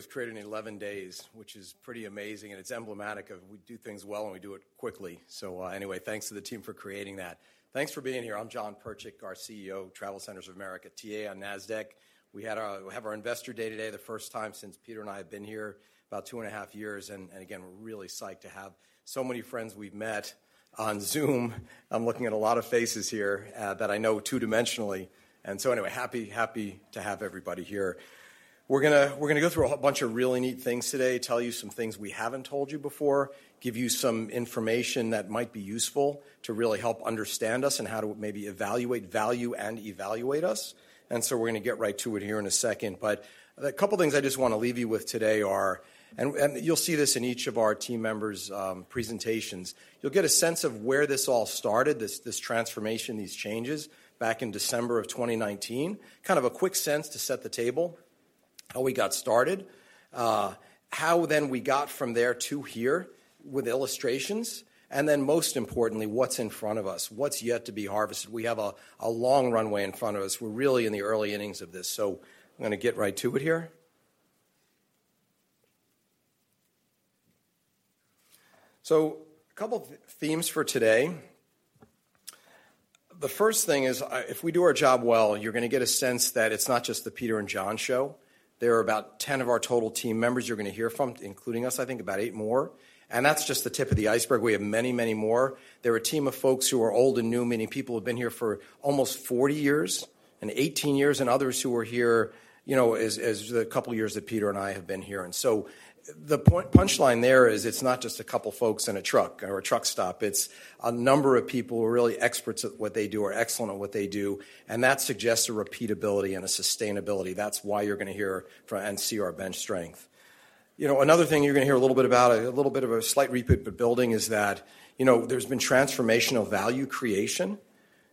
Was created in 11 days, which is pretty amazing, and it's emblematic of we do things well, and we do it quickly. Thanks to the team for creating that. Thanks for being here. I'm Jon Pertchik, our CEO, TravelCenters of America, TA on Nasdaq. We have our investor day today, the first time since Peter Crage and I have been here, about 2.5 years. Again, we're really psyched to have so many friends we've met on Zoom. I'm looking at a lot of faces here that I know two-dimensionally. Anyway, happy to have everybody here. We're gonna go through a bunch of really neat things today, tell you some things we haven't told you before, give you some information that might be useful to really help understand us and how to maybe evaluate value and evaluate us. We're gonna get right to it here in a second. A couple things I just wanna leave you with today are. You'll see this in each of our team members' presentations. You'll get a sense of where this all started, this transformation, these changes back in December of 2019. Kind of a quick sense to set the table, how we got started, how then we got from there to here with illustrations, and then most importantly, what's in front of us, what's yet to be harvested. We have a long runway in front of us. We're really in the early innings of this. I'm gonna get right to it here. A couple themes for today. The first thing is, if we do our job well, you're gonna get a sense that it's not just the Peter and Jon show. There are about 10 of our total team members you're gonna hear from, including us, I think about eight more, and that's just the tip of the iceberg. We have many, many more. They're a team of folks who are old and new, meaning people who have been here for almost 40 years and 18 years, and others who are here, you know, as the couple years that Peter and I have been here. The punchline there is it's not just a couple folks in a truck or a truck stop. It's a number of people who are really experts at what they do, are excellent at what they do, and that suggests a repeatability and a sustainability. That's why you're gonna hear from and see our bench strength. You know, another thing you're gonna hear a little bit about, a little bit of a slight repeat, but building is that, you know, there's been transformational value creation,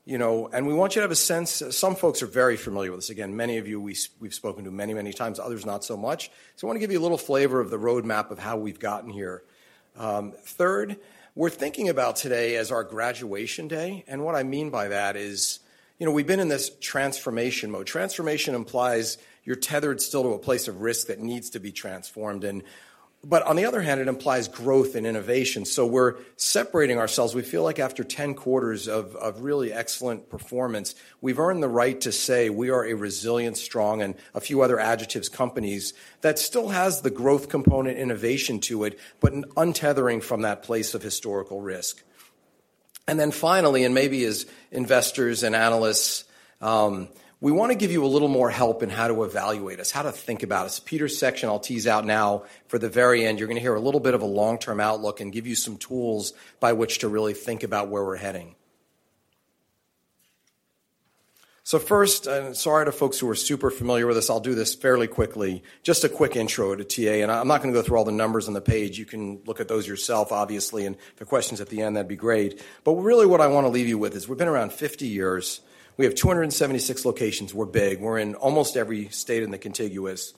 you know, and we want you to have a sense. Some folks are very familiar with this. Again, many of you we've spoken to many, many times, others not so much. I wanna give you a little flavor of the roadmap of how we've gotten here. Third, we're thinking about today as our graduation day. What I mean by that is, you know, we've been in this transformation mode. Transformation implies you're tethered still to a place of risk that needs to be transformed. On the other hand, it implies growth and innovation. We're separating ourselves. We feel like after 10 quarters of really excellent performance, we've earned the right to say we are a resilient, strong and a few other adjectives companies that still has the growth component innovation to it, but an untethering from that place of historical risk. Finally, and maybe as investors and analysts, we wanna give you a little more help in how to evaluate us, how to think about us. Peter's section I'll tease out now for the very end. You're gonna hear a little bit of a long-term outlook and give you some tools by which to really think about where we're heading. First, and sorry to folks who are super familiar with this, I'll do this fairly quickly. Just a quick intro to TA, and I'm not gonna go through all the numbers on the page. You can look at those yourself, obviously, and the questions at the end, that'd be great. Really what I wanna leave you with is we've been around 50 years. We have 276 locations. We're big. We're in almost every state in the contiguous.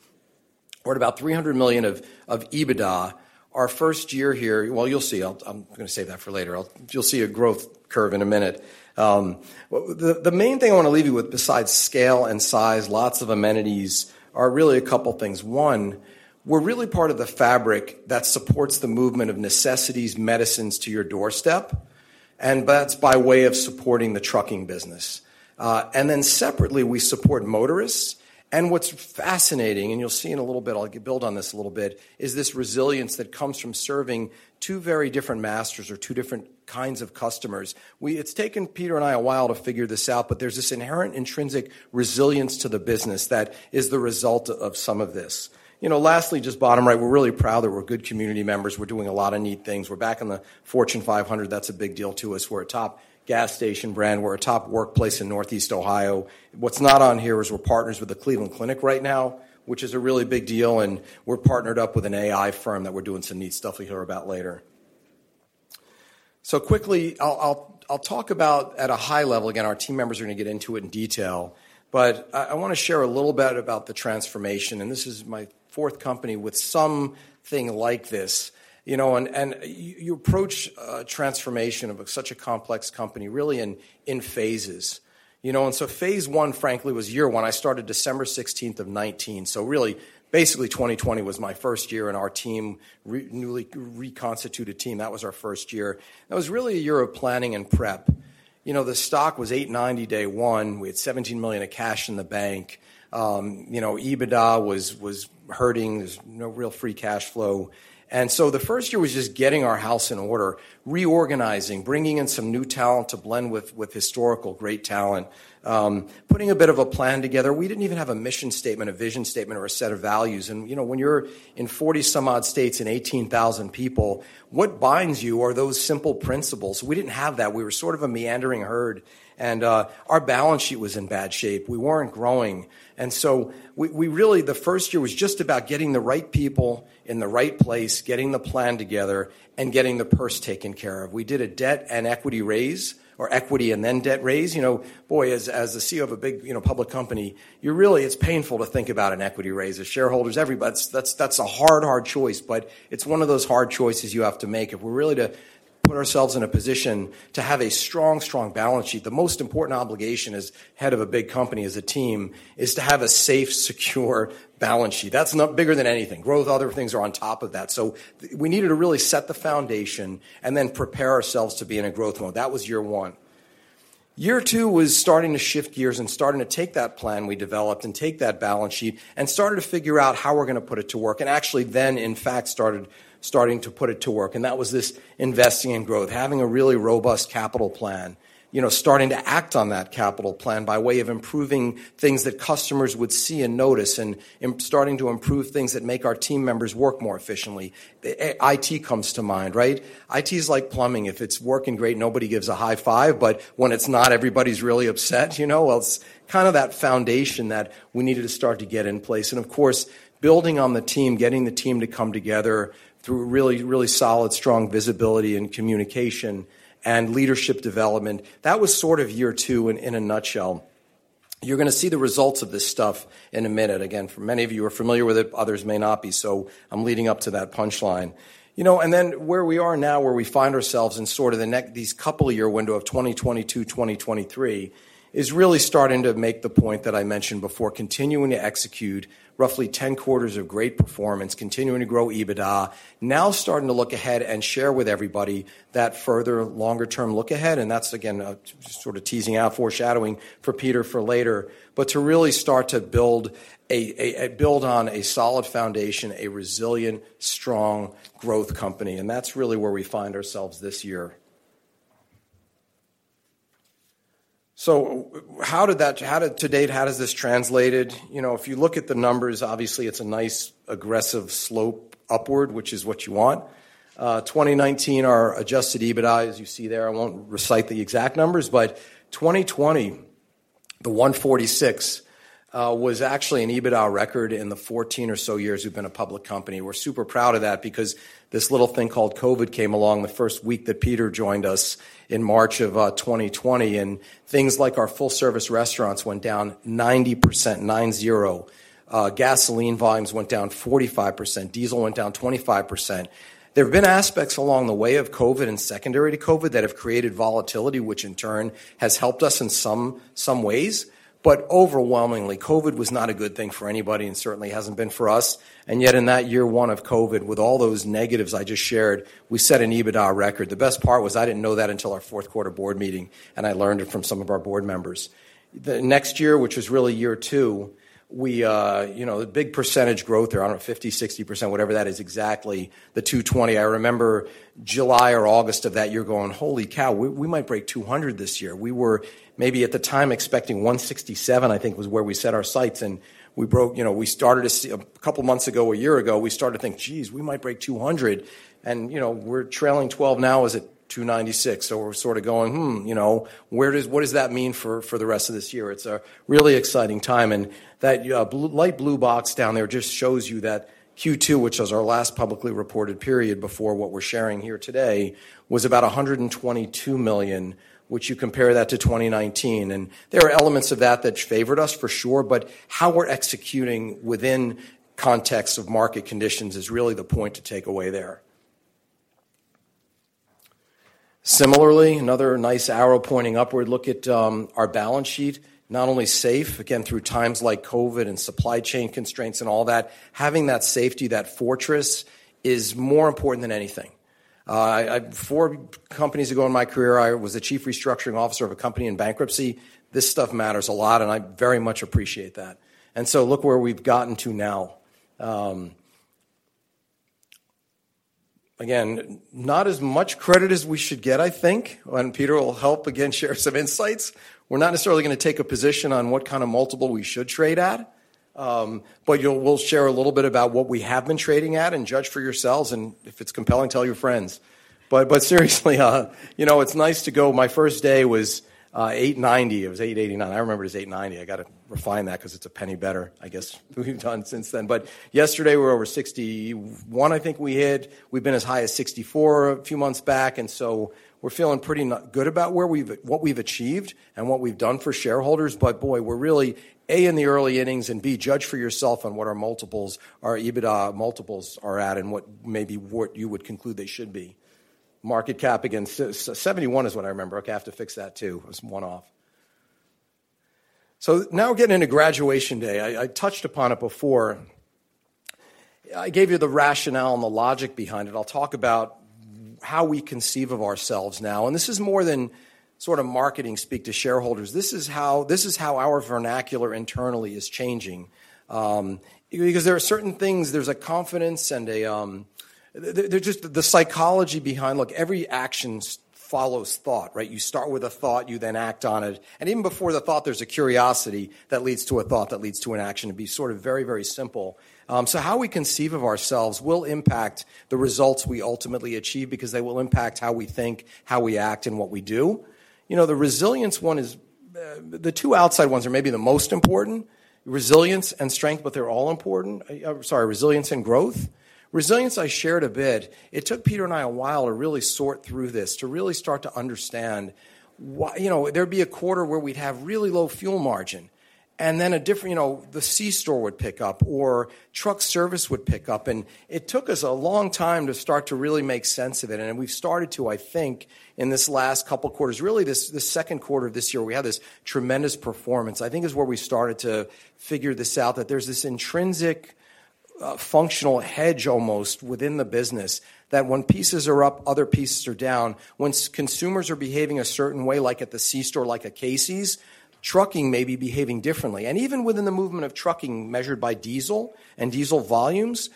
We're at about $300 million of EBITDA. Our first year here. Well, you'll see. I'm gonna save that for later. You'll see a growth curve in a minute. The main thing I wanna leave you with besides scale and size, lots of amenities, are really a couple things. One, we're really part of the fabric that supports the movement of necessities, medicines to your doorstep, and that's by way of supporting the trucking business. We support motorists. What's fascinating, and you'll see in a little bit, I'll build on this a little bit, is this resilience that comes from serving two very different masters or two different kinds of customers. It's taken Peter and I a while to figure this out, but there's this inherent intrinsic resilience to the business that is the result of some of this. You know, lastly, just bottom right, we're really proud that we're good community members. We're doing a lot of neat things. We're back in the Fortune 500. That's a big deal to us. We're a top gas station brand. We're a top workplace in Northeast Ohio. What's not on here is we're partners with the Cleveland Clinic right now, which is a really big deal, and we're partnered up with an AI firm that we're doing some neat stuff you'll hear about later. Quickly, I'll talk about at a high level. Again, our team members are gonna get into it in detail, but I wanna share a little bit about the transformation, and this is my fourth company with something like this. You know, and you approach a transformation of such a complex company really in phases. You know, phase one, frankly, was year one. I started December sixteenth of 2019, so really basically 2020 was my first year, and our newly reconstituted team, that was our first year. That was really a year of planning and prep. You know, the stock was $8.90 day one. We had $17 million of cash in the bank. You know, EBITDA was hurting. There's no real free cash flow. The first year was just getting our house in order, reorganizing, bringing in some new talent to blend with historical great talent, putting a bit of a plan together. We didn't even have a mission statement, a vision statement, or a set of values. You know, when you're in 40-some-odd states and 18,000 people, what binds you are those simple principles. We didn't have that. We were sort of a meandering herd, and our balance sheet was in bad shape. We weren't growing. We really. The first year was just about getting the right people in the right place, getting the plan together, and getting the purse taken care of. We did a debt and equity raise or equity and then debt raise. You know, boy, as the CEO of a big, you know, public company, you're really. It's painful to think about an equity raise. The shareholders, everybody's. That's a hard choice, but it's one of those hard choices you have to make if we're really to put ourselves in a position to have a strong balance sheet. The most important obligation as head of a big company as a team is to have a safe, secure balance sheet. That's bigger than anything. Growth, other things are on top of that. We needed to really set the foundation and then prepare ourselves to be in a growth mode. That was year one. Year two was starting to shift gears and starting to take that plan we developed and take that balance sheet and started to figure out how we're going to put it to work and actually then in fact started to put it to work. That was this investing in growth, having a really robust capital plan, you know, starting to act on that capital plan by way of improving things that customers would see and notice and starting to improve things that make our team members work more efficiently. IT comes to mind, right? IT is like plumbing. If it's working great, nobody gives a high five, but when it's not, everybody's really upset, you know? Well, it's kind of that foundation that we needed to start to get in place. Of course, building on the team, getting the team to come together through really, really solid, strong visibility and communication and leadership development. That was sort of year two in a nutshell. You're going to see the results of this stuff in a minute. Again, many of you are familiar with it, others may not be. I'm leading up to that punchline. You know, then where we are now, where we find ourselves in sort of the next couple year window of 2022, 2023 is really starting to make the point that I mentioned before, continuing to execute roughly 10 quarters of great performance, continuing to grow EBITDA, now starting to look ahead and share with everybody that further longer-term look ahead. That's, again, sort of teasing out foreshadowing for Peter for later. To really start to build on a solid foundation, a resilient, strong growth company. That's really where we find ourselves this year. To date, how does this translate? You know, if you look at the numbers, obviously, it's a nice aggressive slope upward, which is what you want. 2019, our adjusted EBITDA, as you see there, I won't recite the exact numbers, but 2020, the 146, was actually an EBITDA record in the 14 or so years we've been a public company. We're super proud of that because this little thing called COVID came along the first week that Peter joined us in March of 2020. Things like our full-service restaurants went down 90%. Gasoline volumes went down 45%. Diesel went down 25%. There have been aspects along the way of COVID and secondary to COVID that have created volatility, which in turn has helped us in some ways. Overwhelmingly, COVID was not a good thing for anybody, and certainly hasn't been for us. Yet in that year one of COVID, with all those negatives I just shared, we set an EBITDA record. The best part was I didn't know that until our fourth quarter board meeting, and I learned it from some of our board members. The next year, which was really year two, you know, the big percentage growth there, I don't know, 50%-60%, whatever that is exactly. The 220, I remember July or August of that year going, "Holy cow, we might break 200 this year." We were maybe at the time expecting 167, I think was where we set our sights. We broke, you know, we started to see a couple months ago, a year ago, we started to think, "Geez, we might break 200." You know, we're trailing 12 now is at 296. We're sort of going, "Hmm, you know, where does what does that mean for the rest of this year?" It's a really exciting time. That, yeah, blue light blue box down there just shows you that Q2, which was our last publicly reported period before what we're sharing here today, was about $122 million, which you compare that to 2019. There are elements of that that favored us for sure, but how we're executing within context of market conditions is really the point to take away there. Similarly, another nice arrow pointing upward. Look at our balance sheet, not only safe, again, through times like COVID and supply chain constraints and all that. Having that safety, that fortress is more important than anything. Four companies ago in my career, I was the chief restructuring officer of a company in bankruptcy. This stuff matters a lot, and I very much appreciate that. Look where we've gotten to now. Again, not as much credit as we should get, I think, and Peter will help, again, share some insights. We're not necessarily gonna take a position on what kind of multiple we should trade at. You know, we'll share a little bit about what we have been trading at and judge for yourselves, and if it's compelling, tell your friends. Seriously, you know, it's nice to go. My first day was $8.90. It was $8.89. I remember it was $8.90. I gotta refine that because it's a penny better, I guess, we've done since then. Yesterday, we were over $61, I think we hit. We've been as high as $64 a few months back, and so we're feeling pretty good about where we've achieved and what we've done shareholders. Boy, we're really, A, in the early innings, and B, judge for yourself on what our multiples, our EBITDA multiples are at and what maybe you would conclude they should be. Market cap again, $71 is what I remember. Okay, I have to fix that too. It was one off. Now getting into graduation day. I touched upon it before. I gave you the rationale and the logic behind it. I'll talk about how we conceive of ourselves now. This is more than sort of marketing speak to shareholders. This is how our vernacular internally is changing. Because there are certain things, there's a confidence and a. There's just the psychology behind, look, every action follows thought, right? You start with a thought, you then act on it. Even before the thought, there's a curiosity that leads to a thought that leads to an action. It'd be sort of very, very simple. How we conceive of ourselves will impact the results we ultimately achieve because they will impact how we think, how we act, and what we do. You know, the resilience one is, the two outside ones are maybe the most important, resilience and strength, but they're all important. Resilience and growth. Resilience, I shared a bit. It took Peter and I a while to really sort through this, to really start to understand why, you know, there'd be a quarter where we'd have really low fuel margin, and then a different, you know, the C-store would pick up or truck service would pick up. It took us a long time to start to really make sense of it. We've started to, I think, in this last couple quarters, really this second quarter of this year, we had this tremendous performance. I think it's where we started to figure this out, that there's this intrinsic, a functional hedge almost within the business that when pieces are up, other pieces are down. Once consumers are behaving a certain way, like at the C-store, like a Casey's, trucking may be behaving differently. Even within the movement of trucking measured by diesel and diesel volumes,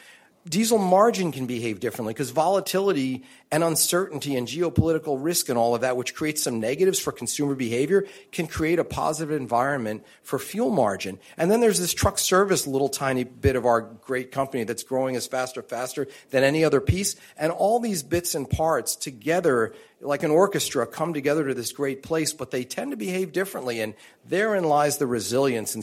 diesel margin can behave differently because volatility and uncertainty and geopolitical risk and all of that, which creates some negatives for consumer behavior, can create a positive environment for fuel margin. Then there's this truck service little tiny bit of our great company that's growing faster than any other piece. All these bits and parts together, like an orchestra, come together to this great place, but they tend to behave differently, and therein lies the resilience.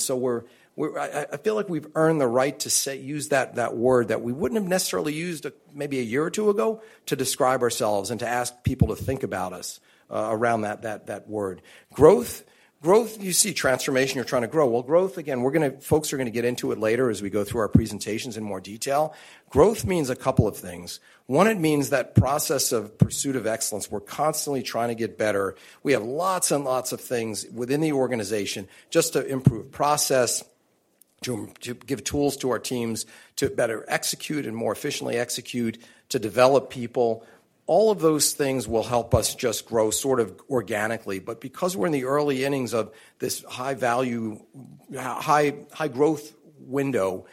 I feel like we've earned the right to say use that word that we wouldn't have necessarily used maybe a year or two ago to describe ourselves and to ask people to think about us around that word. Growth, you see transformation, you're trying to grow. Growth again, we're gonna folks are gonna get into it later as we go through our presentations in more detail. Growth means a couple of things. One, it means that process of pursuit of excellence. We're constantly trying to get better. We have lots and lots of things within the organization just to improve process, to give tools to our teams to better execute and more efficiently execute, to develop people. All of those things will help us just grow sort of organically. Because we're in the early innings of this high value, high growth window,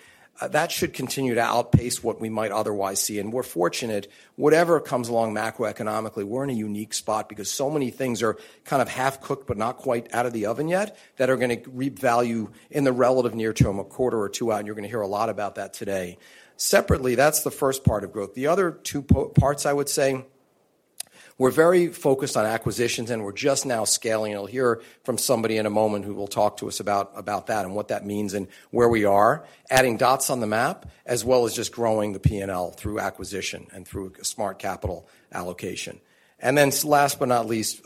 that should continue to outpace what we might otherwise see. We're fortunate whatever comes along macroeconomically, we're in a unique spot because so many things are kind of half-cooked but not quite out of the oven yet that are gonna reap value in the relative near term, a quarter or two out, and you're gonna hear a lot about that today. Separately, that's the first part of growth. The other two parts I would say, we're very focused on acquisitions, and we're just now scaling. You'll hear from somebody in a moment who will talk to us about that and what that means and where we are, adding dots on the map, as well as just growing the P&L through acquisition and through smart capital allocation. Last but not least,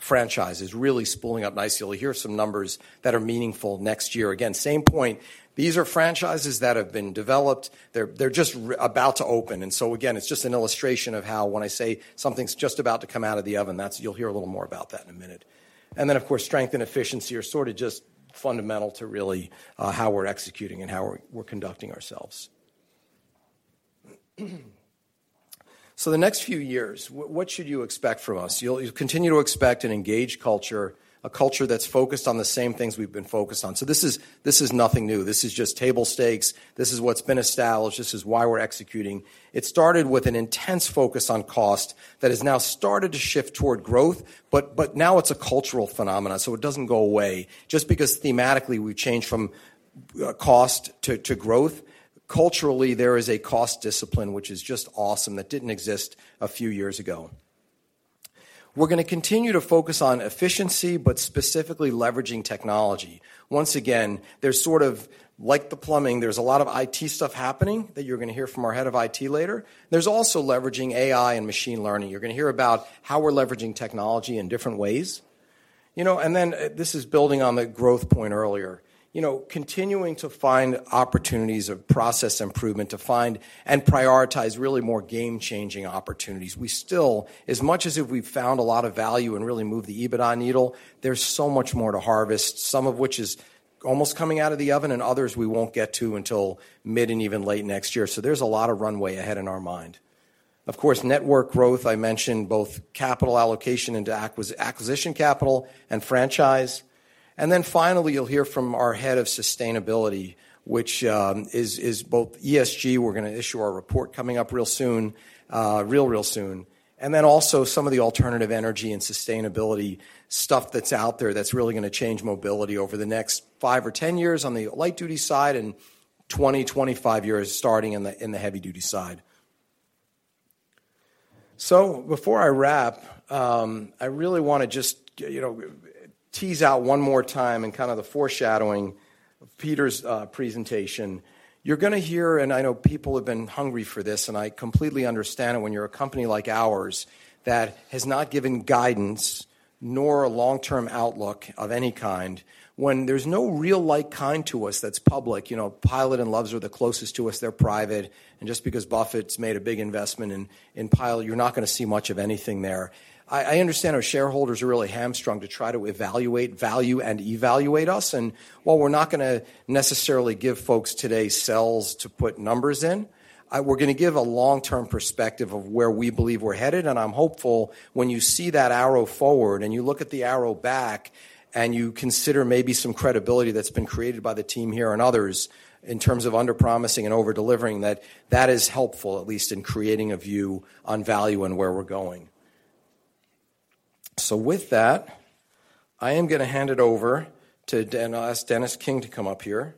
franchises really spooling up nicely. You'll hear some numbers that are meaningful next year. Again, same point, these are franchises that have been developed. They're just about to open. It's just an illustration of how when I say something's just about to come out of the oven, that's. You'll hear a little more about that in a minute. Strength and efficiency are sort of just fundamental to really how we're executing and how we're conducting ourselves. The next few years, what should you expect from us? You'll continue to expect an engaged culture, a culture that's focused on the same things we've been focused on. This is nothing new. This is just table stakes. This is why we're executing. It started with an intense focus on cost that has now started to shift toward growth, but now it's a cultural phenomenon, so it doesn't go away. Just because thematically we've changed from cost to growth, culturally, there is a cost discipline which is just awesome that didn't exist a few years ago. We're gonna continue to focus on efficiency, but specifically leveraging technology. Once again, there's sort of like the plumbing, there's a lot of IT stuff happening that you're gonna hear from our head of IT later. There's also leveraging AI and machine learning. You're gonna hear about how we're leveraging technology in different ways. You know, and then this is building on the growth point earlier. You know, continuing to find opportunities of process improvement to find and prioritize really more game-changing opportunities. We still, as much as if we've found a lot of value and really move the EBITDA needle, there's so much more to harvest, some of which is almost coming out of the oven, and others we won't get to until mid and even late next year. There's a lot of runway ahead in our mind. Of course, network growth, I mentioned both capital allocation into acquisition capital and franchise. Finally, you'll hear from our head of sustainability, which is both ESG. We're gonna issue our report coming up real soon, and then also some of the alternative energy and sustainability stuff that's out there that's really gonna change mobility over the next five or 10 years on the light-duty side and 20-25 years starting in the heavy-duty side. Before I wrap, I really wanna just, you know, tease out one more time and kind of the foreshadowing of Peter Crage's presentation. You're gonna hear, and I know people have been hungry for this, and I completely understand it when you're a company like ours that has not given guidance nor a long-term outlook of any kind. When there's no real like kind to us that's public, you know, Pilot and Love's are the closest to us, they're private. Just because Buffett's made a big investment in Pilot, you're not gonna see much of anything there. I understand our shareholders are really hamstrung to try to evaluate value and evaluate us. While we're not gonna necessarily give folks today cells to put numbers in, we're gonna give a long-term perspective of where we believe we're headed. I'm hopeful when you see that arrow forward, and you look at the arrow back, and you consider maybe some credibility that's been created by the team here and others in terms of under-promising and over-delivering, that that is helpful, at least in creating a view on value and where we're going. With that, I am gonna hand it over to ask Dennis King to come up here.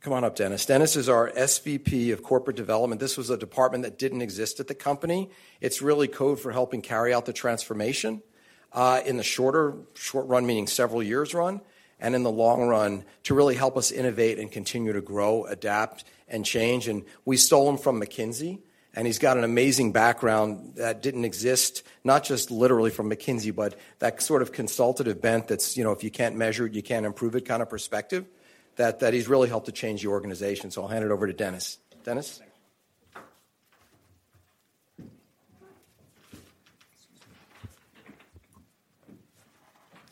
Come on up, Dennis. Dennis is our SVP of Corporate Development. This was a department that didn't exist at the company. It's really code for helping carry out the transformation, in the shorter, short run, meaning several years run, and in the long run, to really help us innovate and continue to grow, adapt, and change. We stole him from McKinsey, and he's got an amazing background that didn't exist, not just literally from McKinsey, but that sort of consultative bent that's, you know, if you can't measure it, you can't improve it kind of perspective that he's really helped to change the organization. I'll hand it over to Dennis. Dennis?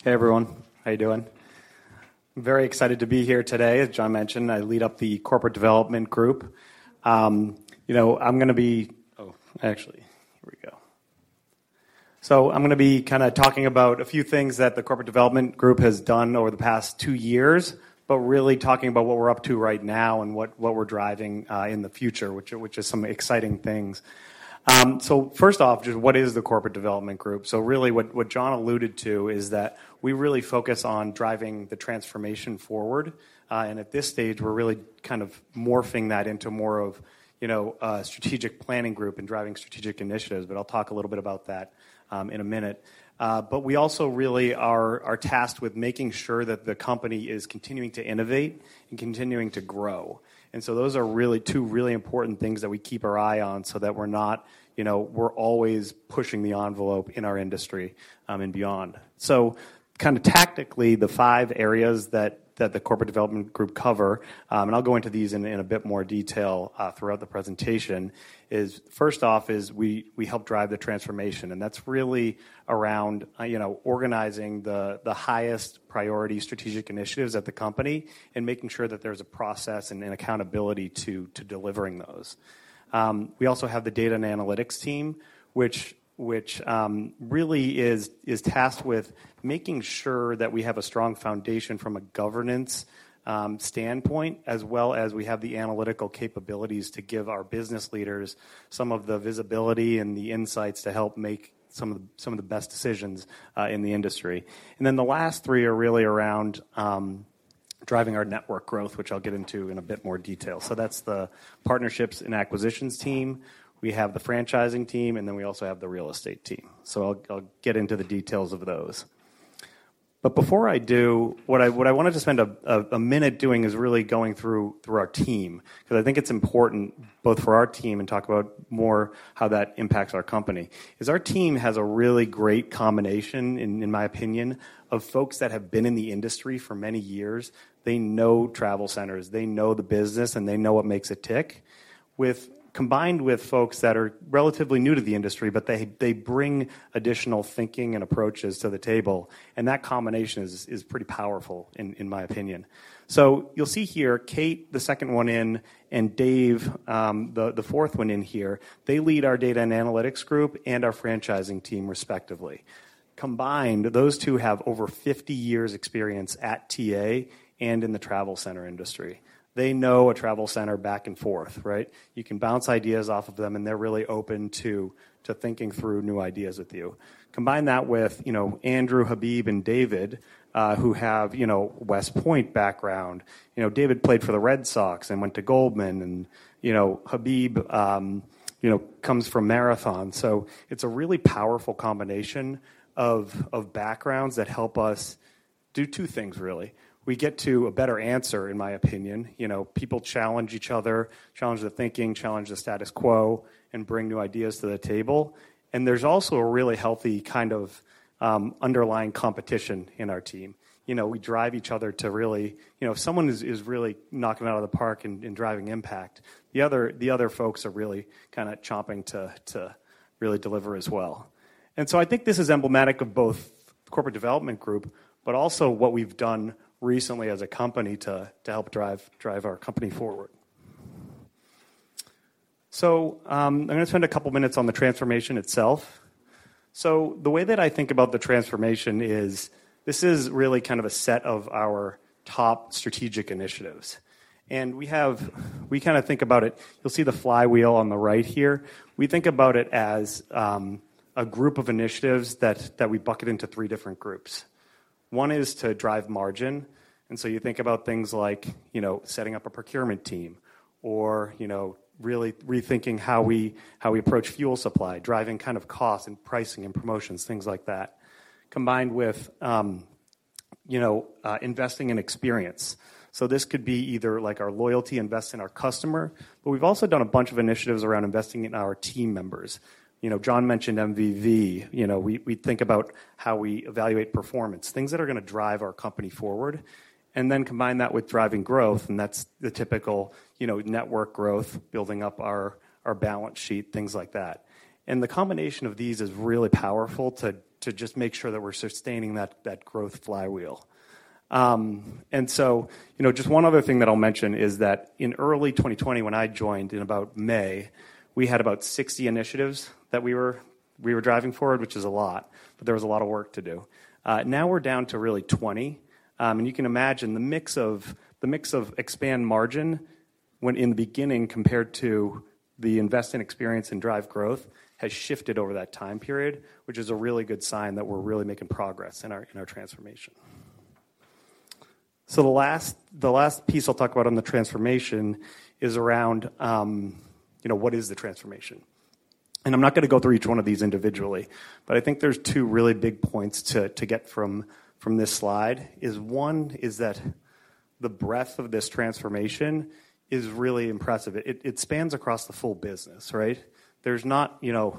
Hey, everyone. How you doing? I'm very excited to be here today. As Jon mentioned, I lead up the corporate development group. You know, I'm gonna be kinda talking about a few things that the corporate development group has done over the past two years, but really talking about what we're up to right now and what we're driving in the future, which is some exciting things. First off, just what is the corporate development group? Really what Jon alluded to is that we really focus on driving the transformation forward. At this stage, we're really kind of morphing that into more of, you know, a strategic planning group and driving strategic initiatives, but I'll talk a little bit about that in a minute. We also really are tasked with making sure that the company is continuing to innovate and continuing to grow. Those are really two really important things that we keep our eye on so that we're not, you know, we're always pushing the envelope in our industry, and beyond. Kinda tactically, the five areas that the corporate development group cover, and I'll go into these in a bit more detail throughout the presentation, is first off we help drive the transformation, and that's really around, you know, organizing the highest priority strategic initiatives at the company and making sure that there's a process and an accountability to delivering those. We also have the data and analytics team, which really is tasked with making sure that we have a strong foundation from a governance standpoint, as well as we have the analytical capabilities to give our business leaders some of the visibility and the insights to help make some of the best decisions in the industry. The last three are really around driving our network growth, which I'll get into in a bit more detail. That's the partnerships and acquisitions team. We have the franchising team, and then we also have the real estate team. I'll get into the details of those. Before I do, what I wanted to spend a minute doing is really going through our team because I think it's important both for our team and talk about more how that impacts our company. Our team has a really great combination, in my opinion, of folks that have been in the industry for many years. They know travel centers. They know the business, and they know what makes it tick. Combined with folks that are relatively new to the industry, but they bring additional thinking and approaches to the table, and that combination is pretty powerful in my opinion. You'll see here, Kate, the second one in and Dave, the fourth one in here, they lead our data and analytics group and our franchising team respectively. Combined, those two have over 50 years experience at TA and in the travel center industry. They know TravelCenters back and forth, right? You can bounce ideas off of them, and they're really open to thinking through new ideas with you. Combine that with, you know, Andrew, Habib, and David, who have, you know, West Point background. You know, David played for the Red Sox and went to Goldman, and, you know, Habib, you know, comes from Marathon. So it's a really powerful combination of backgrounds that help us do two things really. We get to a better answer, in my opinion. You know, people challenge each other, challenge the thinking, challenge the status quo, and bring new ideas to the table. There's also a really healthy kind of underlying competition in our team. You know, we drive each other to really... You know, if someone is really knocking it out of the park and driving impact, the other folks are really kinda chomping to really deliver as well. I think this is emblematic of both corporate development group but also what we've done recently as a company to help drive our company forward. I'm gonna spend a couple minutes on the transformation itself. The way that I think about the transformation is this is really kind of a set of our top strategic initiatives. We kinda think about it. You'll see the flywheel on the right here. We think about it as a group of initiatives that we bucket into three different groups. One is to drive margin, and so you think about things like, you know, setting up a procurement team or, you know, really rethinking how we approach fuel supply, driving kind of costs and pricing and promotions, things like that, combined with investing in experience. This could be either, like, our loyalty invest in our customer, but we've also done a bunch of initiatives around investing in our team members. You know, Jon mentioned MVV. You know, we think about how we evaluate performance, things that are gonna drive our company forward, and then combine that with driving growth, and that's the typical, you know, network growth, building up our balance sheet, things like that. The combination of these is really powerful to just make sure that we're sustaining that growth flywheel. You know, just one other thing that I'll mention is that in early 2020 when I joined in about May, we had about 60 initiatives that we were driving forward, which is a lot, but there was a lot of work to do. Now we're down to really 20, and you can imagine the mix of expanding margins when in the beginning compared to investing in experience and driving growth has shifted over that time period, which is a really good sign that we're really making progress in our transformation. The last piece I'll talk about on the transformation is around, you know, what is the transformation? I'm not gonna go through each one of these individually, but I think there's two really big points to get from this slide. One is that the breadth of this transformation is really impressive. It spans across the full business, right? There's not, you know,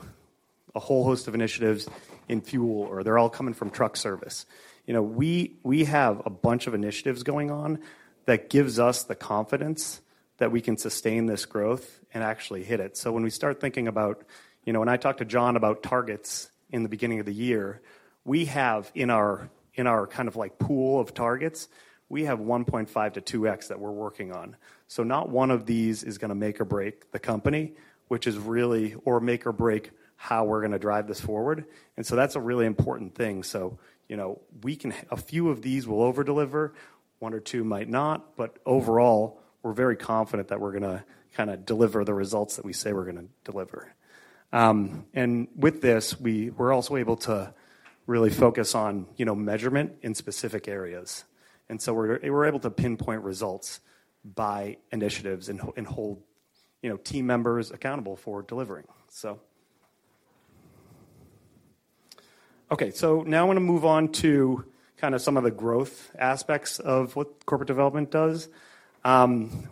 a whole host of initiatives in fuel or they're all coming from truck service. You know, we have a bunch of initiatives going on that gives us the confidence that we can sustain this growth and actually hit it. When we start thinking about, you know, when I talk to Jon about targets in the beginning of the year, we have in our kind of like pool of targets, we have 1.5x-2x that we're working on. Not one of these is going to make or break the company, which is really how we're going to drive this forward. That's a really important thing. You know, a few of these will over deliver, one or two might not. Overall, we're very confident that we're going to kind of deliver the results that we say we're going to deliver. With this, we're also able to really focus on, you know, measurement in specific areas. We're able to pinpoint results by initiatives and hold, you know, team members accountable for delivering. Okay. Now I want to move on to kind of some of the growth aspects of what corporate development does.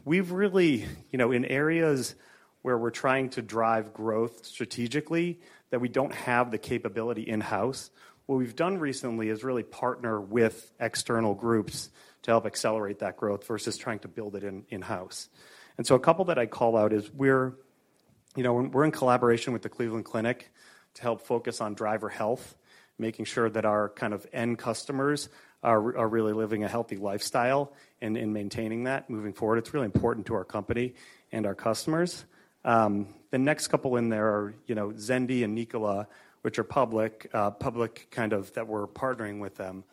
We've really, you know, in areas where we're trying to drive growth strategically that we don't have the capability in-house. What we've done recently is really partner with external groups to help accelerate that growth versus trying to build it in-house. A couple that I call out, we're, you know, we're in collaboration with the Cleveland Clinic to help focus on driver health, making sure that our kind of end customers are really living a healthy lifestyle and maintaining that moving forward. It's really important to our company and our customers. The next couple in there are, you know, Xendee and Nikola, which are public companies that we're partnering with them.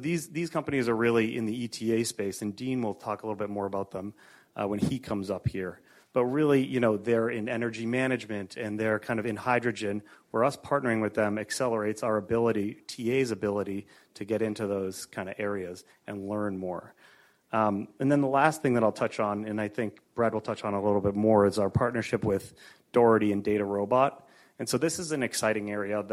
These companies are really in the eTA space, and Dean will talk a little bit more about them when he comes up here. Really, you know, they're in energy management and they're kind of in hydrogen, where our partnering with them accelerates our ability, TA's ability to get into those kind of areas and learn more. Then the last thing that I'll touch on, and I think Brett will touch on a little bit more, is our partnership with Daugherty and DataRobot. This is an exciting area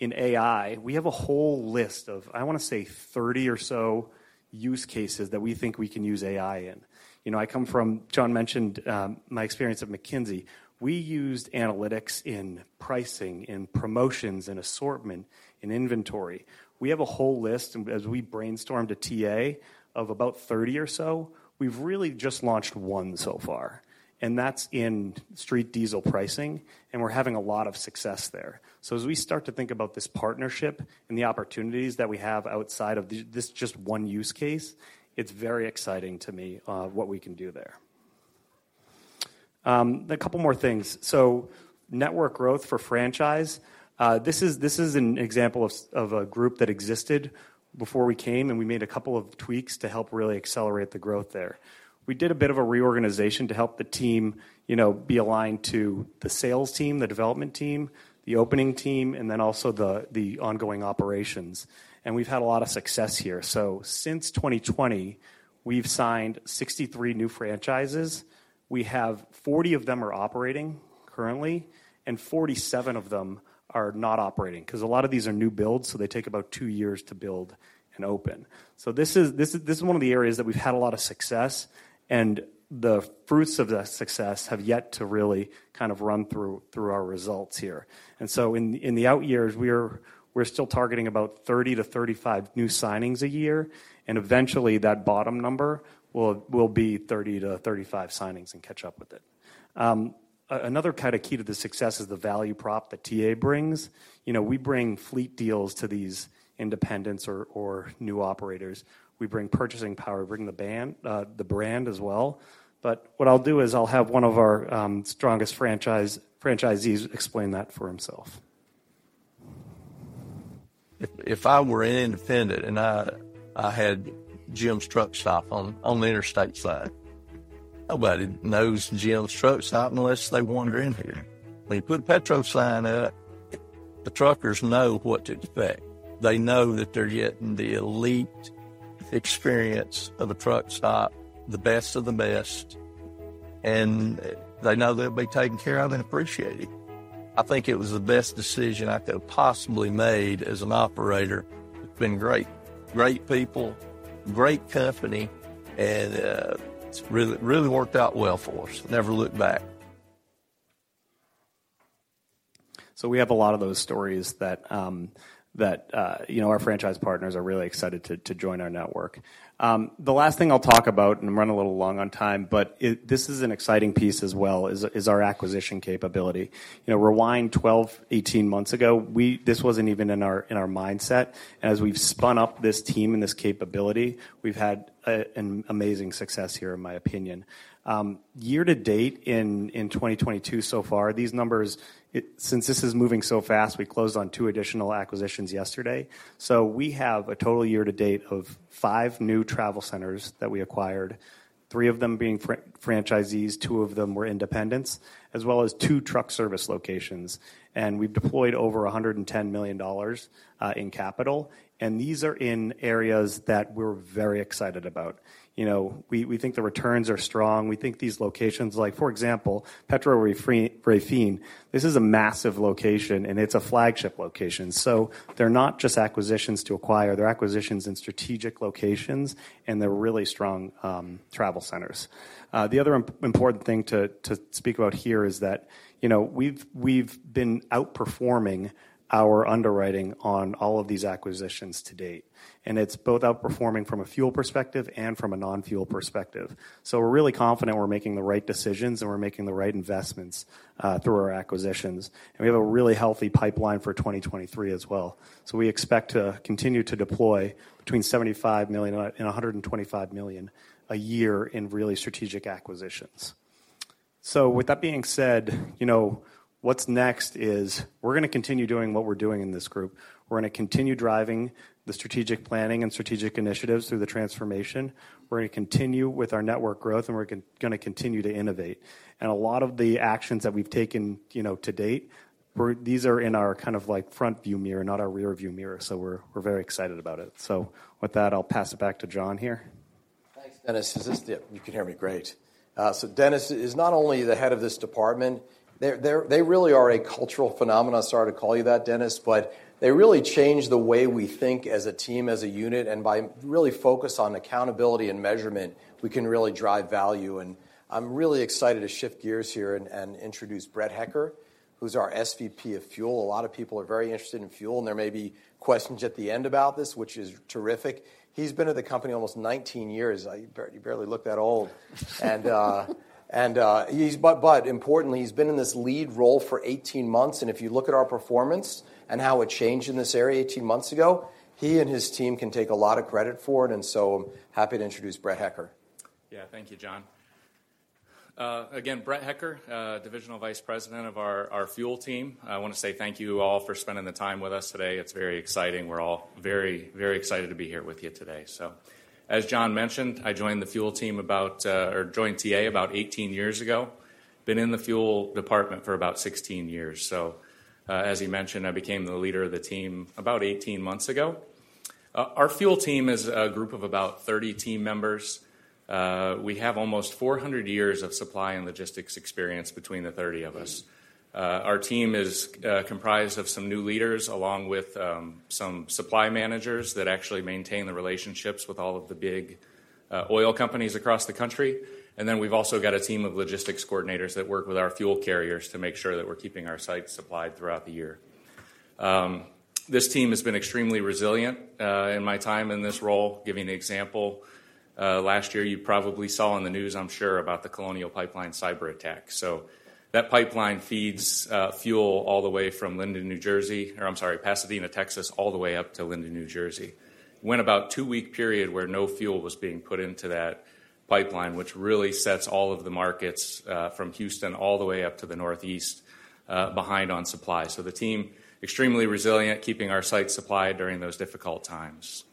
in AI. We have a whole list of, I want to say, 30 or so use cases that we think we can use AI in. You know, I come from. Jon mentioned my experience at McKinsey. We used analytics in pricing, in promotions, in assortment, in inventory. We have a whole list, as we brainstormed at TA of about 30 or so. We've really just launched one so far, and that's in street diesel pricing, and we're having a lot of success there. As we start to think about this partnership and the opportunities that we have outside of this just one use case, it's very exciting to me what we can do there. A couple more things. Network growth for franchise. This is an example of a group that existed before we came, and we made a couple of tweaks to help really accelerate the growth there. We did a bit of a reorganization to help the team, you know, be aligned to the sales team, the development team, the opening team, and then also the ongoing operations. We've had a lot of success here. Since 2020, we've signed 63 new franchises. We have 40 of them operating currently, and 47 of them are not operating because a lot of these are new builds, so they take about 2 years to build and open. This is one of the areas that we've had a lot of success, and the fruits of that success have yet to really kind of run through our results here. In the out years, we're still targeting about 30-35 new signings a year, and eventually that bottom number will be 30-35 signings and catch up with it. Another kind of key to the success is the value prop that TA brings. You know, we bring fleet deals to these independents or new operators. We bring purchasing power, bring the brand as well. What I'll do is I'll have one of our strongest franchisees explain that for himself. If I were an independent and I had Jim's truck stop on the interstate side, nobody knows Jim's truck stop unless they wander in here. When you put a Petro sign up, the truckers know what to expect. They know that they're getting the elite experience of a truck stop, the best of the best, and they know they'll be taken care of and appreciated. I think it was the best decision I could have possibly made as an operator. It's been great. Great people, great company, and it's really worked out well for us. Never looked back. We have a lot of those stories that you know our franchise partners are really excited to join our network. The last thing I'll talk about, and I'm running a little long on time, but this is an exciting piece as well, is our acquisition capability. You know, rewind 12, 18 months ago, this wasn't even in our mindset. As we've spun up this team and this capability, we've had an amazing success here, in my opinion. Year to date in 2022 so far, these numbers, since this is moving so fast, we closed on 2 additional acquisitions yesterday. We have a total year to date of five new travel centers that we acquired, three of them being franchisees, two of them were independents, as well as two truck service locations. We've deployed over $110 million in capital. These are in areas that we're very excited about. You know, we think the returns are strong. We think these locations, like for example, Petro Raphine, this is a massive location, and it's a flagship location. They're not just acquisitions to acquire, they're acquisitions in strategic locations, and they're really strong travel centers. The other important thing to speak about here is that, you know, we've been outperforming our underwriting on all of these acquisitions to date, and it's both outperforming from a fuel perspective and from a non-fuel perspective. We're really confident we're making the right decisions and we're making the right investments through our acquisitions. We have a really healthy pipeline for 2023 as well. We expect to continue to deploy between $75 million and $125 million a year in really strategic acquisitions. With that being said, you know, what's next is we're gonna continue doing what we're doing in this group. We're gonna continue driving the strategic planning and strategic initiatives through the transformation. We're gonna continue with our network growth, and we're gonna continue to innovate. A lot of the actions that we've taken, you know, to date, these are in our kind of like front view mirror, not our rear view mirror. We're very excited about it. With that, I'll pass it back to Jon here. Thanks, Dennis. Yeah, you can hear me great. So Dennis is not only the head of this department, they really are a cultural phenomenon. Sorry to call you that, Dennis, but they really changed the way we think as a team, as a unit. By really focus on accountability and measurement, we can really drive value. I'm really excited to shift gears here and introduce Brett Hecker, who's our SVP of Fuel. A lot of people are very interested in fuel, and there may be questions at the end about this, which is terrific. He's been at the company almost 19 years. You barely look that old. Importantly, he's been in this lead role for 18 months, and if you look at our performance and how it changed in this area 18 months ago, he and his team can take a lot of credit for it, and so happy to introduce Brett Hecker. Yeah. Thank you, Jon. Again, Brett Hecker, Divisional Vice President of our fuel team. I wanna say thank you all for spending the time with us today. It's very exciting. We're all very, very excited to be here with you today. As Jon mentioned, I joined TA about 18 years ago. Been in the fuel department for about 16 years. As he mentioned, I became the leader of the team about 18 months ago. Our fuel team is a group of about 30 team members. We have almost 400 years of supply and logistics experience between the 30 of us. Our team is comprised of some new leaders along with some supply managers that actually maintain the relationships with all of the big oil companies across the country. We've also got a team of logistics coordinators that work with our fuel carriers to make sure that we're keeping our sites supplied throughout the year. This team has been extremely resilient in my time in this role. Giving an example, last year you probably saw on the news, I'm sure, about the Colonial Pipeline cyberattack. That pipeline feeds fuel all the way from Linden, New Jersey, or I'm sorry, Pasadena, Texas, all the way up to Linden, New Jersey. Went about two-week period where no fuel was being put into that pipeline, which really sets all of the markets from Houston all the way up to the Northeast behind on supply. The team extremely resilient, keeping our sites supplied during those difficult times.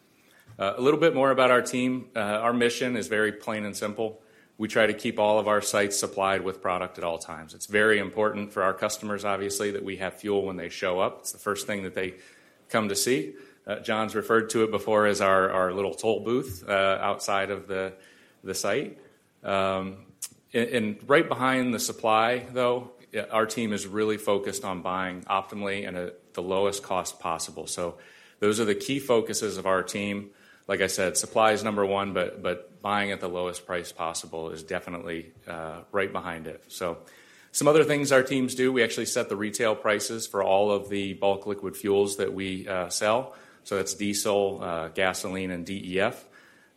A little bit more about our team. Our mission is very plain and simple. We try to keep all of our sites supplied with product at all times. It's very important for our customers, obviously, that we have fuel when they show up. It's the first thing that they come to see. Jon's referred to it before as our little toll booth outside of the site. Right behind the supply, though, our team is really focused on buying optimally and at the lowest cost possible. Those are the key focuses of our team. Like I said, supply is number one, but buying at the lowest price possible is definitely right behind it. Some other things our teams do. We actually set the retail prices for all of the bulk liquid fuels that we sell, so that's diesel, gasoline, and DEF.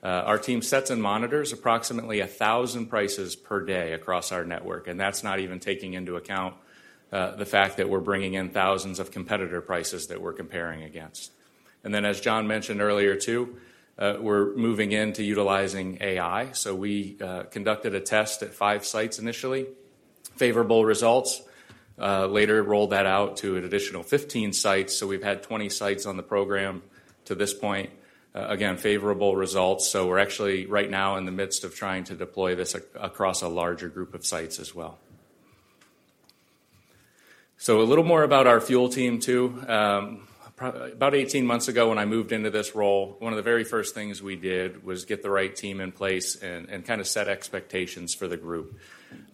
Our team sets and monitors approximately 1,000 prices per day across our network, and that's not even taking into account the fact that we're bringing in thousands of competitor prices that we're comparing against. As Jon mentioned earlier too, we're moving into utilizing AI. We conducted a test at five sites initially. Favorable results. Later rolled that out to an additional 15 sites. We've had 20 sites on the program to this point. Again, favorable results. We're actually right now in the midst of trying to deploy this across a larger group of sites as well. A little more about our fuel team too. About 18 months ago when I moved into this role, one of the very first things we did was get the right team in place and kind of set expectations for the group.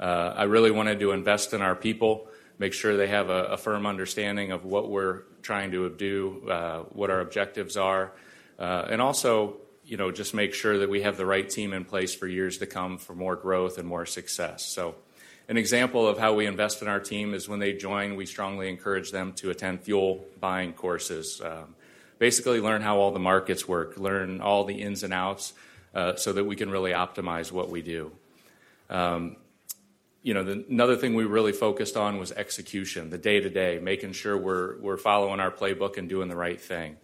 I really wanted to invest in our people, make sure they have a firm understanding of what we're trying to do, what our objectives are, and also, you know, just make sure that we have the right team in place for years to come for more growth and more success. An example of how we invest in our team is when they join, we strongly encourage them to attend fuel buying courses. Basically, learn how all the markets work, learn all the ins and outs, so that we can really optimize what we do. You know, another thing we really focused on was execution, the day-to-day, making sure we're following our playbook and doing the right thing.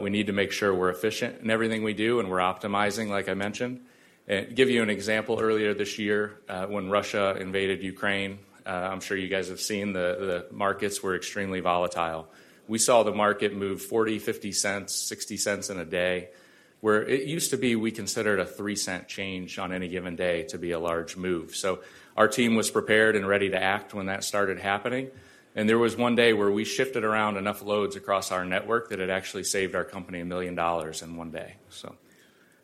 We need to make sure we're efficient in everything we do and we're optimizing, like I mentioned. Give you an example. Earlier this year, when Russia invaded Ukraine, I'm sure you guys have seen the markets were extremely volatile. We saw the market move 40, 50, 60 cents in a day, where it used to be we considered a three-cent change on any given day to be a large move. Our team was prepared and ready to act when that started happening. There was one day where we shifted around enough loads across our network that it actually saved our company a million dollars in one day.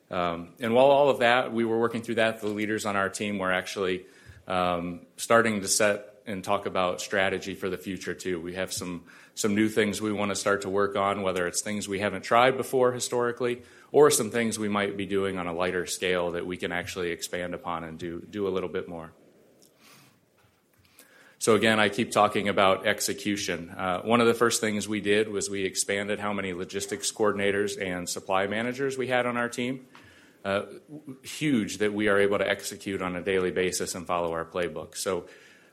While all of that, we were working through that, the leaders on our team were actually starting to set and talk about strategy for the future too. We have some new things we wanna start to work on, whether it's things we haven't tried before historically or some things we might be doing on a lighter scale that we can actually expand upon and do a little bit more. Again, I keep talking about execution. One of the first things we did was we expanded how many logistics coordinators and supply managers we had on our team. Huge that we are able to execute on a daily basis and follow our playbook.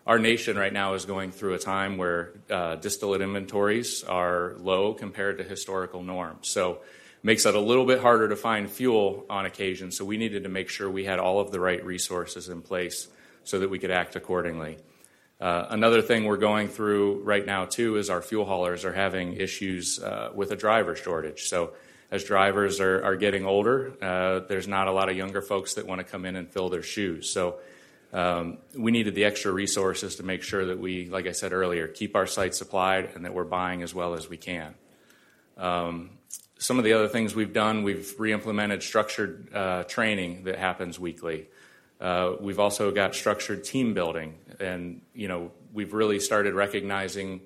Our nation right now is going through a time where distillate inventories are low compared to historical norms. Makes it a little bit harder to find fuel on occasion. We needed to make sure we had all of the right resources in place so that we could act accordingly. Another thing we're going through right now too is our fuel haulers are having issues with a driver shortage. As drivers are getting older, there's not a lot of younger folks that wanna come in and fill their shoes. We needed the extra resources to make sure that we, like I said earlier, keep our site supplied and that we're buying as well as we can. Some of the other things we've done. We've re-implemented structured training that happens weekly. We've also got structured team building and, you know, we've really started recognizing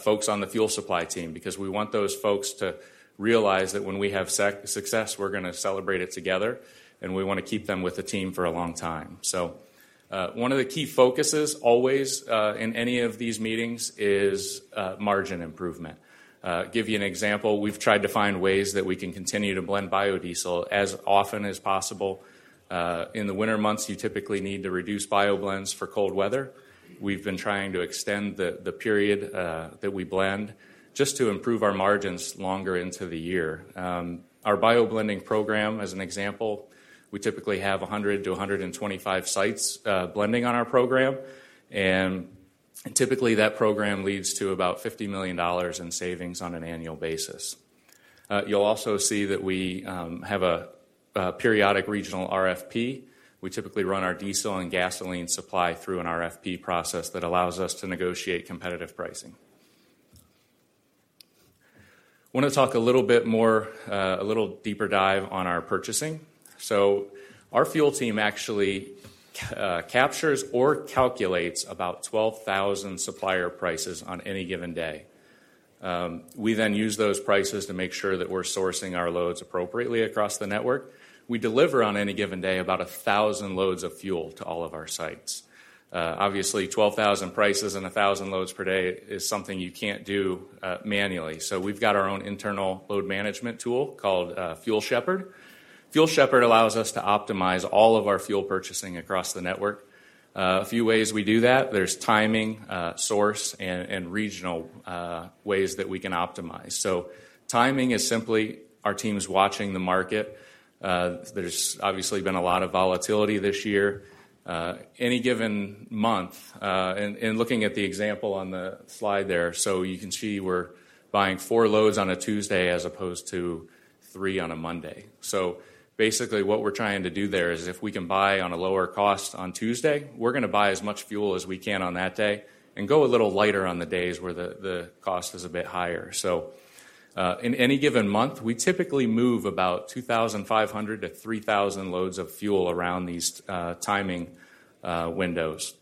folks on the fuel supply team because we want those folks to realize that when we have success, we're gonna celebrate it together, and we wanna keep them with the team for a long time. One of the key focuses always in any of these meetings is margin improvement. Give you an example. We've tried to find ways that we can continue to blend biodiesel as often as possible. In the winter months, you typically need to reduce bio blends for cold weather. We've been trying to extend the period that we blend just to improve our margins longer into the year. Our bio blending program, as an example, we typically have 100-125 sites blending on our program, and typically that program leads to about $50 million in savings on an annual basis. You'll also see that we have a periodic regional RFP. We typically run our diesel and gasoline supply through an RFP process that allows us to negotiate competitive pricing. Wanna talk a little bit more, a little deeper dive on our purchasing. Our fuel team actually captures or calculates about 12,000 supplier prices on any given day. We then use those prices to make sure that we're sourcing our loads appropriately across the network. We deliver on any given day about 1,000 loads of fuel to all of our sites. Obviously 12,000 prices and 1,000 loads per day is something you can't do manually, so we've got our own internal load management tool called Fuel Shepherd. Fuel Shepherd allows us to optimize all of our fuel purchasing across the network. A few ways we do that, there's timing, source, and regional ways that we can optimize. Timing is simply our teams watching the market. There's obviously been a lot of volatility this year. Any given month, and looking at the example on the slide there. You can see we're buying four loads on a Tuesday as opposed to three on a Monday. Basically what we're trying to do there is if we can buy on a lower cost on Tuesday, we're gonna buy as much fuel as we can on that day and go a little lighter on the days where the cost is a bit higher. In any given month, we typically move about 2,500-3,000 loads of fuel around these timing windows.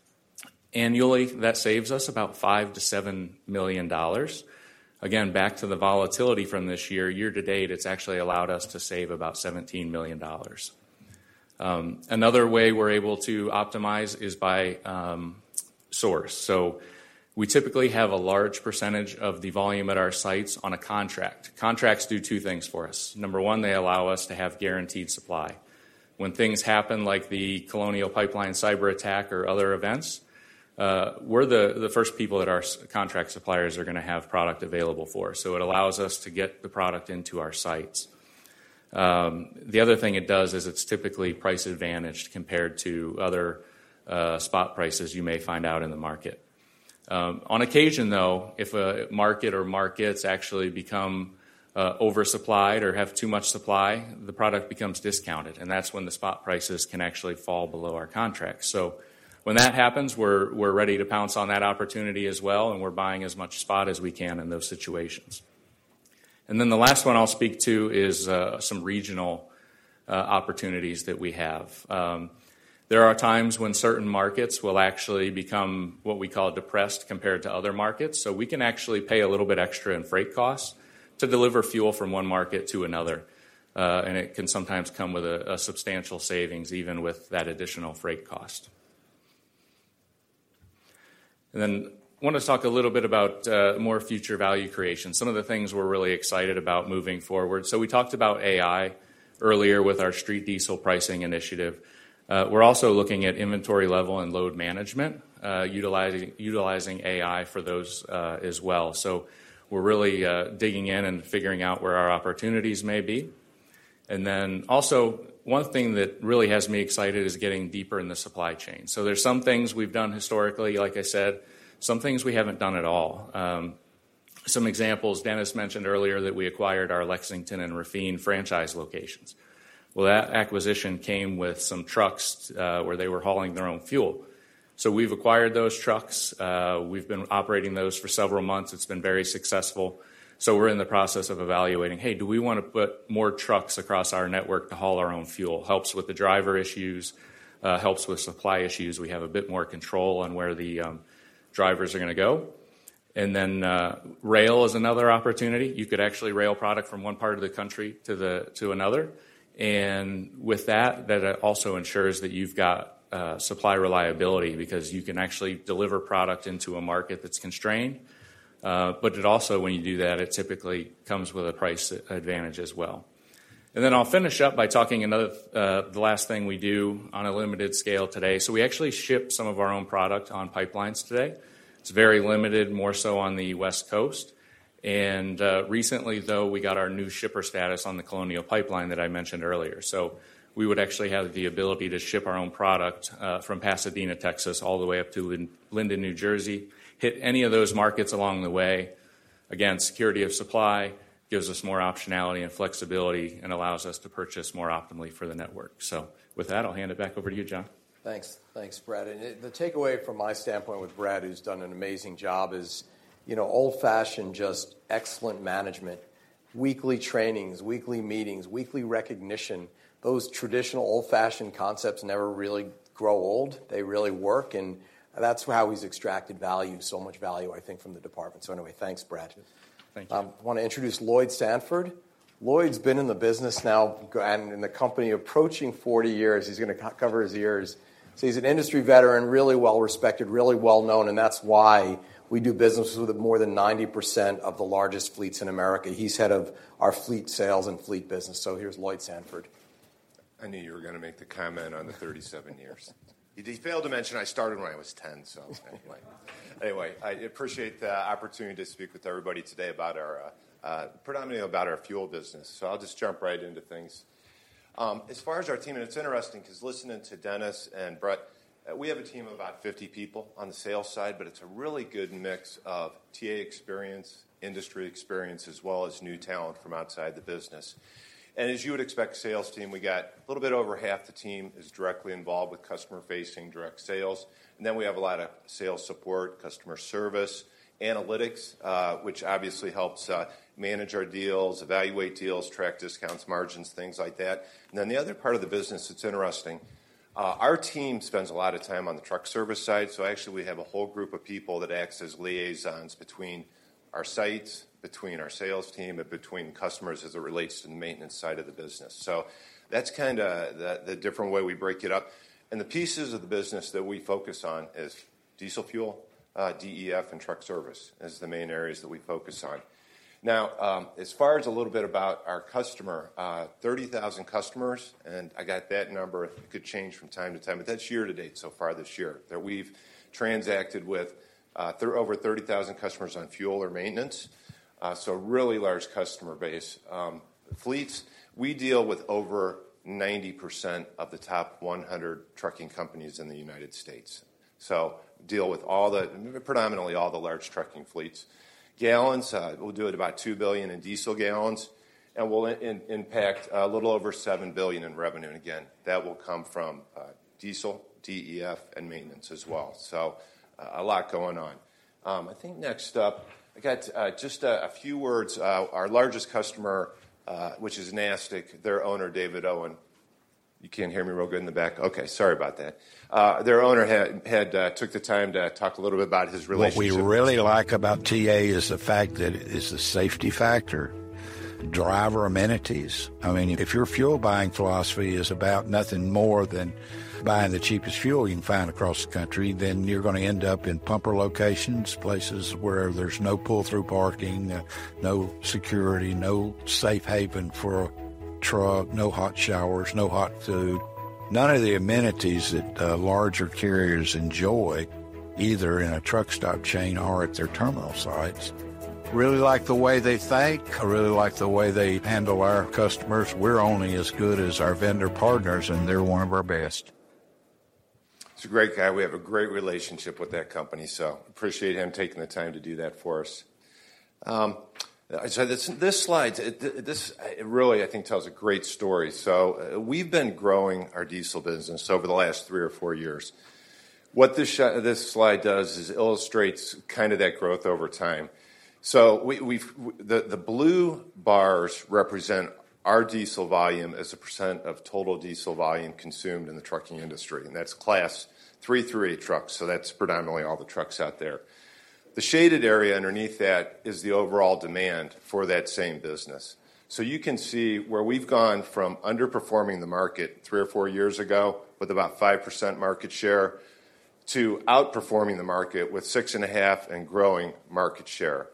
Annually, that saves us about $5-$7 million. Again, back to the volatility from this year. Year to date, it's actually allowed us to save about $17 million. Another way we're able to optimize is by source. We typically have a large percentage of the volume at our sites on a contract. Contracts do two things for us. Number one, they allow us to have guaranteed supply. When things happen like the Colonial Pipeline cyber attack or other events, we're the first people that our contract suppliers are gonna have product available for. It allows us to get the product into our sites. The other thing it does is it's typically price advantaged compared to other spot prices you may find out in the market. On occasion though, if a market or markets actually become oversupplied or have too much supply, the product becomes discounted, and that's when the spot prices can actually fall below our contract. When that happens, we're ready to pounce on that opportunity as well, and we're buying as much spot as we can in those situations. Then the last one I'll speak to is some regional opportunities that we have. There are times when certain markets will actually become what we call depressed compared to other markets, so we can actually pay a little bit extra in freight costs to deliver fuel from one market to another. It can sometimes come with substantial savings even with that additional freight cost. Wanna talk a little bit about more future value creation, some of the things we're really excited about moving forward. We talked about AI earlier with our street diesel pricing initiative. We're also looking at inventory level and load management, utilizing AI for those as well. We're really digging in and figuring out where our opportunities may be. One thing that really has me excited is getting deeper in the supply chain. There's some things we've done historically, like I said, some things we haven't done at all. Some examples, Dennis mentioned earlier that we acquired our Lexington and Raphine franchise locations. That acquisition came with some trucks, where they were hauling their own fuel. We've acquired those trucks. We've been operating those for several months. It's been very successful, so we're in the process of evaluating, "Hey, do we wanna put more trucks across our network to haul our own fuel?" Helps with the driver issues, helps with supply issues. We have a bit more control on where the drivers are gonna go. Rail is another opportunity. You could actually rail product from one part of the country to another. With that, also ensures that you've got supply reliability because you can actually deliver product into a market that's constrained. It also, when you do that, it typically comes with a price advantage as well. I'll finish up by talking about another, the last thing we do on a limited scale today. We actually ship some of our own product on pipelines today. It's very limited, more so on the West Coast. Recently, though, we got our new shipper status on the Colonial Pipeline that I mentioned earlier. We would actually have the ability to ship our own product from Pasadena, Texas, all the way up to Linden, New Jersey, hit any of those markets along the way. Again, security of supply gives us more optionality and flexibility and allows us to purchase more optimally for the network. With that, I'll hand it back over to you, Jon. Thanks. Thanks, Brett. The takeaway from my standpoint with Brett, who's done an amazing job, is, you know, old-fashioned just excellent management, weekly trainings, weekly meetings, weekly recognition, those traditional old-fashioned concepts never really grow old. They really work, and that's how he's extracted value, so much value, I think, from the department. Anyway, thanks, Brett. Thank you. I want to introduce Lloyd Sanford. Lloyd's been in the business now and in the company approaching 40 years. He's gonna cover his ears. He's an industry veteran, really well-respected, really well-known, and that's why we do business with more than 90% of the largest fleets in America. He's head of our fleet sales and fleet business. Here's Lloyd Sanford. I knew you were gonna make the comment on the 37 years. He failed to mention I started when I was 10, so anyway. Anyway, I appreciate the opportunity to speak with everybody today predominantly about our fuel business. I'll just jump right into things. As far as our team, it's interesting 'cause listening to Dennis and Brett, we have a team of about 50 people on the sales side, but it's a really good mix of TA experience, industry experience, as well as new talent from outside the business. As you would expect sales team, we got a little bit over half the team is directly involved with customer-facing direct sales. Then we have a lot of sales support, customer service, analytics, which obviously helps manage our deals, evaluate deals, track discounts, margins, things like that. Then the other part of the business that's interesting, our team spends a lot of time on the truck service side. Actually, we have a whole group of people that acts as liaisons between our sites, between our sales team, and between customers as it relates to the maintenance side of the business. That's kinda the different way we break it up. The pieces of the business that we focus on is diesel fuel, DEF, and truck service is the main areas that we focus on. Now, as far as a little bit about our customer, 30,000 customers, and I got that number, it could change from time to time, but that's year to date so far this year, that we've transacted with, over 30,000 customers on fuel or maintenance, so a really large customer base. Fleets, we deal with over 90% of the top 100 trucking companies in the United States. We deal with all the, predominantly all the large trucking fleets. Gallons, we'll do about 2 billion in diesel gallons, and we'll impact a little over $7 billion in revenue. Again, that will come from diesel, DEF, and maintenance as well. A lot going on. I think next up, I got just a few words. Our largest customer, which is NASTC, their owner, David Owen. You can't hear me real good in the back? Okay, sorry about that. Their owner took the time to talk a little bit about his relationship. What we really like about TA is the fact that it's a safety factor. Driver amenities, I mean, if your fuel buying philosophy is about nothing more than buying the cheapest fuel you can find across the country, then you're gonna end up in pumper locations, places where there's no pull-through parking, no security, no safe haven for a truck, no hot showers, no hot food, none of the amenities that larger carriers enjoy, either in a truck stop chain or at their terminal sites. Really like the way they think. I really like the way they handle our customers. We're only as good as our vendor partners, and they're one of our best. He's a great guy. We have a great relationship with that company, so appreciate him taking the time to do that for us. This slide really, I think, tells a great story. We've been growing our diesel business over the last three or four years. What this slide does is illustrates kind of that growth over time. The blue bars represent our diesel volume as a percent of total diesel volume consumed in the trucking industry, and that's Class 3 [through 8] trucks, so that's predominantly all the trucks out there. The shaded area underneath that is the overall demand for that same business. You can see where we've gone from underperforming the market three or four years ago with about 5% market share to outperforming the market with 6.5% and growing market share.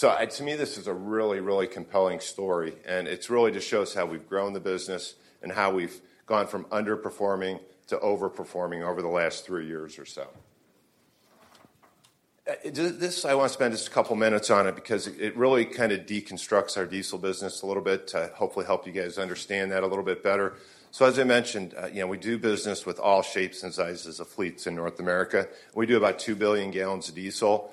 To me, this is a really, really compelling story, and it really just shows how we've grown the business and how we've gone from underperforming to overperforming over the last three years or so. This I want to spend just a couple minutes on it because it really kind of deconstructs our diesel business a little bit to hopefully help you guys understand that a little bit better. As I mentioned, you know, we do business with all shapes and sizes of fleets in North America. We do about 2 billion gallons of diesel.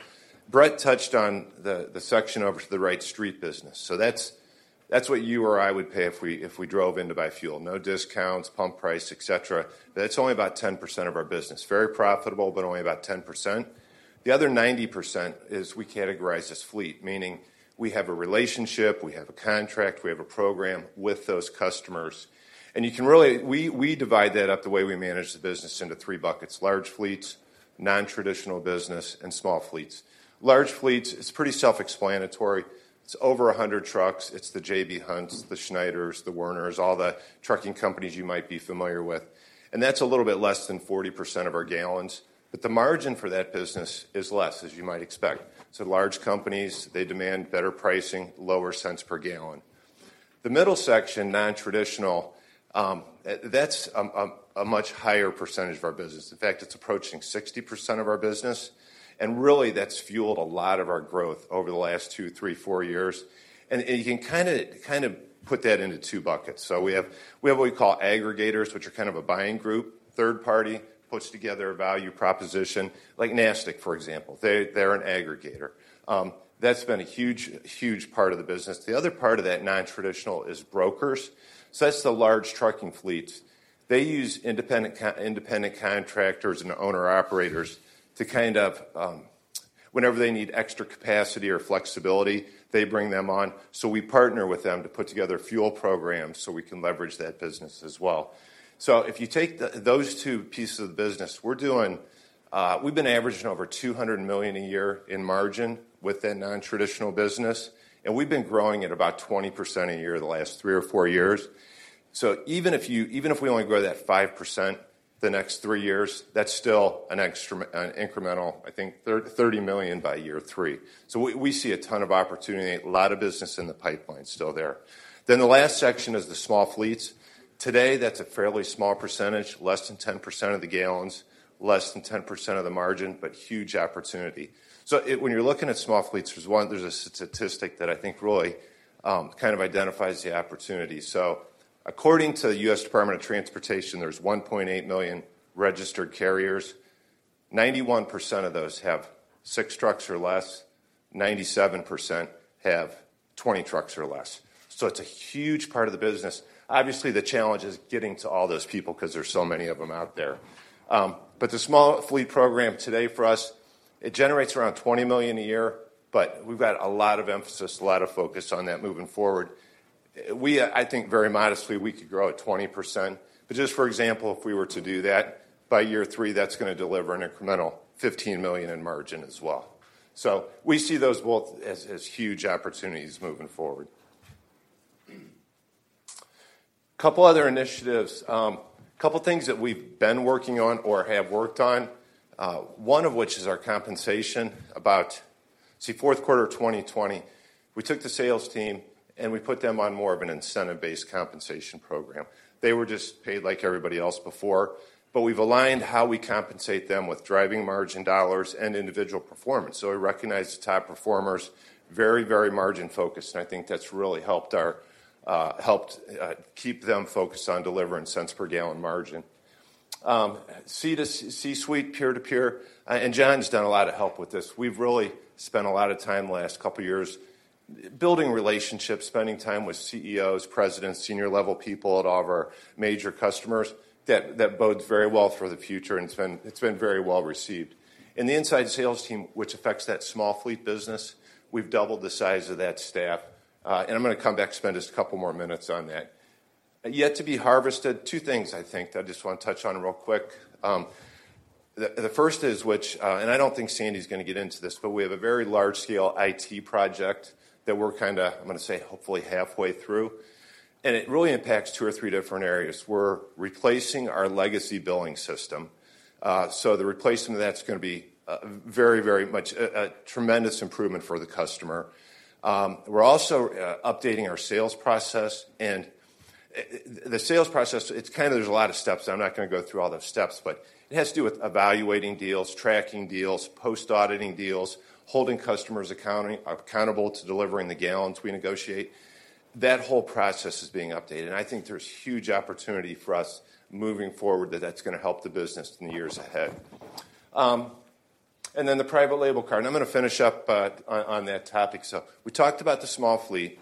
Brett touched on the section over to the right, fleet business. That's what you or I would pay if we drove in to buy fuel. No discounts, pump price, et cetera. That's only about 10% of our business. Very profitable, but only about 10%. The other 90% is we categorize as fleet, meaning we have a relationship, we have a contract, we have a program with those customers. We divide that up the way we manage the business into three buckets, large fleets, non-traditional business, and small fleets. Large fleets, it's pretty self-explanatory. It's over 100 trucks. It's the J.B. Hunt, the Schneider, the Werner, all the trucking companies you might be familiar with. That's a little bit less than 40% of our gallons, but the margin for that business is less, as you might expect. It's large companies. They demand better pricing, lower cents per gallon. The middle section, non-traditional, that's a much higher percentage of our business. In fact, it's approaching 60% of our business, and really that's fueled a lot of our growth over the last two, three, four years. You can kind of put that into two buckets. We have what we call aggregators, which are kind of a buying group. Third party puts together a value proposition, like NASTC, for example. They, they're an aggregator. That's been a huge part of the business. The other part of that non-traditional is brokers. That's the large trucking fleets. They use independent contractors and owner-operators to kind of, whenever they need extra capacity or flexibility, they bring them on. We partner with them to put together fuel programs, so we can leverage that business as well. If you take those two pieces of the business, we're doing—we've been averaging over $200 million a year in margin within non-traditional business, and we've been growing at about 20% a year the last three or four years. Even if we only grow that 5% the next three years, that's still an extra, an incremental, I think $30 million by year three. We see a ton of opportunity, a lot of business in the pipeline still there. The last section is the small fleets. Today, that's a fairly small percentage, less than 10% of the gallons, less than 10% of the margin, but huge opportunity. When you're looking at small fleets, there's one, there's a statistic that I think really kind of identifies the opportunity. According to the U.S. Department of Transportation, there's 1.8 million registered carriers. 91% of those have six trucks or less. 97% have 20 trucks or less. It's a huge part of the business. Obviously, the challenge is getting to all those people 'cause there's so many of them out there. The small fleet program today for us, it generates around $20 million a year, but we've got a lot of emphasis, a lot of focus on that moving forward. We, I think very modestly we could grow at 20%. Just for example, if we were to do that, by year three, that's gonna deliver an incremental $15 million in margin as well. We see those both as huge opportunities moving forward. Couple other initiatives. Couple things that we've been working on or have worked on, one of which is our compensation. Fourth quarter of 2020, we took the sales team, and we put them on more of an incentive-based compensation program. They were just paid like everybody else before, but we've aligned how we compensate them with driving margin dollars and individual performance. We recognize the top performers, very margin-focused, and I think that's really helped keep them focused on delivering cents per gallon margin. C-suite, peer-to-peer, and Jon's done a lot to help with this. We've really spent a lot of time the last couple years building relationships, spending time with CEOs, presidents, senior level people at all of our major customers. That bodes very well for the future, and it's been very well-received. The inside sales team, which affects that small fleet business, we've doubled the size of that staff, and I'm gonna come back, spend just a couple more minutes on that. Yet to be harvested, two things I think that I just wanna touch on real quick. The first is, and I don't think Sandy's gonna get into this, but we have a very large scale IT project that we're kinda, I'm gonna say, hopefully halfway through, and it really impacts two or three different areas. We're replacing our legacy billing system, so the replacement of that's gonna be very, very much a tremendous improvement for the customer. We're also updating our sales process, and the sales process. It's kind of there's a lot of steps. I'm not gonna go through all those steps, but it has to do with evaluating deals, tracking deals, post-auditing deals, holding customers accountable to delivering the gallons we negotiate. That whole process is being updated, and I think there's huge opportunity for us moving forward. That's gonna help the business in the years ahead. Then the private label card, and I'm gonna finish up on that topic. We talked about the small fleet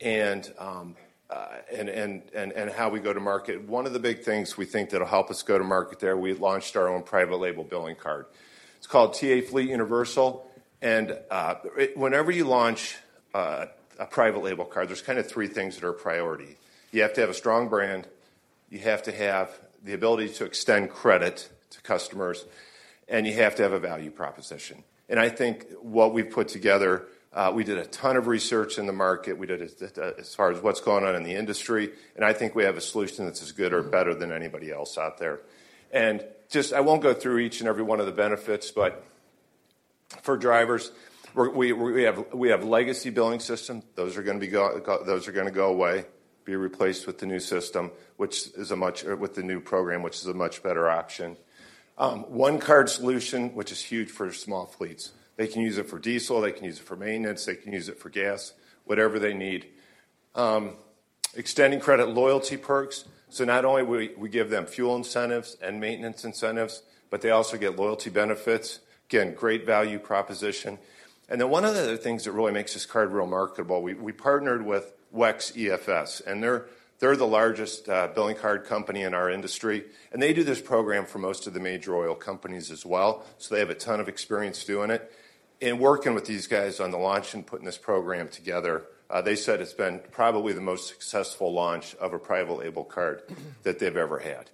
and how we go to market. One of the big things we think that'll help us go to market there, we launched our own private label billing card. It's called TA Fleet Universal. Whenever you launch a private label card, there's kind of three things that are a priority. You have to have a strong brand, you have to have the ability to extend credit to customers, and you have to have a value proposition. I think what we've put together, we did a ton of research in the market. We did as far as what's going on in the industry, and I think we have a solution that's as good or better than anybody else out there. Just, I won't go through each and every one of the benefits, but for drivers, we have legacy billing system. Those are gonna go away, be replaced with the new system, which is a much with the new program, which is a much better option. One card solution, which is huge for small fleets. They can use it for diesel. They can use it for maintenance. They can use it for gas, whatever they need. Extending credit loyalty perks, so not only we give them fuel incentives and maintenance incentives, but they also get loyalty benefits. Again, great value proposition. One of the other things that really makes this card really marketable, we partnered with WEX EFS, and they're the largest billing card company in our industry, and they do this program for most of the major oil companies as well. So they have a ton of experience doing it, and working with these guys on the launch and putting this program together, they said it's been probably the most successful launch of a private label card that they've ever had.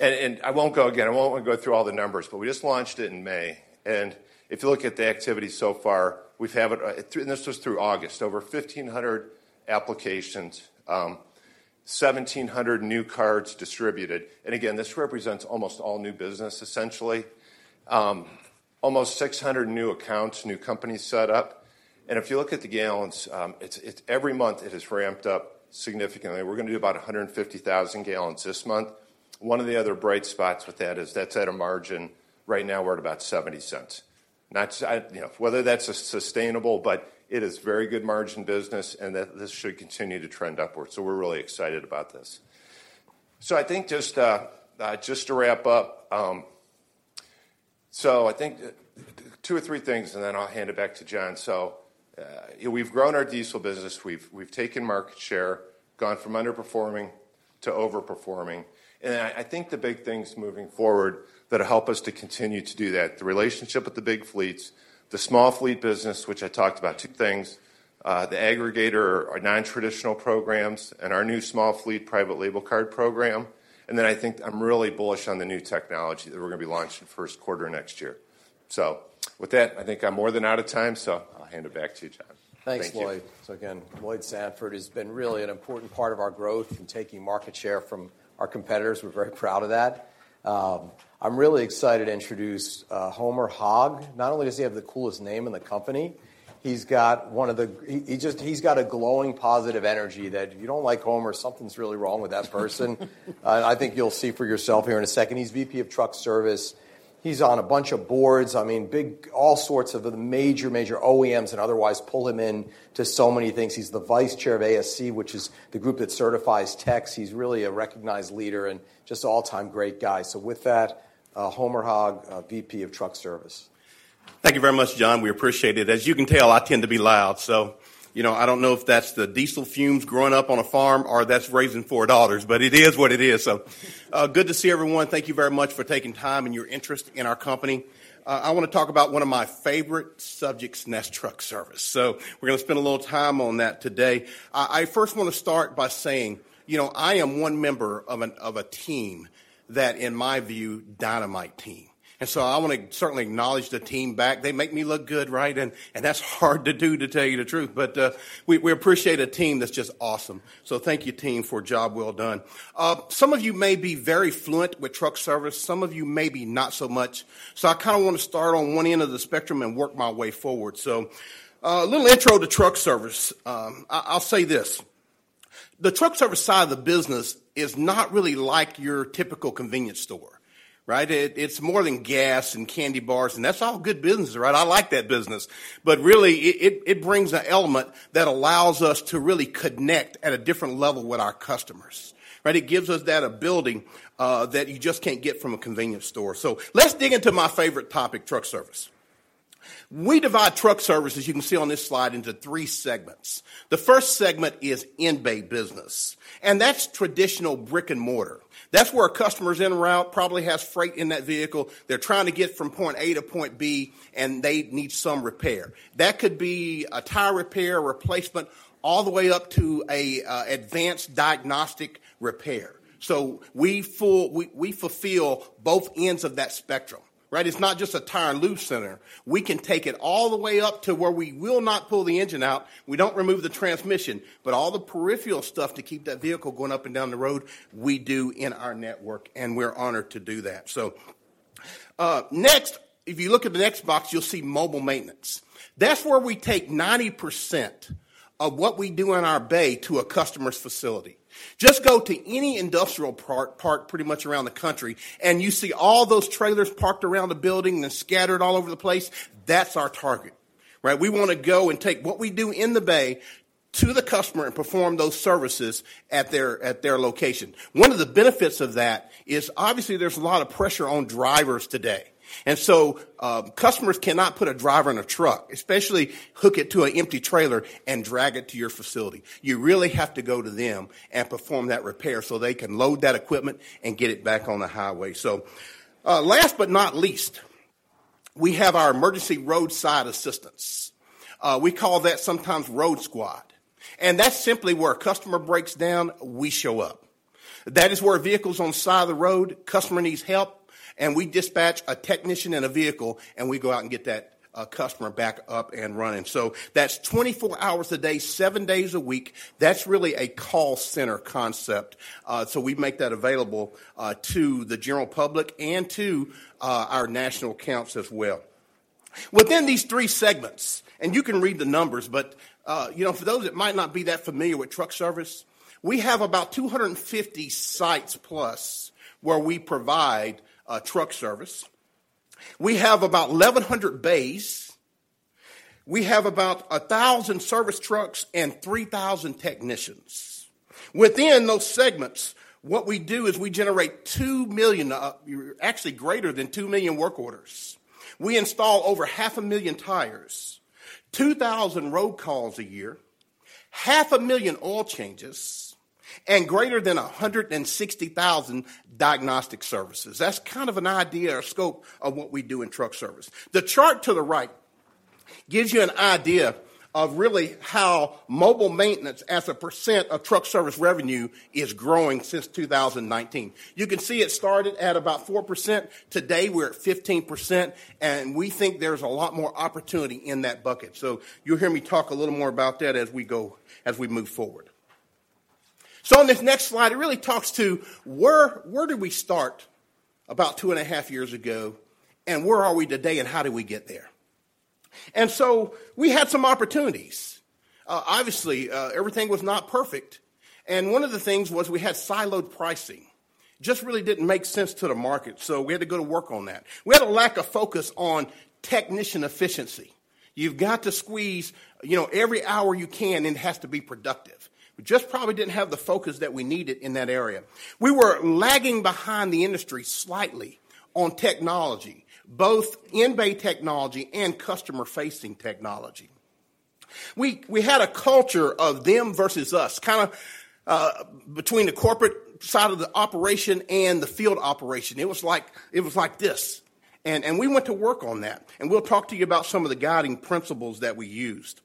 I won't go through all the numbers, again, but we just launched it in May, and if you look at the activity so far, we've had it through August, over 1,500 applications, 1,700 new cards distributed. Again, this represents almost all new business, essentially. Almost 600 new accounts, new companies set up. If you look at the gallons, it's every month it has ramped up significantly. We're gonna do about 150,000 gallons this month. One of the other bright spots with that is that's at a margin. Right now we're at about $0.70. That's, you know, whether that's sustainable, but it is very good margin business, and this should continue to trend upwards. We're really excited about this. I think just to wrap up, I think two or three things, and then I'll hand it back to Jon. We've grown our diesel business. We've taken market share, gone from underperforming to overperforming. I think the big things moving forward that'll help us to continue to do that, the relationship with the big fleets, the small fleet business, which I talked about, two things, the aggregator or non-traditional programs, and our new small fleet private label card program, and then I think I'm really bullish on the new technology that we're gonna be launching first quarter next year. With that, I think I'm more than out of time, so I'll hand it back to you, Jon. Thank you. Thanks, Lloyd. Again, Lloyd Sanford has been really an important part of our growth in taking market share from our competitors. We're very proud of that. I'm really excited to introduce Homer Hogg. Not only does he have the coolest name in the company, he's got a glowing positive energy that if you don't like Homer, something's really wrong with that person. I think you'll see for yourself here in a second. He's VP of Truck Service. He's on a bunch of boards. I mean, all sorts of the major OEMs and otherwise pull him in to so many things. He's the Vice Chair of ASE, which is the group that certifies techs. He's really a recognized leader and just all-time great guy. With that, Homer Hogg, VP of Truck Service. Thank you very much, Jon. We appreciate it. As you can tell, I tend to be loud, so you know, I don't know if that's the diesel fumes growing up on a farm or that's raising four daughters, but it is what it is. Good to see everyone. Thank you very much for taking time and your interest in our company. I wanna talk about one of my favorite subjects and that's truck service. We're gonna spend a little time on that today. I first wanna start by saying, you know, I am one member of a team that in my view, dynamite team. I wanna certainly acknowledge the team back. They make me look good, right? And that's hard to do, to tell you the truth. We appreciate a team that's just awesome. Thank you, team, for a job well done. Some of you may be very fluent with truck service. Some of you may be not so much. I kinda wanna start on one end of the spectrum and work my way forward. A little intro to truck service. I'll say this. The truck service side of the business is not really like your typical convenience store, right? It's more than gas and candy bars, and that's all good business, right? I like that business. Really, it brings an element that allows us to really connect at a different level with our customers, right? It gives us that ability that you just can't get from a convenience store. Let's dig into my favorite topic, truck service. We divide truck service, as you can see on this slide, into three segments. The first segment is in-bay business. That's traditional brick and mortar. That's where a customer's en route, probably has freight in that vehicle. They're trying to get from point A to point B, and they need some repair. That could be a tire repair, replacement, all the way up to a advanced diagnostic repair. So we fulfill both ends of that spectrum, right? It's not just a tire and lube center. We can take it all the way up to where we will not pull the engine out. We don't remove the transmission. All the peripheral stuff to keep that vehicle going up and down the road, we do in our network, and we're honored to do that. Next, if you look at the next box, you'll see mobile maintenance. That's where we take 90% of what we do in our bay to a customer's facility. Just go to any industrial park pretty much around the country, and you see all those trailers parked around the building and scattered all over the place, that's our target, right? We wanna go and take what we do in the bay to the customer and perform those services at their location. One of the benefits of that is obviously there's a lot of pressure on drivers today. Customers cannot put a driver in a truck, especially hook it to an empty trailer and drag it to your facility. You really have to go to them and perform that repair, so they can load that equipment and get it back on the highway. Last but not least, we have our emergency roadside assistance. We call that sometimes RoadSquad. That's simply where a customer breaks down, we show up. That is where a vehicle's on the side of the road, customer needs help, and we dispatch a technician and a vehicle, and we go out and get that customer back up and running. That's 24 hours a day, seven days a week. That's really a call center concept. We make that available to the general public and to our national accounts as well. Within these three segments, and you can read the numbers, but you know, for those that might not be that familiar with truck service, we have about 250 sites plus where we provide truck service. We have about 1,100 bays. We have about 1,000 service trucks and 3,000 technicians. Within those segments, what we do is we generate two million, actually greater than two million work orders. We install over 500,000 tires, 2,000 road calls a year, 500,000 oil changes, and greater than 160,000 diagnostic services. That's kind of an idea or scope of what we do in truck service. The chart to the right gives you an idea of really how mobile maintenance as a % of truck service revenue is growing since 2019. You can see it started at about 4%. Today, we're at 15%, and we think there's a lot more opportunity in that bucket. You'll hear me talk a little more about that as we go, as we move forward. On this next slide, it really talks to where did we start about two and a half years ago, and where are we today and how did we get there? We had some opportunities. Obviously, everything was not perfect, and one of the things was we had siloed pricing. Just really didn't make sense to the market, so we had to go to work on that. We had a lack of focus on technician efficiency. You've got to squeeze, you know, every hour you can, and it has to be productive. We just probably didn't have the focus that we needed in that area. We were lagging behind the industry slightly on technology, both in-bay technology and customer-facing technology. We had a culture of them versus us, kinda, between the corporate side of the operation and the field operation. It was like this. We went to work on that, and we'll talk to you about some of the guiding principles that we used.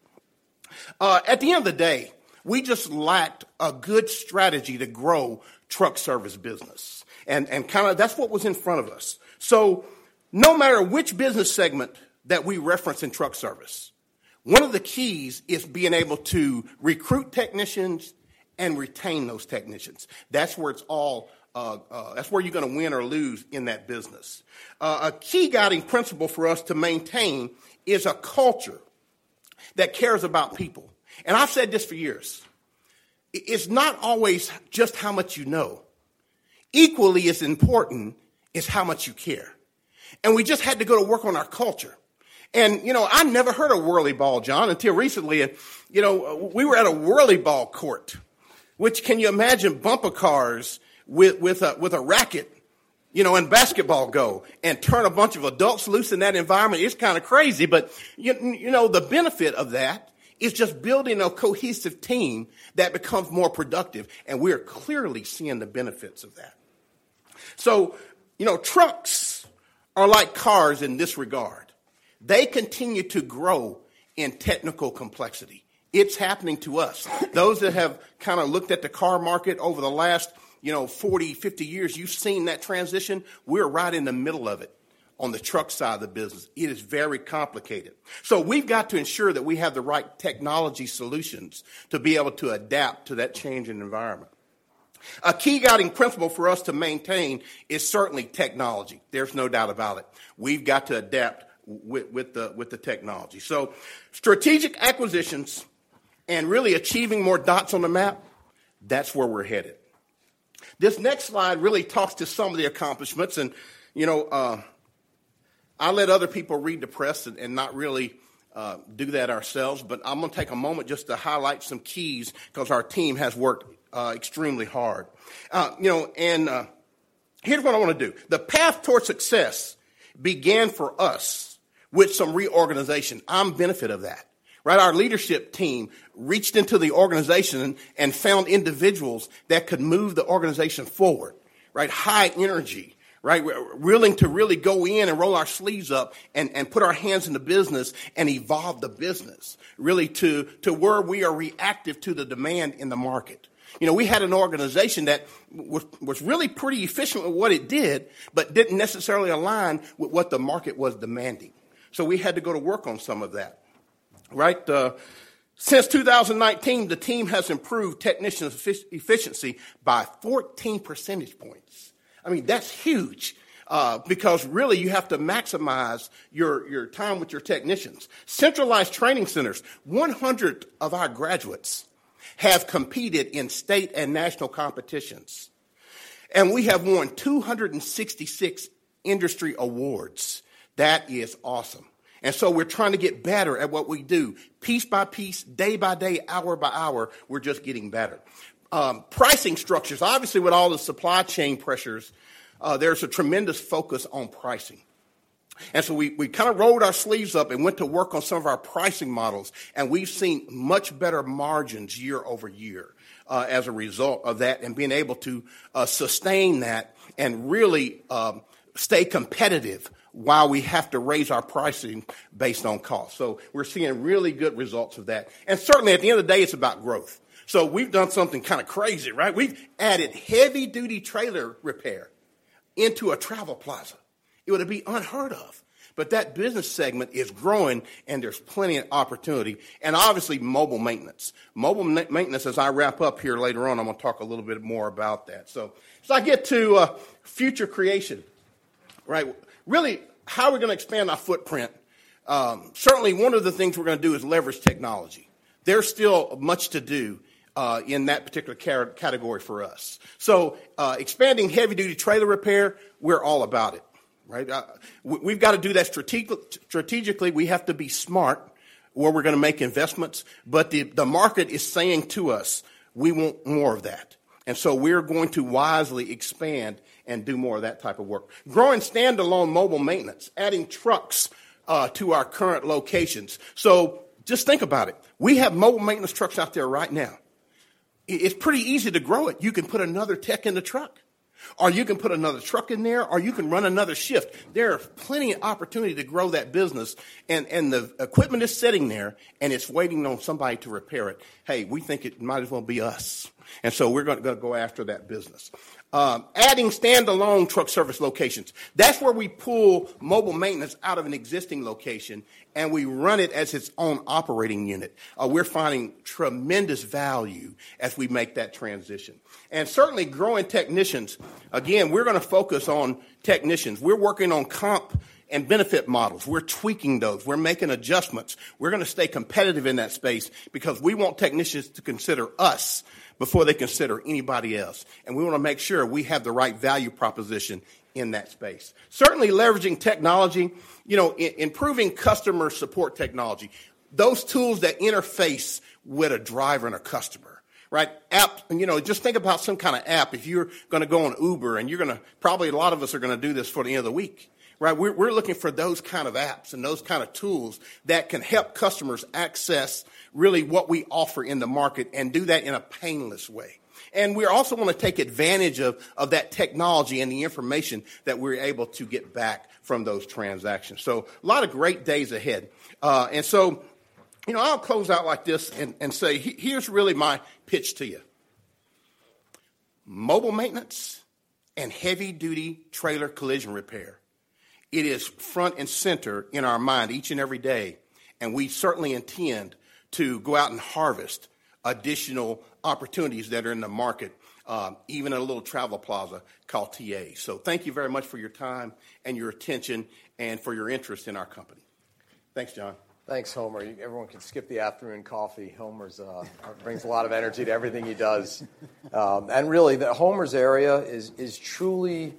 At the end of the day, we just lacked a good strategy to grow truck service business and kinda that's what was in front of us. No matter which business segment that we reference in truck service, one of the keys is being able to recruit technicians and retain those technicians. That's where you're gonna win or lose in that business. A key guiding principle for us to maintain is a culture that cares about people, and I've said this for years. It's not always just how much you know. Equally as important is how much you care. We just had to go to work on our culture. You know, I'd never heard of whirlyball, Jon, until recently. You know, we were at a whirlyball court, which can you imagine bumper cars with a racket, you know, and basketball goal, and turn a bunch of adults loose in that environment. It's kinda crazy, but you know, the benefit of that is just building a cohesive team that becomes more productive, and we're clearly seeing the benefits of that. You know, trucks are like cars in this regard. They continue to grow in technical complexity. It's happening to us. Those that have kinda looked at the car market over the last, you know, 40, 50 years, you've seen that transition. We're right in the middle of it on the truck side of the business. It is very complicated. We've got to ensure that we have the right technology solutions to be able to adapt to that changing environment. A key guiding principle for us to maintain is certainly technology. There's no doubt about it. We've got to adapt with the technology. Strategic acquisitions and really achieving more dots on the map, that's where we're headed. This next slide really talks to some of the accomplishments and, you know, I let other people read the press and not really do that ourselves, but I'm gonna take a moment just to highlight some keys 'cause our team has worked extremely hard. Here's what I wanna do. The path towards success began for us with some reorganization. I am the beneficiary of that, right? Our leadership team reached into the organization and found individuals that could move the organization forward, right? High energy, right? Willing to really go in and roll our sleeves up and put our hands in the business and evolve the business really to where we are reactive to the demand in the market. We had an organization that was really pretty efficient with what it did, but didn't necessarily align with what the market was demanding. We had to go to work on some of that, right? Since 2019, the team has improved technician efficiency by 14 percentage points. That's huge, because really you have to maximize your time with your technicians. Centralized training centers. 100 of our graduates have competed in state and national competitions, and we have won 266 industry awards. That is awesome. We're trying to get better at what we do. Piece by piece, day by day, hour by hour, we're just getting better. Pricing structures. Obviously, with all the supply chain pressures, there's a tremendous focus on pricing. We kinda rolled our sleeves up and went to work on some of our pricing models, and we've seen much better margins year over year, as a result of that and being able to sustain that and really stay competitive while we have to raise our pricing based on cost. We're seeing really good results of that. Certainly, at the end of the day, it's about growth. We've done something kinda crazy, right? We've added heavy-duty trailer repair into a travel plaza. It would be unheard of, but that business segment is growing, and there's plenty of opportunity and obviously mobile maintenance. Mobile maintenance, as I wrap up here later on, I'm gonna talk a little bit more about that. As I get to future creation, right? Really, how are we gonna expand our footprint? Certainly one of the things we're gonna do is leverage technology. There's still much to do in that particular category for us. Expanding heavy-duty trailer repair, we're all about it, right? We've got to do that strategically. We have to be smart where we're gonna make investments, but the market is saying to us, "We want more of that." We're going to wisely expand and do more of that type of work. Growing standalone mobile maintenance, adding trucks to our current locations. Just think about it. We have mobile maintenance trucks out there right now. It's pretty easy to grow it. You can put another tech in the truck, or you can put another truck in there, or you can run another shift. There are plenty of opportunity to grow that business, and the equipment is sitting there, and it's waiting on somebody to repair it. Hey, we think it might as well be us, and so we're gonna go after that business. Adding standalone truck service locations. That's where we pull mobile maintenance out of an existing location, and we run it as its own operating unit. We're finding tremendous value as we make that transition. Certainly growing technicians. Again, we're gonna focus on technicians. We're working on comp and benefit models. We're tweaking those. We're making adjustments. We're gonna stay competitive in that space because we want technicians to consider us before they consider anybody else, and we wanna make sure we have the right value proposition in that space. Certainly leveraging technology, you know, improving customer support technology, those tools that interface with a driver and a customer, right? You know, just think about some kinda app if you're gonna go on Uber, and probably a lot of us are gonna do this for the end of the week, right? We're looking for those kind of apps and those kind of tools that can help customers access really what we offer in the market and do that in a painless way. We also wanna take advantage of that technology and the information that we're able to get back from those transactions. A lot of great days ahead. You know, I'll close out like this and say here's really my pitch to you. Mobile maintenance and heavy duty trailer collision repair, it is front and center in our mind each and every day, and we certainly intend to go out and harvest additional opportunities that are in the market, even in a little travel plaza called TA. Thank you very much for your time and your attention and for your interest in our company. Thanks, Jon. Thanks, Homer. Everyone can skip the afternoon coffee. Homer brings a lot of energy to everything he does. Really, Homer's area is truly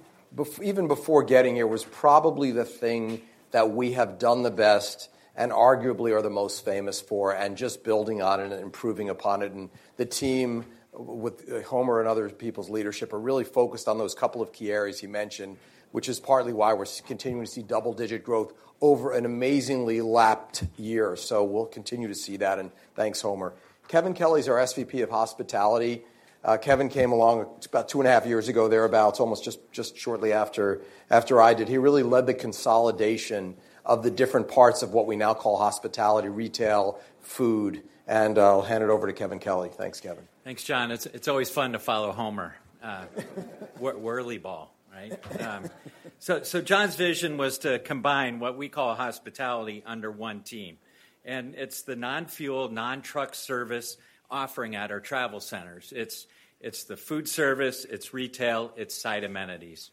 even before getting here was probably the thing that we have done the best and arguably are the most famous for and just building on it and improving upon it. The team with Homer and other people's leadership are really focused on those couple of key areas he mentioned, which is partly why we're continuing to see double-digit growth over an amazingly lapped year. We'll continue to see that, and thanks, Homer. Kevin Kelly's our SVP of Hospitality. Kevin came along about 2.5 years ago, thereabout. It's almost just shortly after I did. He really led the consolidation of the different parts of what we now call hospitality, retail, food, and I'll hand it over to Kevin Kelly. Thanks, Kevin. Thanks, Jon. It's always fun to follow Homer. Whirly ball, right? Jon's vision was to combine what we call hospitality under one team, and it's the non-fuel, non-truck service offering at our TravelCenters. It's the food service. It's retail. It's site amenities.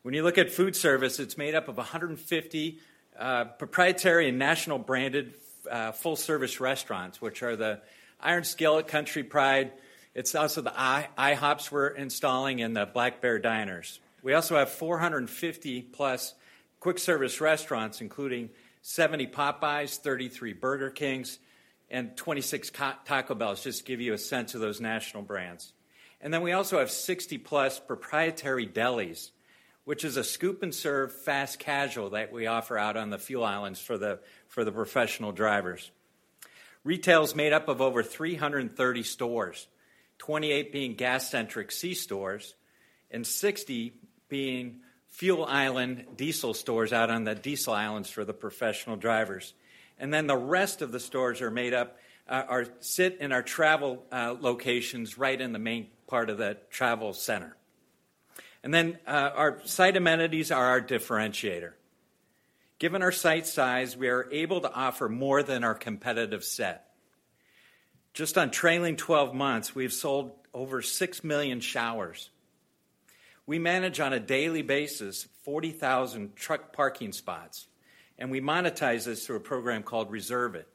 When you look at food service, it's made up of 150 proprietary and national branded full-service restaurants, which are the Iron Skillet, Country Pride. It's also the IHOP we're installing and the Black Bear Diner. We also have 450+ quick service restaurants, including 70 Popeyes, 33 Burger King, and 26 Taco Bell, just to give you a sense of those national brands. Then we also have 60+ proprietary delis, which is a scoop and serve fast casual that we offer out on the fuel islands for the professional drivers. Retail's made up of over 330 stores, 28 being gas-centric C-stores and 60 being fuel island diesel stores out on the diesel islands for the professional drivers. The rest of the stores sit in our travel locations right in the main part of the travel center. Our site amenities are our differentiator. Given our site size, we are able to offer more than our competitive set. Just on trailing twelve months, we've sold over six million showers. We manage on a daily basis 40,000 truck parking spots, and we monetize this through a program called Reserve-It.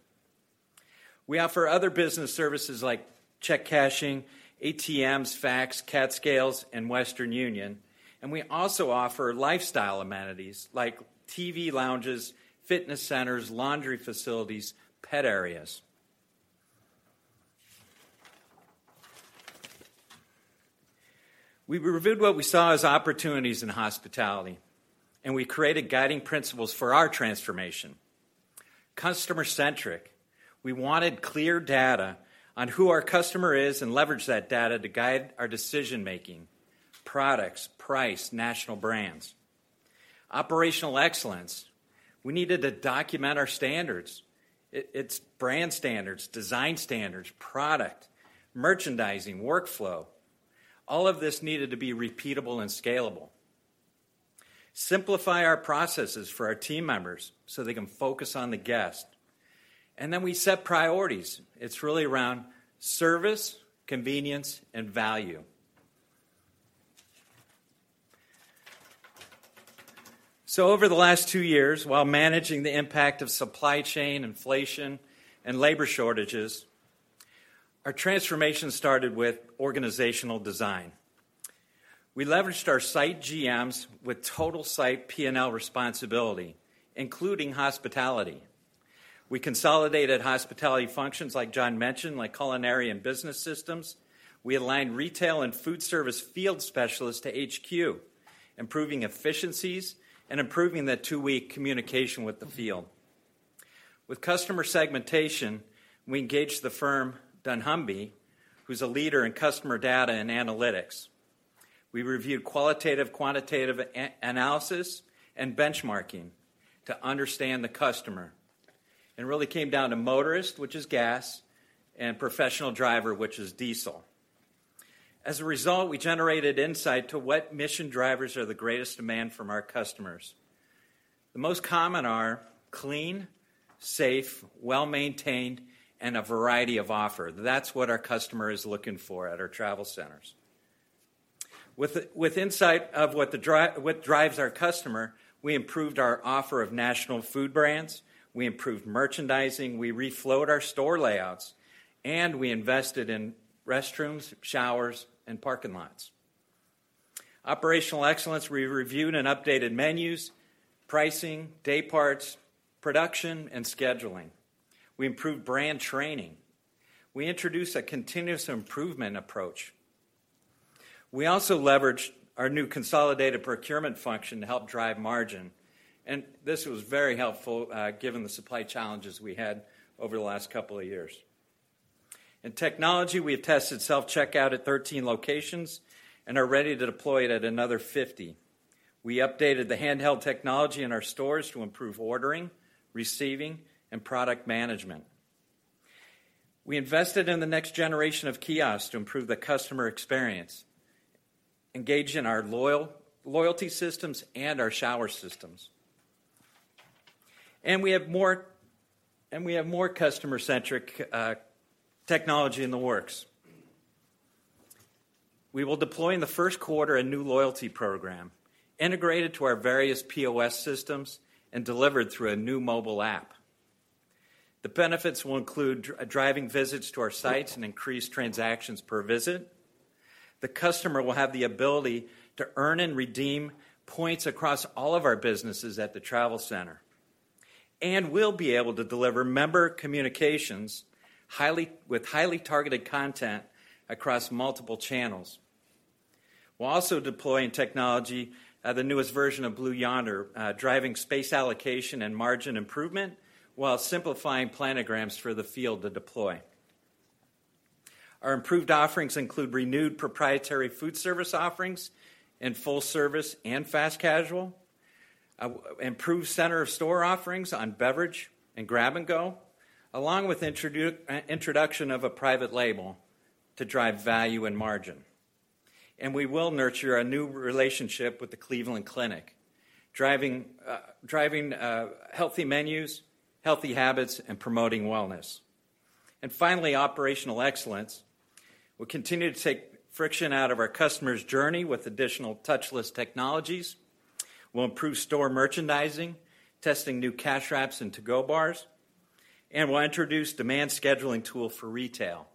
We offer other business services like check cashing, ATMs, fax, CAT Scale, and Western Union, and we also offer lifestyle amenities like TV lounges, fitness centers, laundry facilities, pet areas. We reviewed what we saw as opportunities in hospitality, and we created guiding principles for our transformation. Customer centric, we wanted clear data on who our customer is and leverage that data to guide our decision-making, products, price, national brands. Operational excellence, we needed to document our standards. It's brand standards, design standards, product, merchandising, workflow. All of this needed to be repeatable and scalable. Simplify our processes for our team members, so they can focus on the guest. We set priorities. It's really around service, convenience, and value. Over the last two years, while managing the impact of supply chain inflation and labor shortages, our transformation started with organizational design. We leveraged our site GMs with total site P&L responsibility, including hospitality. We consolidated hospitality functions, like Jon mentioned, like culinary and business systems. We aligned retail and food service field specialists to HQ, improving efficiencies and improving the two-way communication with the field. With customer segmentation, we engaged the firm dunnhumby, who's a leader in customer data and analytics. We reviewed qualitative, quantitative analysis and benchmarking to understand the customer. It really came down to motorist, which is gas, and professional driver, which is diesel. As a result, we generated insight to what mission drivers are the greatest demand from our customers. The most common are clean, safe, well-maintained, and a variety of offer. That's what our customer is looking for at our travel centers. With insight of what drives our customer, we improved our offer of national food brands, we improved merchandising, we reflowed our store layouts, and we invested in restrooms, showers, and parking lots. Operational excellence, we reviewed and updated menus, pricing, day parts, production, and scheduling. We improved brand training. We introduced a continuous improvement approach. We also leveraged our new consolidated procurement function to help drive margin, and this was very helpful, given the supply challenges we had over the last couple of years. In technology, we have tested self-checkout at 13 locations and are ready to deploy it at another 50. We updated the handheld technology in our stores to improve ordering, receiving, and product management. We invested in the next generation of kiosks to improve the customer experience, engage in our loyalty systems and our shower systems. We have more customer-centric technology in the works. We will deploy in the first quarter a new loyalty program integrated to our various POS systems and delivered through a new mobile app. The benefits will include driving visits to our sites and increased transactions per visit. The customer will have the ability to earn and redeem points across all of our businesses at the travel center, and we'll be able to deliver member communications with highly targeted content across multiple channels. We're also deploying technology, the newest version of Blue Yonder, driving space allocation and margin improvement while simplifying planograms for the field to deploy. Our improved offerings include renewed proprietary food service offerings in full service and fast casual, improved center-of-store offerings on beverage and grab-and-go, along with introduction of a private label to drive value and margin. We will nurture a new relationship with the Cleveland Clinic, driving healthy menus, healthy habits, and promoting wellness. Finally, operational excellence. We'll continue to take friction out of our customers' journey with additional touchless technologies. We'll improve store merchandising, testing new cash wraps and to-go bars. We'll introduce demand scheduling tool for retail,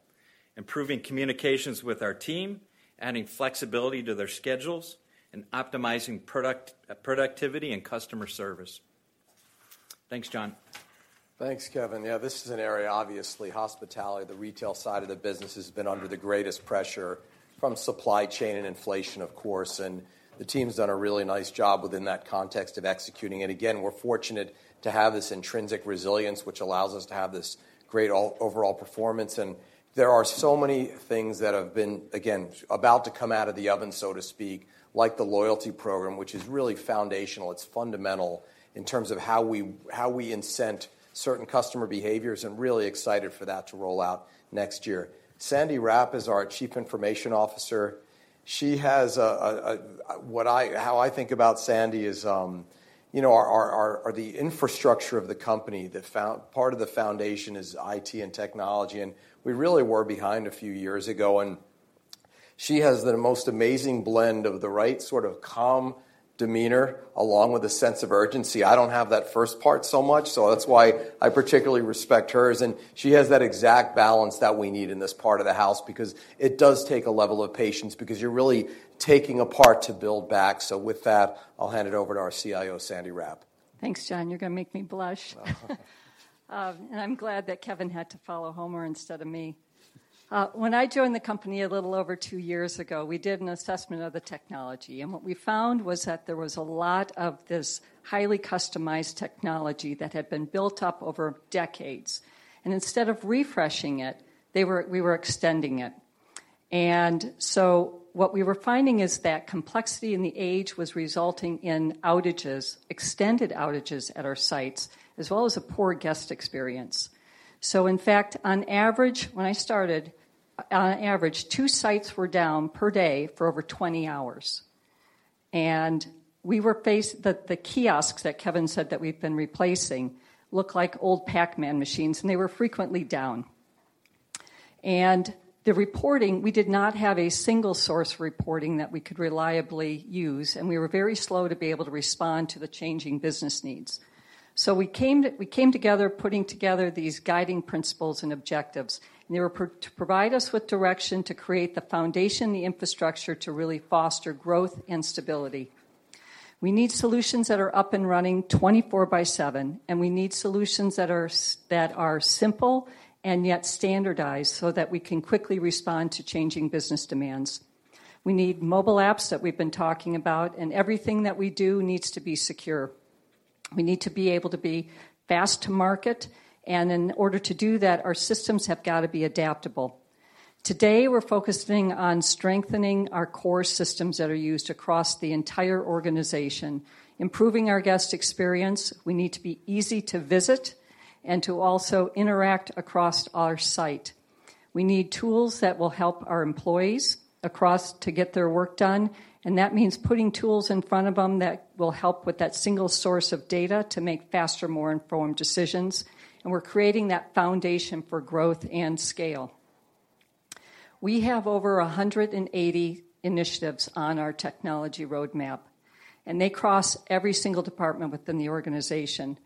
improving communications with our team, adding flexibility to their schedules, and optimizing product, productivity and customer service. Thanks, Jon. Thanks, Kevin. Yeah, this is an area, obviously, hospitality, the retail side of the business has been under the greatest pressure from supply chain and inflation, of course. The team's done a really nice job within that context of executing it. Again, we're fortunate to have this intrinsic resilience, which allows us to have this great overall performance. There are so many things that have been, again, about to come out of the oven, so to speak, like the loyalty program, which is really foundational. It's fundamental in terms of how we incent certain customer behaviors, and really excited for that to roll out next year. Sandy Rapp is our Chief Information Officer. She has a... How I think about Sandy is, you know, our... The infrastructure of the company. Part of the foundation is IT and technology, and we really were behind a few years ago, and she has the most amazing blend of the right sort of calm demeanor along with a sense of urgency. I don't have that first part so much, so that's why I particularly respect hers. She has that exact balance that we need in this part of the house because it does take a level of patience because you're really taking apart to build back. With that, I'll hand it over to our CIO, Sandy Rapp. Thanks, Jon. You're gonna make me blush. I'm glad that Kevin had to follow Homer instead of me. When I joined the company a little over two years ago, we did an assessment of the technology, and what we found was that there was a lot of this highly customized technology that had been built up over decades. Instead of refreshing it, we were extending it. What we were finding is that complexity and the age was resulting in outages, extended outages at our sites, as well as a poor guest experience. In fact, on average, when I started, two sites were down per day for over 20 hours. The kiosks that Kevin said that we've been replacing looked like old Pac-Man machines, and they were frequently down. The reporting, we did not have a single source reporting that we could reliably use, and we were very slow to be able to respond to the changing business needs. We came together, putting together these guiding principles and objectives, and they were to provide us with direction to create the foundation, the infrastructure to really foster growth and stability. We need solutions that are up and running 24/7, and we need solutions that are simple and yet standardized so that we can quickly respond to changing business demands. We need mobile apps that we've been talking about, and everything that we do needs to be secure. We need to be able to be fast to market, and in order to do that, our systems have got to be adaptable. Today, we're focusing on strengthening our core systems that are used across the entire organization, improving our guest experience. We need to be easy to visit and to also interact across our site. We need tools that will help our employees across to get their work done, and that means putting tools in front of them that will help with that single source of data to make faster, more informed decisions, and we're creating that foundation for growth and scale. We have over 180 initiatives on our technology roadmap, and they cross every single department within the organization.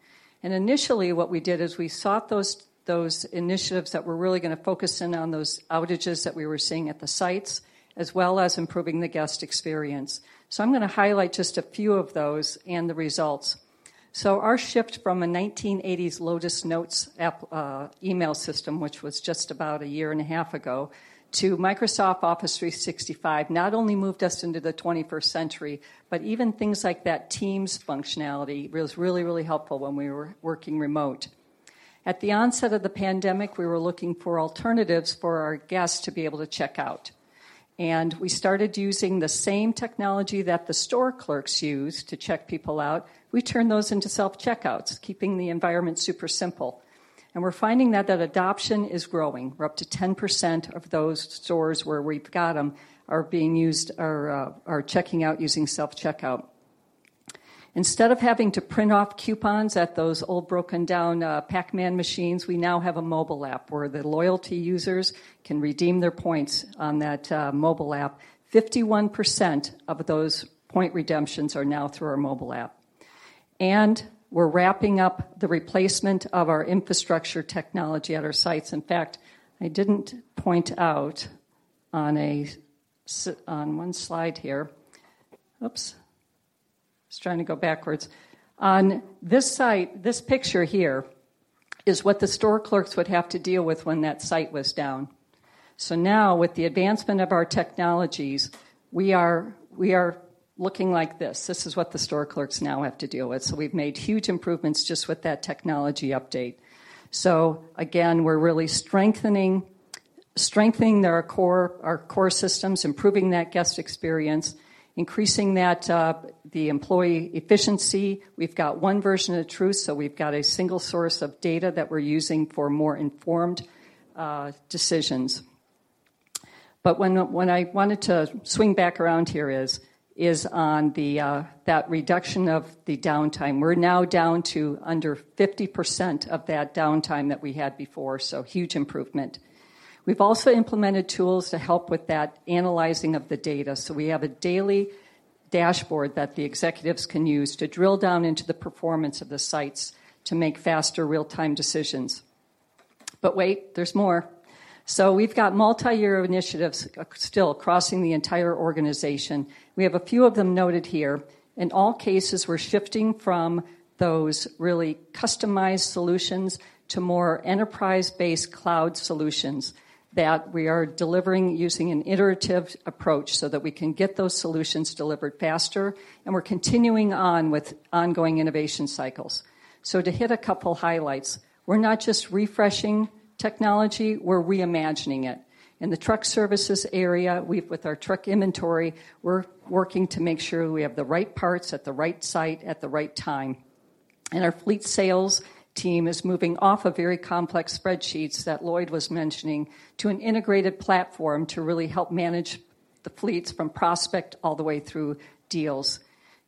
Initially, what we did is we sought those initiatives that were really gonna focus in on those outages that we were seeing at the sites, as well as improving the guest experience. I'm gonna highlight just a few of those and the results. Our shift from a 1980s Lotus Notes app, email system, which was just about a 1.5 year ago, to Microsoft Office 365, not only moved us into the 21st century, but even things like that Teams functionality was really, really helpful when we were working remote. At the onset of the pandemic, we were looking for alternatives for our guests to be able to check out. We started using the same technology that the store clerks use to check people out. We turned those into self-checkouts, keeping the environment super simple. We're finding that adoption is growing. We're up to 10% of those stores where we've got them are checking out using self-checkout. Instead of having to print off coupons at those old broken-down Pac-Man machines, we now have a mobile app where the loyalty users can redeem their points on that mobile app. 51% of those point redemptions are now through our mobile app. We're wrapping up the replacement of our infrastructure technology at our sites. In fact, I didn't point out on one slide here. Oops. I was trying to go backwards. On this site, this picture here is what the store clerks would have to deal with when that site was down. Now with the advancement of our technologies, we are looking like this. This is what the store clerks now have to deal with. We've made huge improvements just with that technology update. Again, we're really strengthening our core systems, improving that guest experience, increasing that, the employee efficiency. We've got one version of truth, so we've got a single source of data that we're using for more informed decisions. When I wanted to swing back around here is on that reduction of the downtime. We're now down to under 50% of that downtime that we had before, so huge improvement. We've also implemented tools to help with that analyzing of the data. We have a daily dashboard that the executives can use to drill down into the performance of the sites to make faster real-time decisions. Wait, there's more. We've got multi-year initiatives still crossing the entire organization. We have a few of them noted here. In all cases, we're shifting from those really customized solutions to more enterprise-based cloud solutions that we are delivering using an iterative approach so that we can get those solutions delivered faster, and we're continuing on with ongoing innovation cycles. To hit a couple highlights, we're not just refreshing technology, we're reimagining it. In the truck services area, with our truck inventory, we're working to make sure we have the right parts at the right site at the right time. Our fleet sales team is moving off of very complex spreadsheets that Lloyd was mentioning to an integrated platform to really help manage the fleets from prospect all the way through deals.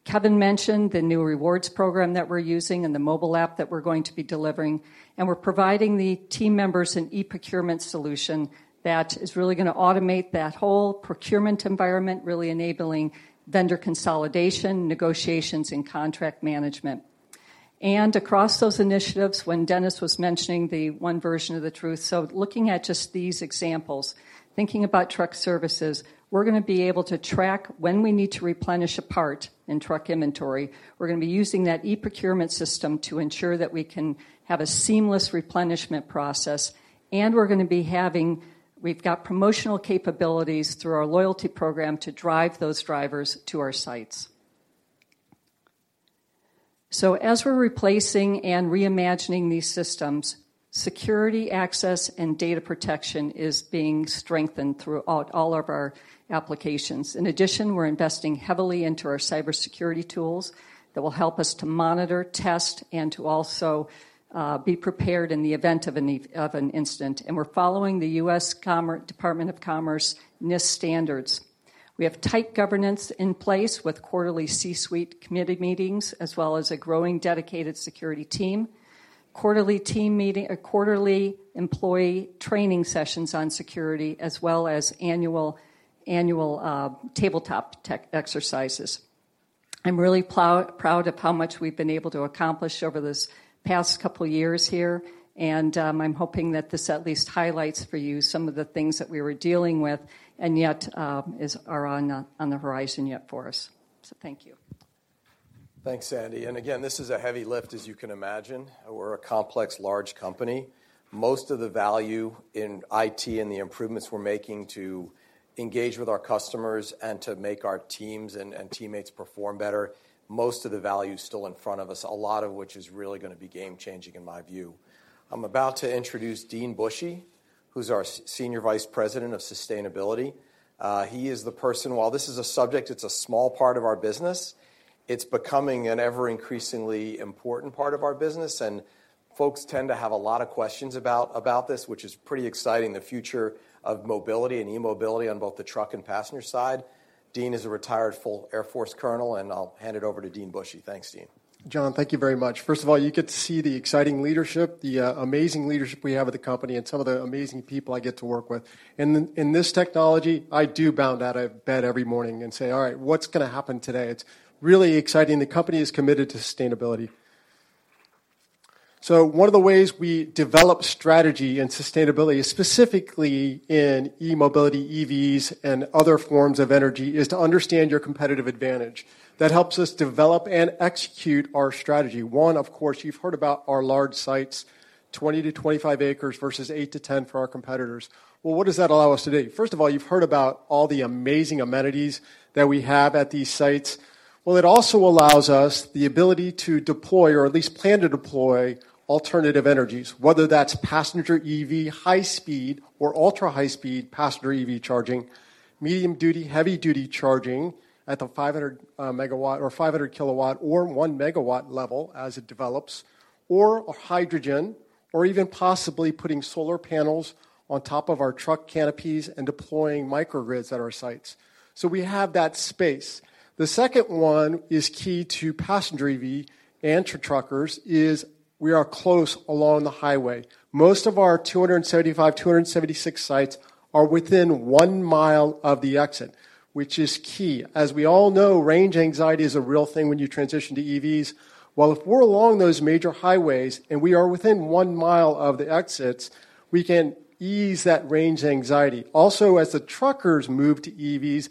Kevin mentioned the new rewards program that we're using and the mobile app that we're going to be delivering, and we're providing the team members an e-procurement solution that is really gonna automate that whole procurement environment, really enabling vendor consolidation, negotiations, and contract management. Across those initiatives, when Dennis was mentioning the one version of the truth, looking at just these examples, thinking about truck services, we're gonna be able to track when we need to replenish a part in truck inventory. We're gonna be using that e-procurement system to ensure that we can have a seamless replenishment process, and we've got promotional capabilities through our loyalty program to drive those drivers to our sites. As we're replacing and reimagining these systems, security access and data protection is being strengthened throughout all of our applications. In addition, we're investing heavily into our cybersecurity tools that will help us to monitor, test, and to also be prepared in the event of an incident. We're following the U.S. Department of Commerce NIST standards. We have tight governance in place with quarterly C-suite committee meetings, as well as a growing dedicated security team, quarterly team meeting, quarterly employee training sessions on security, as well as annual tabletop tech exercises. I'm really proud of how much we've been able to accomplish over this past couple years here, and I'm hoping that this at least highlights for you some of the things that we were dealing with and yet are on the horizon yet for us. Thank you. Thanks, Sandy. Again, this is a heavy lift, as you can imagine. We're a complex, large company. Most of the value in IT and the improvements we're making to engage with our customers and to make our teams and teammates perform better, most of the value is still in front of us, a lot of which is really gonna be game-changing in my view. I'm about to introduce Dean Bushey, who's our Senior Vice President of Sustainability. He is the person. While this is a subject, it's a small part of our business, it's becoming an ever-increasingly important part of our business, and folks tend to have a lot of questions about this, which is pretty exciting, the future of mobility and e-mobility on both the truck and passenger side. Dean is a retired full Air Force colonel, and I'll hand it over to Dean Bushey. Thanks, Dean. Jon, thank you very much. First of all, you get to see the exciting leadership, the amazing leadership we have at the company and some of the amazing people I get to work with. In this technology, I do bound out of bed every morning and say, "All right, what's gonna happen today?" It's really exciting. The company is committed to sustainability. One of the ways we develop strategy and sustainability, specifically in e-mobility, EVs, and other forms of energy, is to understand your competitive advantage. That helps us develop and execute our strategy. One, of course, you've heard about our large sites, 20-25 acres versus 8-10 for our competitors. Well, what does that allow us to do? First of all, you've heard about all the amazing amenities that we have at these sites. Well, it also allows us the ability to deploy or at least plan to deploy alternative energies, whether that's passenger EV, high speed or ultra high speed passenger EV charging, medium duty, heavy duty charging at the 500-MW or 500-kW or 1-MW level as it develops, or hydrogen or even possibly putting solar panels on top of our truck canopies and deploying microgrids at our sites. We have that space. The second one is key to passenger EV and to truckers is we are close along the highway. Most of our 275-276 sites are within 1 mile of the exit, which is key. As we all know, range anxiety is a real thing when you transition to EVs. Well, if we're along those major highways, and we are within 1 mile of the exits, we can ease that range anxiety. Also, as the truckers move to EVs,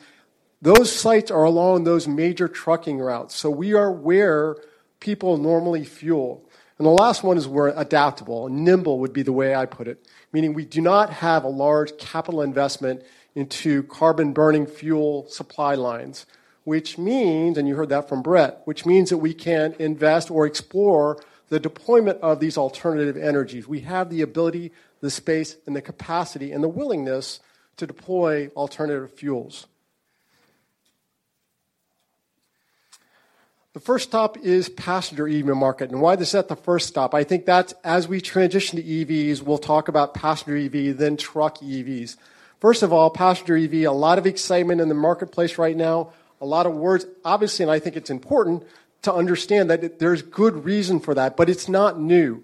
those sites are along those major trucking routes. We are where people normally fuel. The last one is we're adaptable, and nimble would be the way I put it, meaning we do not have a large capital investment into carbon burning fuel supply lines, which means, and you heard that from Brett, which means that we can invest or explore the deployment of these alternative energies. We have the ability, the space, and the capacity, and the willingness to deploy alternative fuels. The first stop is passenger EV market. Why is that the first stop? I think that's as we transition to EVs, we'll talk about passenger EV, then truck EVs. First of all, passenger EV, a lot of excitement in the marketplace right now, a lot of words. Obviously, and I think it's important to understand that there's good reason for that, but it's not new.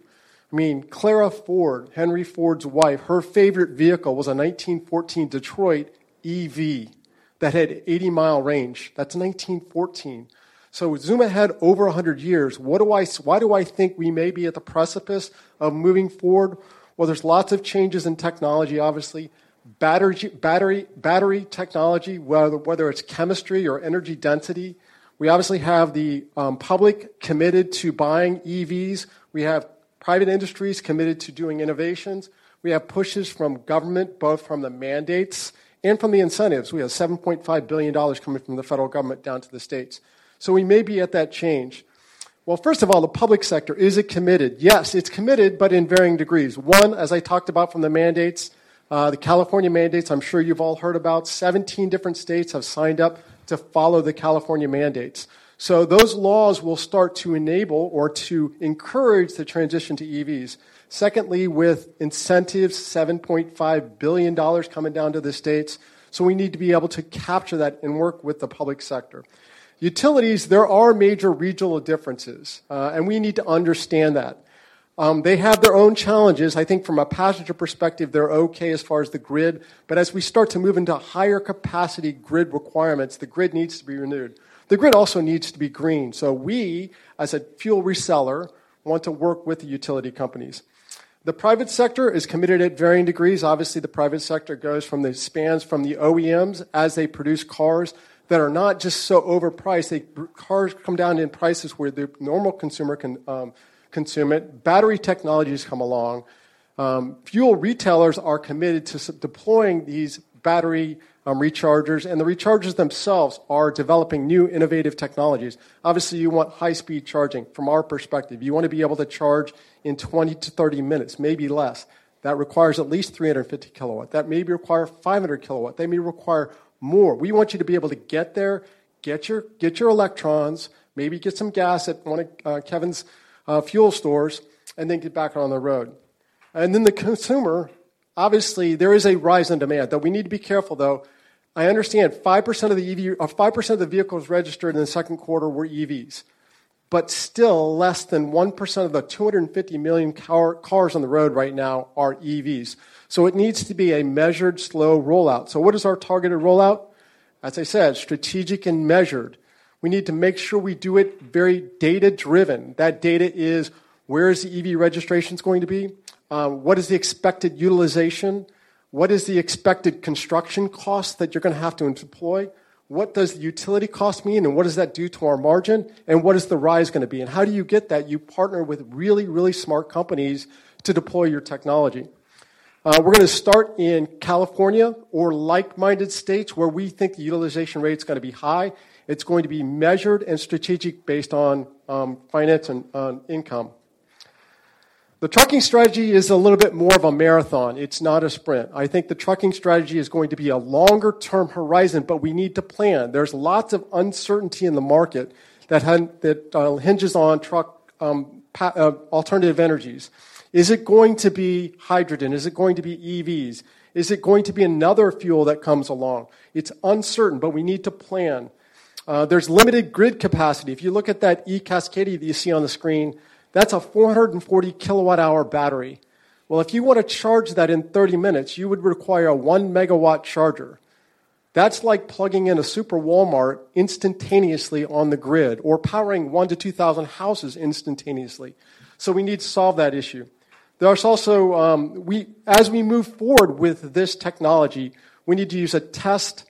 I mean, Clara Ford, Henry Ford's wife, her favorite vehicle was a 1914 Detroit Electric that had 80-mile range. That's 1914. Zoom ahead over 100 years, why do I think we may be at the precipice of moving forward? Well, there's lots of changes in technology, obviously. Battery technology, whether it's chemistry or energy density. We obviously have the public committed to buying EVs. We have private industries committed to doing innovations. We have pushes from government, both from the mandates and from the incentives. We have $7.5 billion coming from the federal government down to the states. We may be at that change. Well, first of all, the public sector, is it committed? Yes, it's committed, but in varying degrees. One, as I talked about from the mandates, the California mandates, I'm sure you've all heard about, 17 different states have signed up to follow the California mandates. Those laws will start to enable or to encourage the transition to EVs. Secondly, with incentives, $7.5 billion coming down to the states. We need to be able to capture that and work with the public sector. Utilities, there are major regional differences, and we need to understand that. They have their own challenges. I think from a passenger perspective, they're okay as far as the grid, but as we start to move into higher capacity grid requirements, the grid needs to be renewed. The grid also needs to be green. We, as a fuel reseller, want to work with the utility companies. The private sector is committed at varying degrees. Obviously, the private sector spans from the OEMs as they produce cars that are not just so overpriced. The cars come down in prices where the normal consumer can consume it. Battery technologies come along. Fuel retailers are committed to deploying these battery rechargers, and the rechargers themselves are developing new innovative technologies. Obviously, you want high-speed charging from our perspective. You wanna be able to charge in 20 to 30 minutes, maybe less. That requires at least 350 kW. That may require 500 kW. They may require more. We want you to be able to get there, get your electrons, maybe get some gas at one of Kevin's fuel stores, and then get back on the road. Then the consumer, obviously, there is a rise in demand, though we need to be careful, though. I understand 5% of the EV or 5% of the vehicles registered in the second quarter were EVs. Still, less than 1% of the 250 million cars on the road right now are EVs. It needs to be a measured, slow rollout. What is our targeted rollout? As I said, strategic and measured. We need to make sure we do it very data-driven. That data is, where is the EV registrations going to be? What is the expected utilization? What is the expected construction cost that you're gonna have to employ? What does utility cost mean, and what does that do to our margin? And what is the rise gonna be? And how do you get that? You partner with really, really smart companies to deploy your technology. We're gonna start in California or like-minded states where we think the utilization rate's gonna be high. It's going to be measured and strategic based on finance and income. The trucking strategy is a little bit more of a marathon. It's not a sprint. I think the trucking strategy is going to be a longer-term horizon, but we need to plan. There's lots of uncertainty in the market that hinges on truck alternative energies. Is it going to be hydrogen? Is it going to be EVs? Is it going to be another fuel that comes along? It's uncertain, but we need to plan. There's limited grid capacity. If you look at that eCascadia that you see on the screen, that's a 440 kWh battery. Well, if you wanna charge that in 30 minutes, you would require a 1 MW charger. That's like plugging in a Super Walmart instantaneously on the grid or powering 1-2,000 houses instantaneously. We need to solve that issue. There's also, as we move forward with this technology, we need to use a test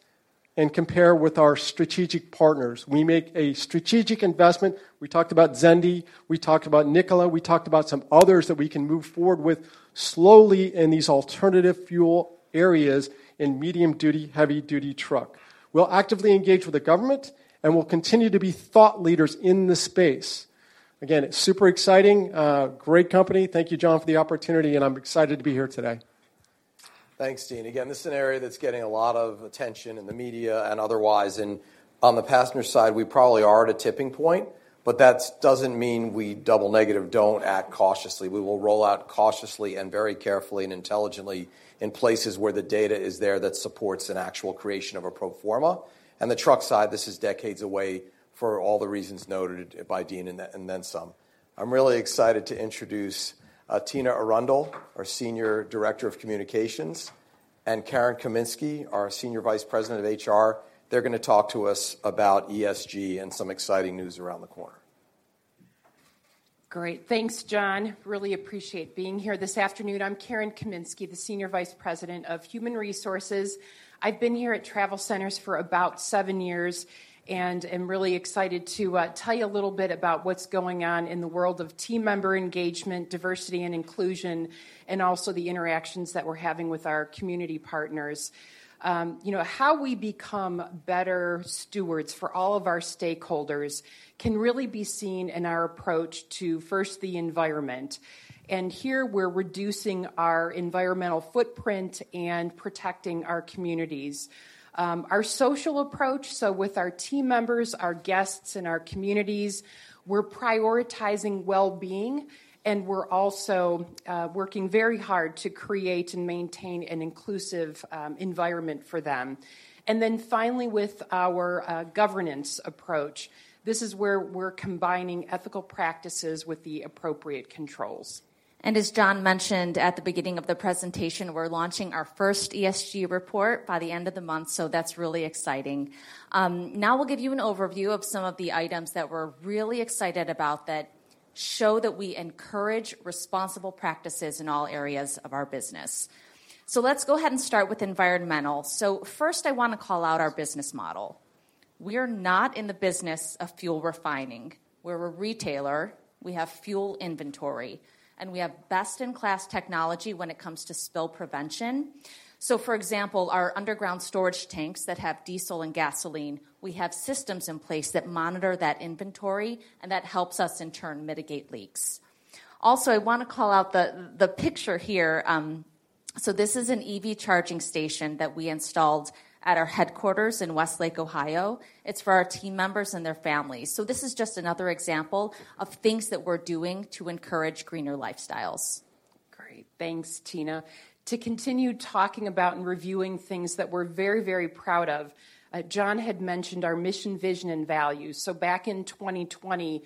and compare with our strategic partners. We make a strategic investment. We talked about Xendee, we talked about Nikola, we talked about some others that we can move forward with slowly in these alternative fuel areas in medium-duty, heavy-duty truck. We'll actively engage with the government, and we'll continue to be thought leaders in this space. Again, it's super exciting, great company. Thank you, Jon, for the opportunity, and I'm excited to be here today. Thanks, Dean. Again, this is an area that's getting a lot of attention in the media and otherwise. On the passenger side, we probably are at a tipping point, but that doesn't mean we don't act cautiously. We will roll out cautiously and very carefully and intelligently in places where the data is there that supports an actual creation of a pro forma. The truck side, this is decades away for all the reasons noted by Dean and then some. I'm really excited to introduce Tina Arundel, our Senior Director of Communications, and Karen Kaminski, our Senior Vice President of Human Resources. They're gonna talk to us about ESG and some exciting news around the corner. Great. Thanks, Jon. Really appreciate being here this afternoon. I'm Karen Kaminski, the Senior Vice President of Human Resources. I've been here at TravelCenters for about seven years, and I'm really excited to tell you a little bit about what's going on in the world of team member engagement, diversity and inclusion, and also the interactions that we're having with our community partners. You know, how we become better stewards for all of our stakeholders can really be seen in our approach to, first, the environment. Here we're reducing our environmental footprint and protecting our communities. Our social approach with our team members, our guests, and our communities, we're prioritizing well-being, and we're also working very hard to create and maintain an inclusive environment for them. Finally with our governance approach, this is where we're combining ethical practices with the appropriate controls. As Jon mentioned at the beginning of the presentation, we're launching our first ESG report by the end of the month, so that's really exciting. Now we'll give you an overview of some of the items that we're really excited about that show that we encourage responsible practices in all areas of our business. Let's go ahead and start with environmental. First I wanna call out our business model. We're not in the business of fuel refining. We're a retailer. We have fuel inventory, and we have best-in-class technology when it comes to spill prevention. For example, our underground storage tanks that have diesel and gasoline, we have systems in place that monitor that inventory, and that helps us in turn mitigate leaks. Also, I wanna call out the picture here, this is an EV charging station that we installed at our headquarters in Westlake, Ohio. It's for our team members and their families. This is just another example of things that we're doing to encourage greener lifestyles. Great. Thanks, Tina. To continue talking about and reviewing things that we're very, very proud of, Jon had mentioned our mission, vision, and values. Back in 2020,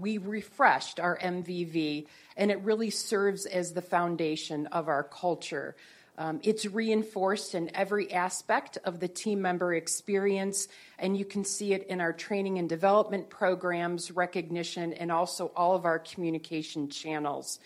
we refreshed our MVV, and it really serves as the foundation of our culture. It's reinforced in every aspect of the team member experience, and you can see it in our training and development programs, recognition, and also all of our communication channels.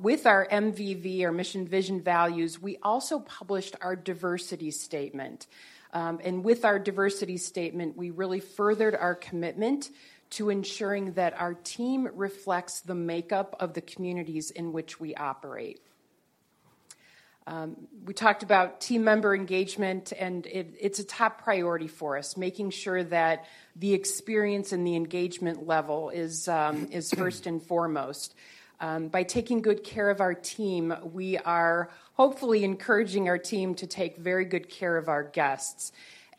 With our MVV, our mission, vision, values, we also published our diversity statement. With our diversity statement, we really furthered our commitment to ensuring that our team reflects the makeup of the communities in which we operate. We talked about team member engagement, and it's a top priority for us, making sure that the experience and the engagement level is first and foremost. By taking good care of our team, we are hopefully encouraging our team to take very good care of our guests.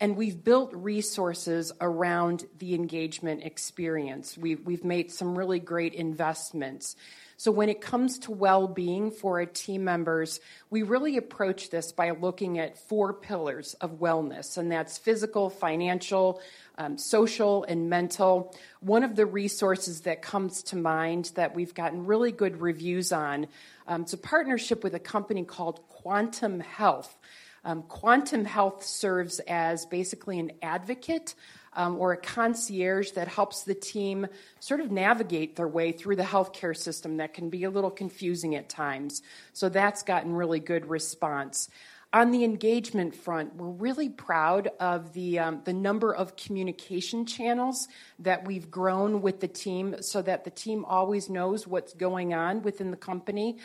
We've built resources around the engagement experience. We've made some really great investments. When it comes to well-being for our team members, we really approach this by looking at four pillars of wellness, and that's physical, financial, social, and mental. One of the resources that comes to mind that we've gotten really good reviews on, it's a partnership with a company called Quantum Health. Quantum Health serves as basically an advocate, or a concierge that helps the team sort of navigate their way through the healthcare system that can be a little confusing at times. That's gotten really good response. On the engagement front, we're really proud of the number of communication channels that we've grown with the team so that the team always knows what's going on within the company.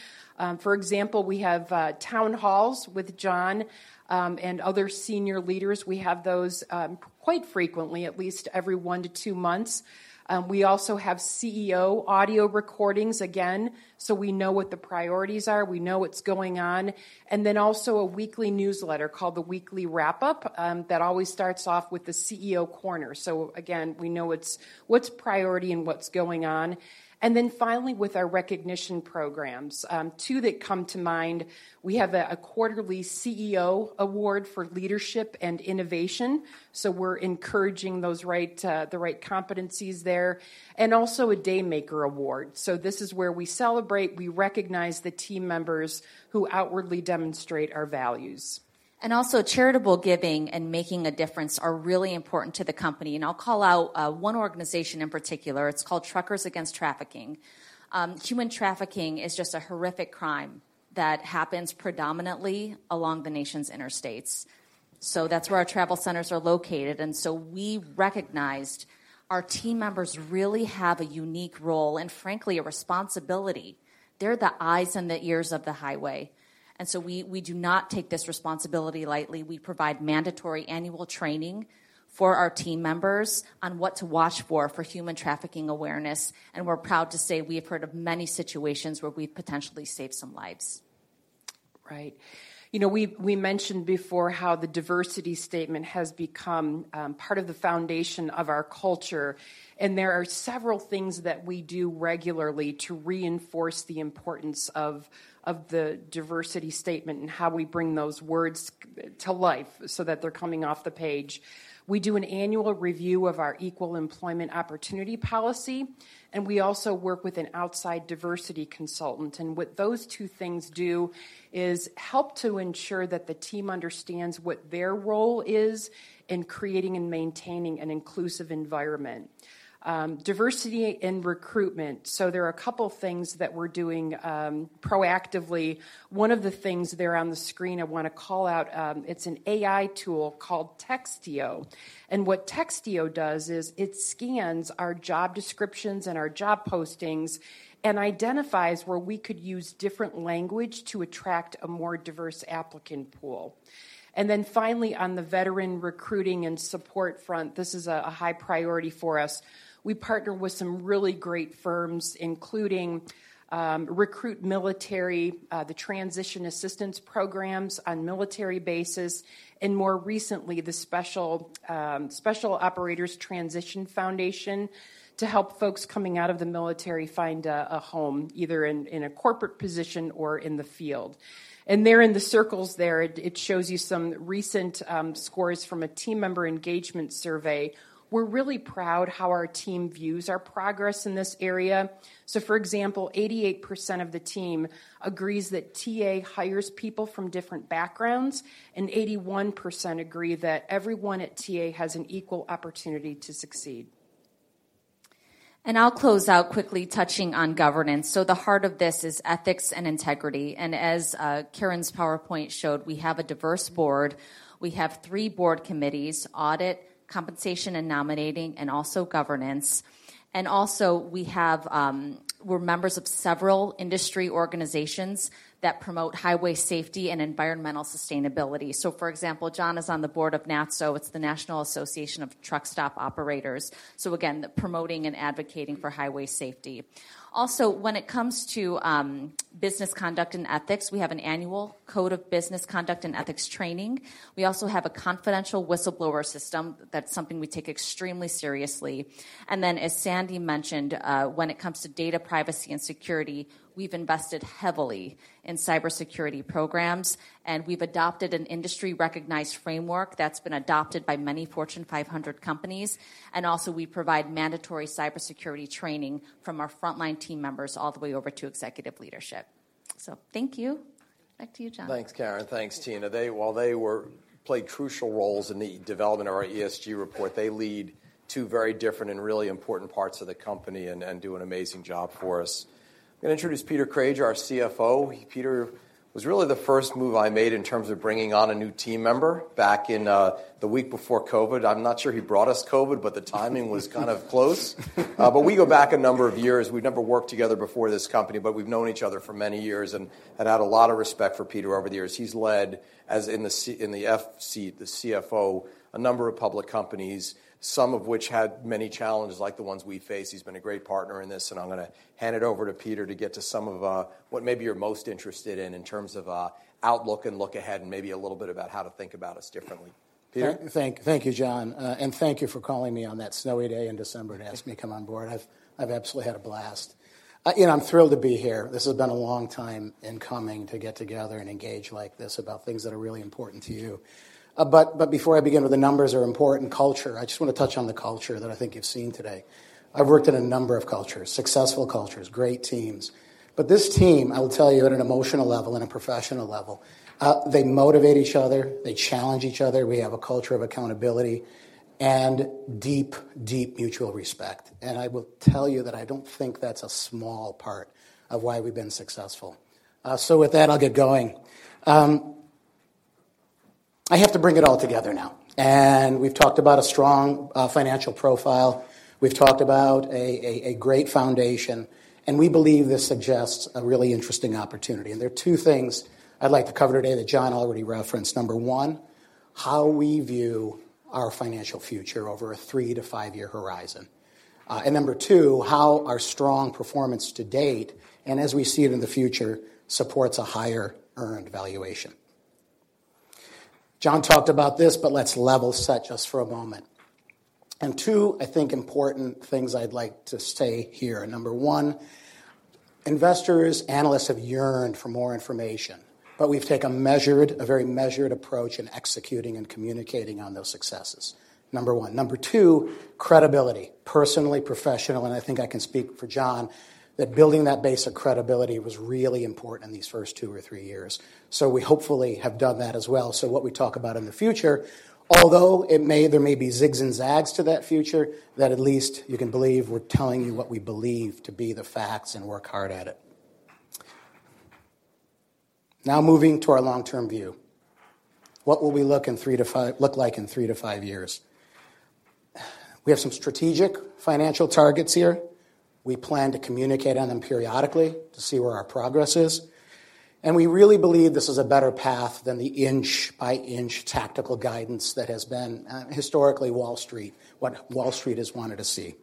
For example, we have town halls with Jon and other senior leaders. We have those quite frequently, at least every one to two months. We also have CEO audio recordings, again, so we know what the priorities are, we know what's going on. We have a weekly newsletter called The Weekly Wrap-Up that always starts off with the CEO Corner. We know what's priority and what's going on. With our recognition programs, two that come to mind, we have a quarterly CEO award for leadership and innovation, so we're encouraging those right, the right competencies there, and also a Daymaker award. This is where we celebrate, we recognize the team members who outwardly demonstrate our values. Also charitable giving and making a difference are really important to the company. I'll call out one organization in particular. It's called Truckers Against Trafficking. Human trafficking is just a horrific crime that happens predominantly along the nation's interstates. That's where our travel centers are located. We recognized our team members really have a unique role and frankly, a responsibility. They're the eyes and the ears of the highway. We do not take this responsibility lightly. We provide mandatory annual training for our team members on what to watch for, for human trafficking awareness. We're proud to say we have heard of many situations where we've potentially saved some lives. Right. You know, we mentioned before how the diversity statement has become part of the foundation of our culture, and there are several things that we do regularly to reinforce the importance of the diversity statement and how we bring those words to life so that they're coming off the page. We do an annual review of our equal employment opportunity policy, and we also work with an outside diversity consultant. What those two things do is help to ensure that the team understands what their role is in creating and maintaining an inclusive environment. Diversity and recruitment. There are a couple things that we're doing proactively. One of the things there on the screen I wanna call out, it's an AI tool called Textio. What Textio does is it scans our job descriptions and our job postings and identifies where we could use different language to attract a more diverse applicant pool. Finally, on the veteran recruiting and support front, this is a high priority for us. We partner with some really great firms, including RecruitMilitary, the Transition Assistance Program on military bases, and more recently, the Special Operators Transition Foundation to help folks coming out of the military find a home, either in a corporate position or in the field. There in the circles there, it shows you some recent scores from a team member engagement survey. We're really proud of how our team views our progress in this area. For example, 88% of the team agrees that TA hires people from different backgrounds, and 81% agree that everyone at TA has an equal opportunity to succeed. I'll close out quickly touching on governance. The heart of this is ethics and integrity. As Karen's PowerPoint showed, we have a diverse board. We have three board committees, audit, compensation, and nominating, and also governance. We have, we're members of several industry organizations that promote highway safety and environmental sustainability. For example, Jon is on the board of NATSO. It's the National Association of Truck Stop Operators. Again, promoting and advocating for highway safety. Also, when it comes to, business conduct and ethics, we have an annual code of business conduct and ethics training. We also have a confidential whistleblower system. That's something we take extremely seriously. As Sandy mentioned, when it comes to data privacy and security, we've invested heavily in cybersecurity programs, and we've adopted an industry-recognized framework that's been adopted by many Fortune 500 companies. We provide mandatory cybersecurity training from our frontline team members all the way over to executive leadership. Thank you. Back to you, Jon. Thanks, Karen. Thanks, Tina. They played crucial roles in the development of our ESG report, they lead two very different and really important parts of the company and do an amazing job for us. Gonna introduce Peter Crage, our CFO. Peter was really the first move I made in terms of bringing on a new team member back in the week before COVID. I'm not sure he brought us COVID, but the timing was kind of close. We go back a number of years. We'd never worked together before this company, but we've known each other for many years and had a lot of respect for Peter over the years. He's led, as in the F seat, the CFO, a number of public companies, some of which had many challenges like the ones we face. He's been a great partner in this, and I'm gonna hand it over to Peter to get to some of, what maybe you're most interested in terms of, outlook and look ahead, and maybe a little bit about how to think about us differently. Peter. Thank you, Jon. And thank you for calling me on that snowy day in December to ask me to come on board. I've absolutely had a blast. You know, I'm thrilled to be here. This has been a long time in coming to get together and engage like this about things that are really important to you. But before I begin with the numbers. Our important culture, I just wanna touch on the culture that I think you've seen today. I've worked in a number of cultures, successful cultures, great teams, but this team, I will tell you at an emotional level and a professional level, they motivate each other, they challenge each other. We have a culture of accountability and deep mutual respect. I will tell you that I don't think that's a small part of why we've been successful. With that, I'll get going. I have to bring it all together now. We've talked about a strong financial profile. We've talked about a great foundation, and we believe this suggests a really interesting opportunity. There are two things I'd like to cover today that Jon already referenced. Number one, how we view our financial future over a three-five year horizon. Number two, how our strong performance to date, and as we see it in the future, supports a higher earned valuation. Jon talked about this, but let's level set just for a moment. Two, I think, important things I'd like to say here. Number one, Investors, analysts have yearned for more information, but we've taken a very measured approach in executing and communicating on those successes, number one. Number two, credibility, personally, professional, and I think I can speak for Jon that building that base of credibility was really important in these first two or three years. We hopefully have done that as well. What we talk about in the future, although there may be zigs and zags to that future, that at least you can believe we're telling you what we believe to be the facts and work hard at it. Now moving to our long-term view. What will we look like in three-five years? We have some strategic financial targets here. We plan to communicate on them periodically to see where our progress is, and we really believe this is a better path than the inch-by-inch tactical guidance that has been, historically Wall Street, what Wall Street has wanted to see.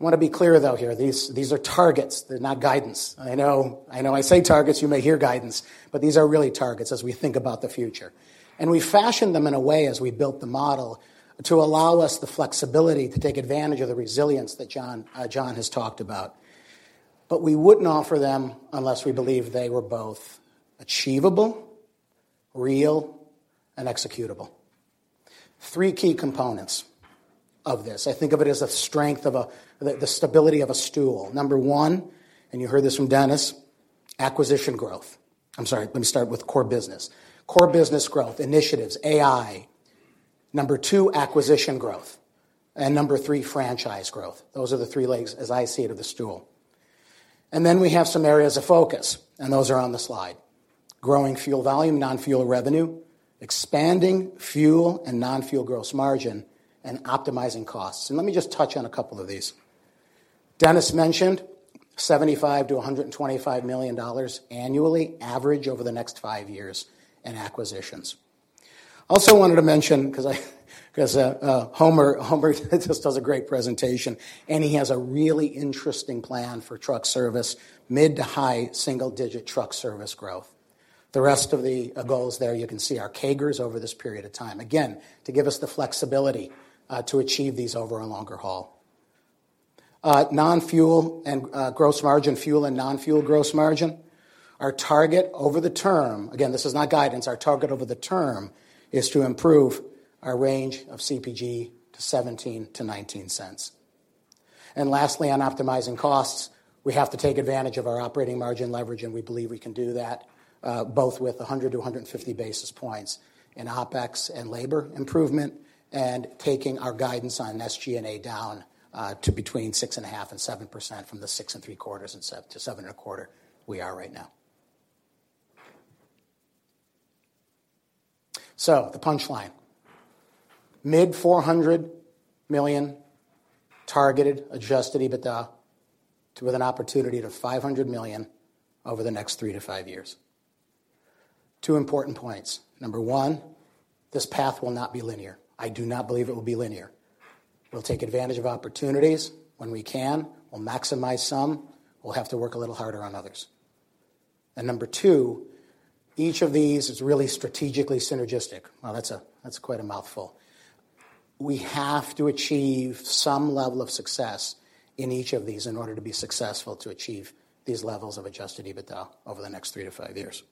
I wanna be clear, though, here. These are targets. They're not guidance. I know I say targets, you may hear guidance, but these are really targets as we think about the future. We fashioned them in a way as we built the model to allow us the flexibility to take advantage of the resilience that Jon has talked about. We wouldn't offer them unless we believed they were both achievable, real, and executable. Three key components of this. I think of it as the stability of a stool. Number one, you heard this from Dennis King, acquisition growth. I'm sorry, let me start with core business. Core business growth, initiatives, AI. Number two, acquisition growth. Number three, franchise growth. Those are the three legs, as I see it, of the stool. We have some areas of focus, and those are on the slide. Growing fuel volume, non-fuel revenue, expanding fuel and non-fuel gross margin, and optimizing costs. Let me just touch on a couple of these. Dennis mentioned $75 million-$125 million annually average over the next five years in acquisitions. Also wanted to mention, 'cause Homer just does a great presentation, and he has a really interesting plan for truck service, mid- to high-single-digit truck service growth. The rest of the goals there you can see are CAGRs over this period of time. Again, to give us the flexibility to achieve these over a longer haul. Non-fuel and gross margin, fuel and non-fuel gross margin, our target over the term, again, this is not guidance, our target over the term is to improve our range of CPG to $0.17-$0.19. Lastly, on optimizing costs, we have to take advantage of our operating margin leverage, and we believe we can do that, both with 100-150 basis points in OpEx and labor improvement and taking our guidance on SG&A down to between 6.5% and 7% from the 6.75% and 7%-7.25% we are right now. The punchline. Mid-$400 million targeted adjusted EBITDA, with an opportunity to $500 million over the next three-five years. Two important points. Number one, this path will not be linear. I do not believe it will be linear. We'll take advantage of opportunities when we can. We'll maximize some. We'll have to work a little harder on others. Number two, each of these is really strategically synergistic. Wow, that's quite a mouthful. We have to achieve some level of success in each of these in order to be successful to achieve these levels of adjusted EBITDA over the next three to five years.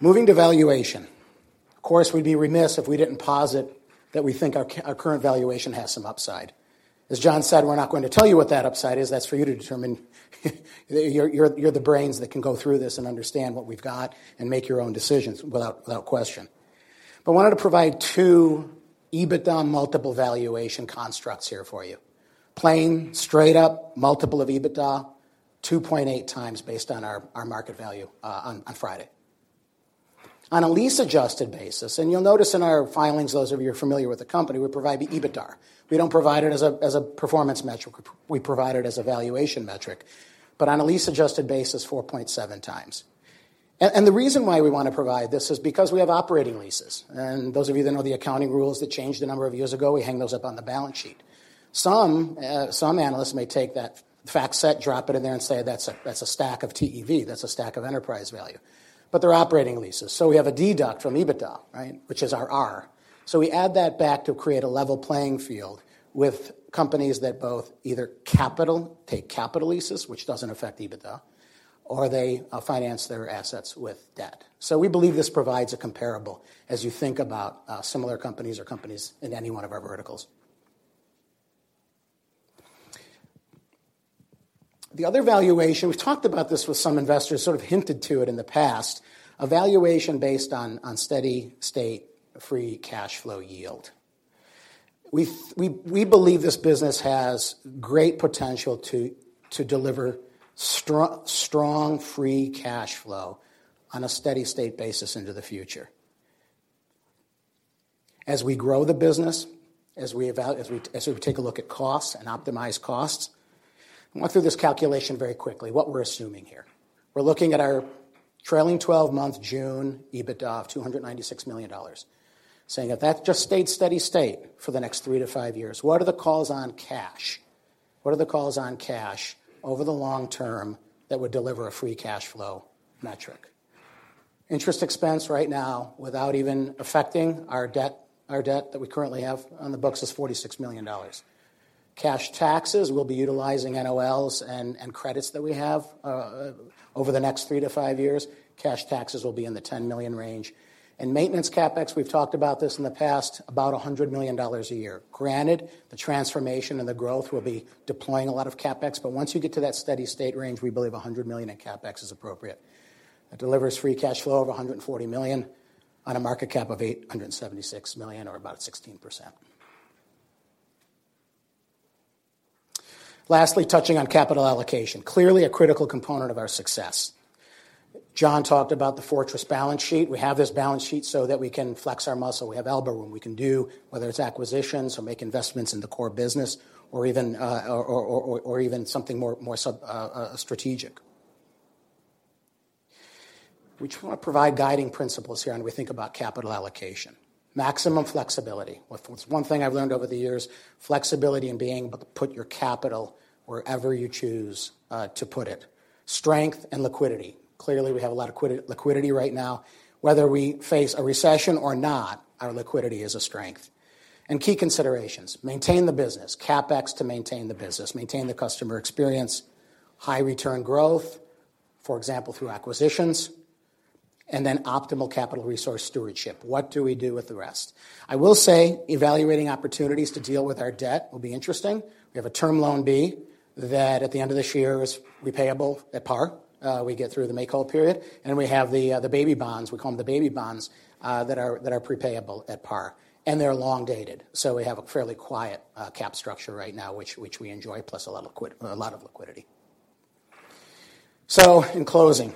Moving to valuation. Of course, we'd be remiss if we didn't posit that we think our current valuation has some upside. As Jon said, we're not going to tell you what that upside is. That's for you to determine. You're the brains that can go through this and understand what we've got and make your own decisions without question. Wanted to provide two EBITDA multiple valuation constructs here for you. Plain, straight up multiple of EBITDA, 2.8x based on our market value on Friday. On a lease-adjusted basis, you'll notice in our filings, those of you who are familiar with the company, we provide the EBITDAR. We don't provide it as a performance metric. We provide it as a valuation metric. On a lease-adjusted basis, 4.7x. The reason why we wanna provide this is because we have operating leases. Those of you that know the accounting rules that changed a number of years ago, we hang those up on the balance sheet. Some analysts may take that fact set, drop it in there, and say, "That's a stack of TEV. That's a stack of enterprise value. They're operating leases, so we have a deduct from EBITDA, right? Which is our R. We add that back to create a level playing field with companies that take capital leases, which doesn't affect EBITDA, or they finance their assets with debt. We believe this provides a comparable as you think about similar companies or companies in any one of our verticals. The other valuation, we've talked about this with some investors, sort of hinted to it in the past, a valuation based on steady-state free cash flow yield. We believe this business has great potential to deliver strong free cash flow on a steady-state basis into the future. As we grow the business, as we take a look at costs and optimize costs. I'll run through this calculation very quickly, what we're assuming here. We're looking at our trailing twelve-month June EBITDA of $296 million, saying if that just stayed steady state for the next three to five years, what are the calls on cash? What are the calls on cash over the long term that would deliver a free cash flow metric? Interest expense right now, without even affecting our debt, our debt that we currently have on the books is $46 million. Cash taxes, we'll be utilizing NOLs and credits that we have over the next three to five years. Cash taxes will be in the $10 million range. Maintenance CapEx, we've talked about this in the past, about $100 million a year. Granted, the transformation and the growth will be deploying a lot of CapEx, but once you get to that steady-state range, we believe $100 million in CapEx is appropriate. It delivers free cash flow of $140 million on a market cap of $876 million, or about 16%. Lastly, touching on capital allocation. Clearly a critical component of our success. Jon talked about the fortress balance sheet. We have this balance sheet so that we can flex our muscle. We have elbow room. We can do, whether it's acquisitions or make investments in the core business or even something more strategic. We try to provide guiding principles here when we think about capital allocation. Maximum flexibility. One thing I've learned over the years, flexibility in being able to put your capital wherever you choose to put it. Strength and liquidity. Clearly, we have a lot of liquidity right now. Whether we face a recession or not, our liquidity is a strength. Key considerations, maintain the business, CapEx to maintain the business, maintain the customer experience, high return growth, for example, through acquisitions, and then optimal capital resource stewardship. What do we do with the rest? I will say evaluating opportunities to deal with our debt will be interesting. We have a Term Loan B that at the end of this year is repayable at par. We get through the make-whole period. We have the Baby Bonds, we call them the Baby Bonds, that are prepayable at par, and they're long-dated. We have a fairly quiet capital structure right now which we enjoy, plus a lot of liquidity. In closing,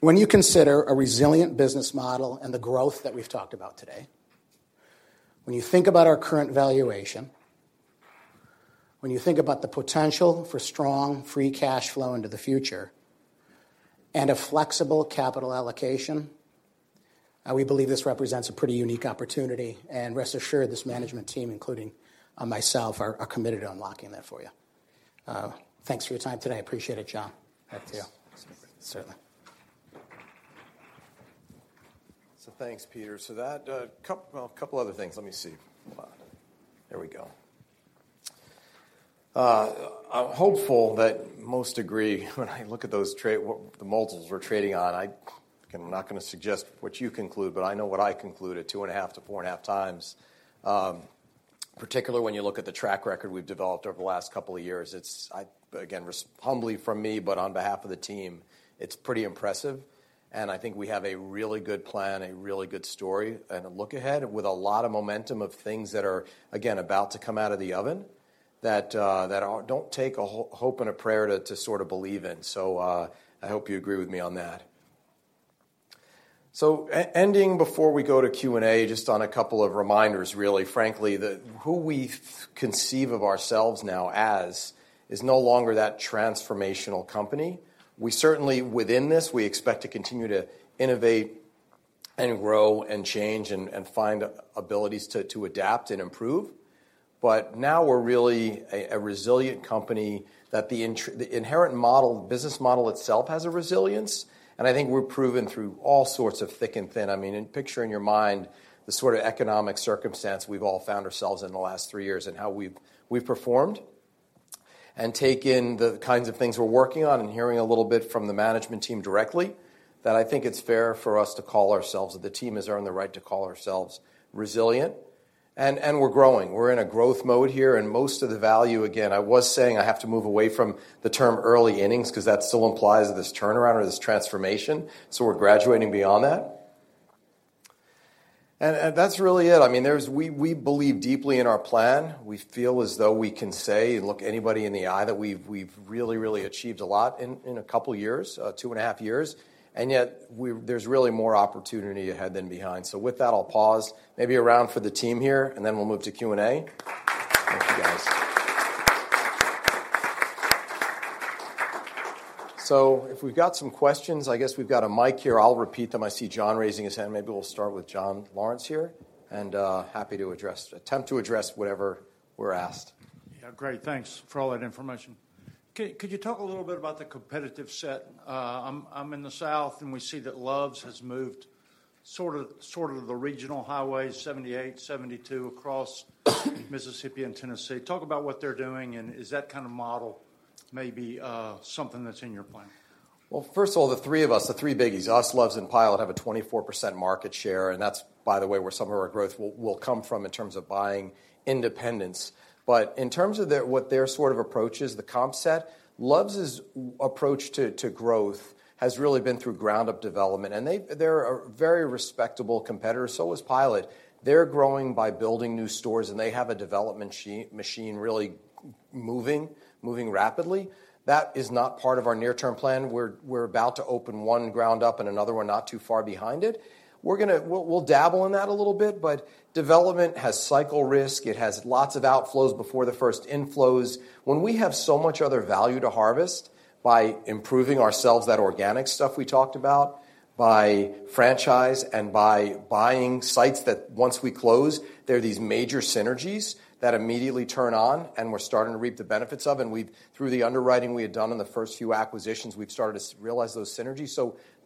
when you consider a resilient business model and the growth that we've talked about today, when you think about our current valuation, when you think about the potential for strong free cash flow into the future and a flexible capital allocation, we believe this represents a pretty unique opportunity. Rest assured, this management team, including myself, are committed to unlocking that for you. Thanks for your time today. I appreciate it, Jon. Back to you. Thanks. Certainly. Thanks, Peter. Well, a couple other things. Let me see. Hold on. There we go. I'm hopeful that most agree when I look at the multiples we're trading on. I'm not gonna suggest what you conclude, but I know what I conclude at 2.5x-4.5x. Particularly when you look at the track record we've developed over the last couple of years, it's. I, again, humbly from me, but on behalf of the team, it's pretty impressive. I think we have a really good plan, a really good story and a look ahead with a lot of momentum of things that are, again, about to come out of the oven that don't take a hope and a prayer to sort of believe in. I hope you agree with me on that. Ending before we go to Q&A, just on a couple of reminders, really, frankly, who we conceive of ourselves now as is no longer that transformational company. We certainly, within this, expect to continue to innovate and grow and change and find abilities to adapt and improve. Now we're really a resilient company that the inherent model, business model itself has a resilience. I think we're proven through all sorts of thick and thin. I mean, picture in your mind the sort of economic circumstance we've all found ourselves in the last three years and how we've performed, and take in the kinds of things we're working on and hearing a little bit from the management team directly, that I think it's fair for us to call ourselves, the team has earned the right to call ourselves resilient. We're growing. We're in a growth mode here, and most of the value, again, I was saying I have to move away from the term early innings because that still implies this turnaround or this transformation. We're graduating beyond that. That's really it. I mean, we believe deeply in our plan. We feel as though we can say, look anybody in the eye that we've really achieved a lot in a couple years, 2.5 years. Yet there's really more opportunity ahead than behind. With that, I'll pause. Maybe a round for the team here, and then we'll move to Q&A. Thank you, guys. If we've got some questions, I guess we've got a mic here. I'll repeat them. I see John raising his hand. Maybe we'll start with John Lawrence here. Happy to attempt to address whatever we're asked. Yeah, great. Thanks for all that information. Could you talk a little bit about the competitive set? I'm in the South, and we see that Love's has moved sort of the regional highways 78, 72 across Mississippi and Tennessee. Talk about what they're doing and is that kind of model maybe something that's in your plan? Well, first of all, the three of us, the three biggies, us, Love's, and Pilot have a 24% market share, and that's, by the way, where some of our growth will come from in terms of buying independents. In terms of their, what their sort of approach is, the comp set, Love's approach to growth has really been through ground-up development. They've they're a very respectable competitor. So is Pilot. They're growing by building new stores, and they have a development machine really moving rapidly. That is not part of our near-term plan. We're about to open one ground up and another one not too far behind it. We'll dabble in that a little bit, but development has cycle risk. It has lots of outflows before the first inflows. When we have so much other value to harvest by improving ourselves, that organic stuff we talked about, by franchise and by buying sites that once we close, there are these major synergies that immediately turn on and we're starting to reap the benefits of. We've, through the underwriting we had done in the first few acquisitions, started to realize those synergies.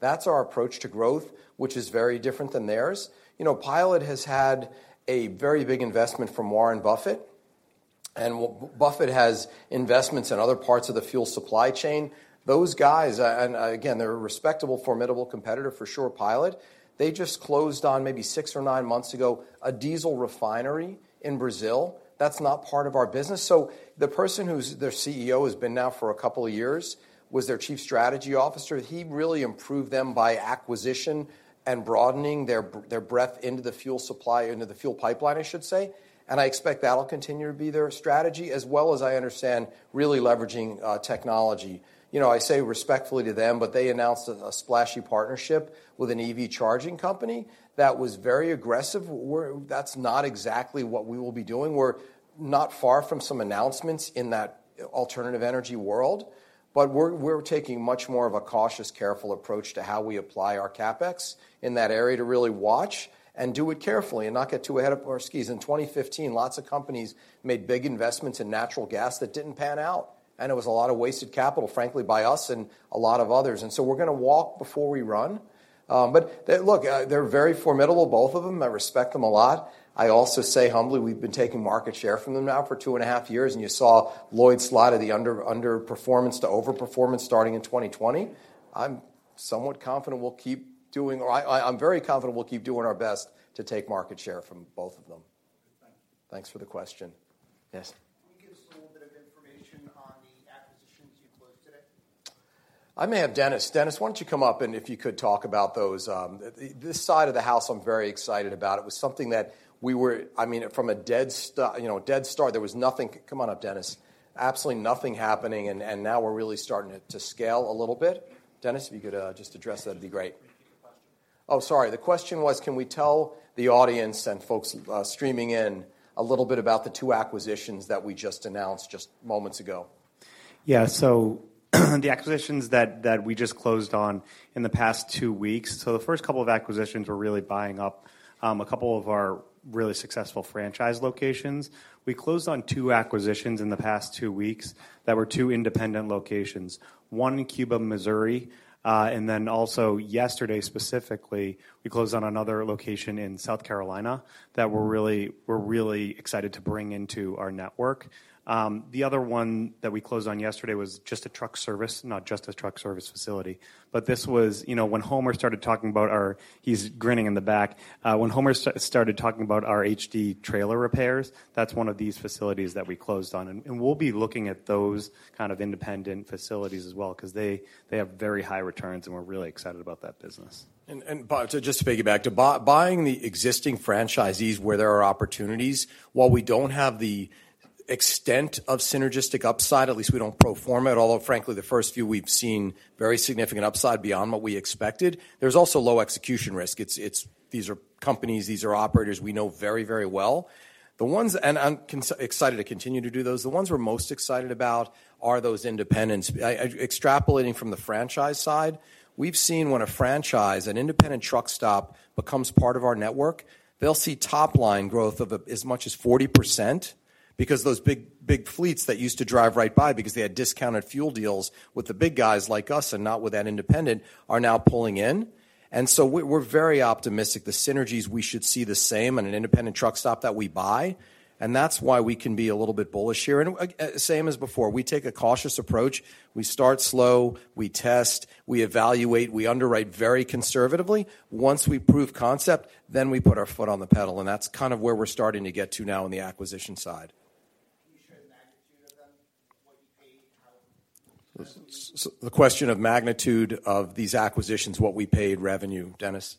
That's our approach to growth, which is very different than theirs. You know, Pilot has had a very big investment from Warren Buffett. And Warren Buffett has investments in other parts of the fuel supply chain. Those guys, and, again, they're a respectable, formidable competitor for sure, Pilot. They just closed on, maybe six or nine months ago, a diesel refinery in Brazil. That's not part of our business. The person who's their CEO has been now for a couple of years, was their chief strategy officer. He really improved them by acquisition and broadening their breadth into the fuel supply, into the fuel pipeline, I should say, and I expect that'll continue to be their strategy as well as I understand really leveraging technology. You know, I say respectfully to them, but they announced a splashy partnership with an EV charging company that was very aggressive. That's not exactly what we will be doing. We're not far from some announcements in that alternative energy world, but we're taking much more of a cautious, careful approach to how we apply our CapEx in that area to really watch and do it carefully and not get too ahead of our skis. In 2015, lots of companies made big investments in natural gas that didn't pan out, and it was a lot of wasted capital, frankly, by us and a lot of others. We're gonna walk before we run. They're very formidable, both of them. I respect them a lot. I also say humbly, we've been taking market share from them now for 2.5 years, and you saw Lloyd's slide of the underperformance to overperformance starting in 2020. I'm somewhat confident we'll keep doing. I'm very confident we'll keep doing our best to take market share from both of them. Thank you. Thanks for the question. Yes. Can you give us a little bit of information on the acquisitions you closed today? I may have Dennis. Dennis, why don't you come up, and if you could talk about those. This side of the house, I'm very excited about. It was something that we were. I mean, from a dead start, you know, there was nothing. Come on up, Dennis. Absolutely nothing happening, and now we're really starting to scale a little bit. Dennis, if you could just address that, it'd be great. Can you repeat the question? Oh, sorry. The question was, can we tell the audience and folks streaming in a little bit about the two acquisitions that we just announced just moments ago? Yeah. The acquisitions that we just closed on in the past two weeks. The first couple of acquisitions were really buying up a couple of our really successful franchise locations. We closed on two acquisitions in the past two weeks that were two independent locations, one in Cuba, Missouri, and then also yesterday, specifically, we closed on another location in South Carolina that we're really excited to bring into our network. The other one that we closed on yesterday was just a truck service, not just a truck service facility, but this was. You know, when Homer started talking about our. He's grinning in the back. When Homer started talking about our HD trailer repairs, that's one of these facilities that we closed on. We'll be looking at those kind of independent facilities as well 'cause they have very high returns, and we're really excited about that business. To just piggyback, buying the existing franchisees where there are opportunities, while we don't have the extent of synergistic upside, at least we don't pro forma it. Frankly, the first few we've seen very significant upside beyond what we expected. There's also low execution risk. These are companies, these are operators we know very well. I'm excited to continue to do those. The ones we're most excited about are those independents. Extrapolating from the franchise side, we've seen when a franchise, an independent truck stop, becomes part of our network, they'll see top line growth of as much as 40% because those big fleets that used to drive right by because they had discounted fuel deals with the big guys like us and not with that independent are now pulling in. We're very optimistic the synergies we should see the same in an independent truck stop that we buy, and that's why we can be a little bit bullish here. Same as before, we take a cautious approach. We start slow, we test, we evaluate, we underwrite very conservatively. Once we prove concept, then we put our foot on the pedal, and that's kind of where we're starting to get to now on the acquisition side. Can you share the magnitude of them, what you paid, how? The question of magnitude of these acquisitions, what we paid, revenue. Dennis?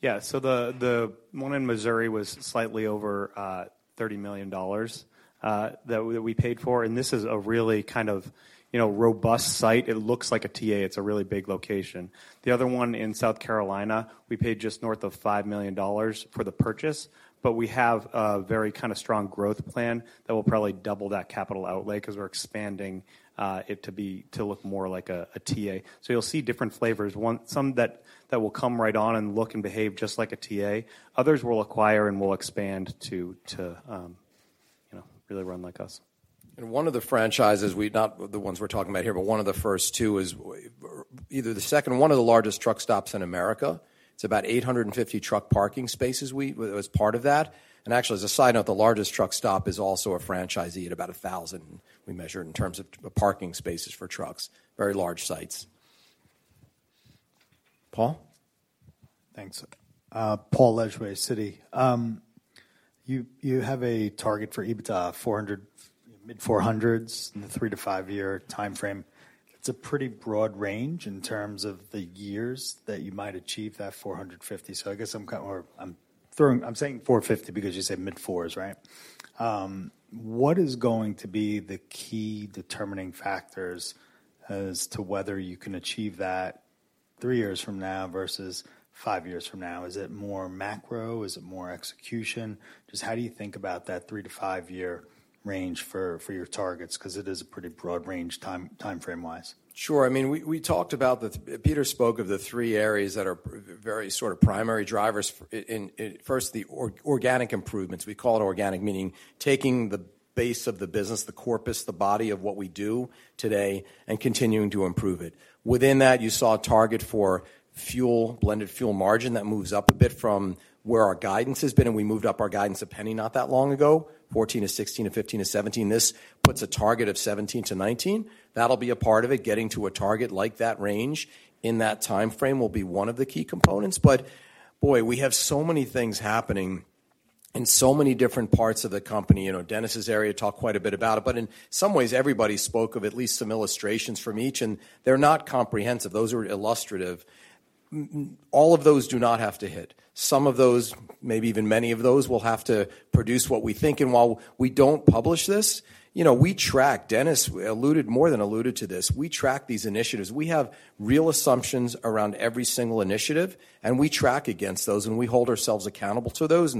Yeah. The one in Missouri was slightly over $30 million that we paid for, and this is a really kind of you know robust site. It looks like a TA. It's a really big location. The other one in South Carolina, we paid just north of $5 million for the purchase, but we have a very kinda strong growth plan that will probably double that capital outlay 'cause we're expanding it to be to look more like a TA. You'll see different flavors. Some that will come right on and look and behave just like a TA. Others we'll acquire and will expand to you know really run like us. One of the franchises. Not the ones we're talking about here, but one of the first two is either the second one of the largest truck stops in America. It's about 850 truck parking spaces as part of that. Actually, as a side note, the largest truck stop is also a franchisee at about 1,000, we measure in terms of parking spaces for trucks. Very large sites. Paul? Thanks. Paul Lejuez, Citi. You have a target for EBITDA, 400, mid-400s in the three-five-year timeframe. It's a pretty broad range in terms of the years that you might achieve that 450. I guess I'm saying 450 because you said mid-400s, right? What is going to be the key determining factors as to whether you can achieve that three years from now versus five years from now? Is it more macro? Is it more execution? Just how do you think about that three-five-year range for your targets? 'Cause it is a pretty broad range timeframe-wise. Sure. I mean, we talked about the Peter spoke of the three areas that are very sort of primary drivers. First, the organic improvements. We call it organic, meaning taking the base of the business, the corpus, the body of what we do today and continuing to improve it. Within that, you saw a target for fuel, blended fuel margin that moves up a bit from where our guidance has been, and we moved up our guidance a penny not that long ago, 14-16 to 15-17. This puts a target of 17-19. That'll be a part of it. Getting to a target like that range in that timeframe will be one of the key components. Boy, we have so many things happening in so many different parts of the company, you know. Dennis' area talked quite a bit about it, but in some ways, everybody spoke of at least some illustrations from each, and they're not comprehensive. Those are illustrative. All of those do not have to hit. Some of those, maybe even many of those, will have to produce what we think. While we don't publish this, you know, we track. Dennis alluded, more than alluded to this. We track these initiatives. We have real assumptions around every single initiative, and we track against those, and we hold ourselves accountable to those.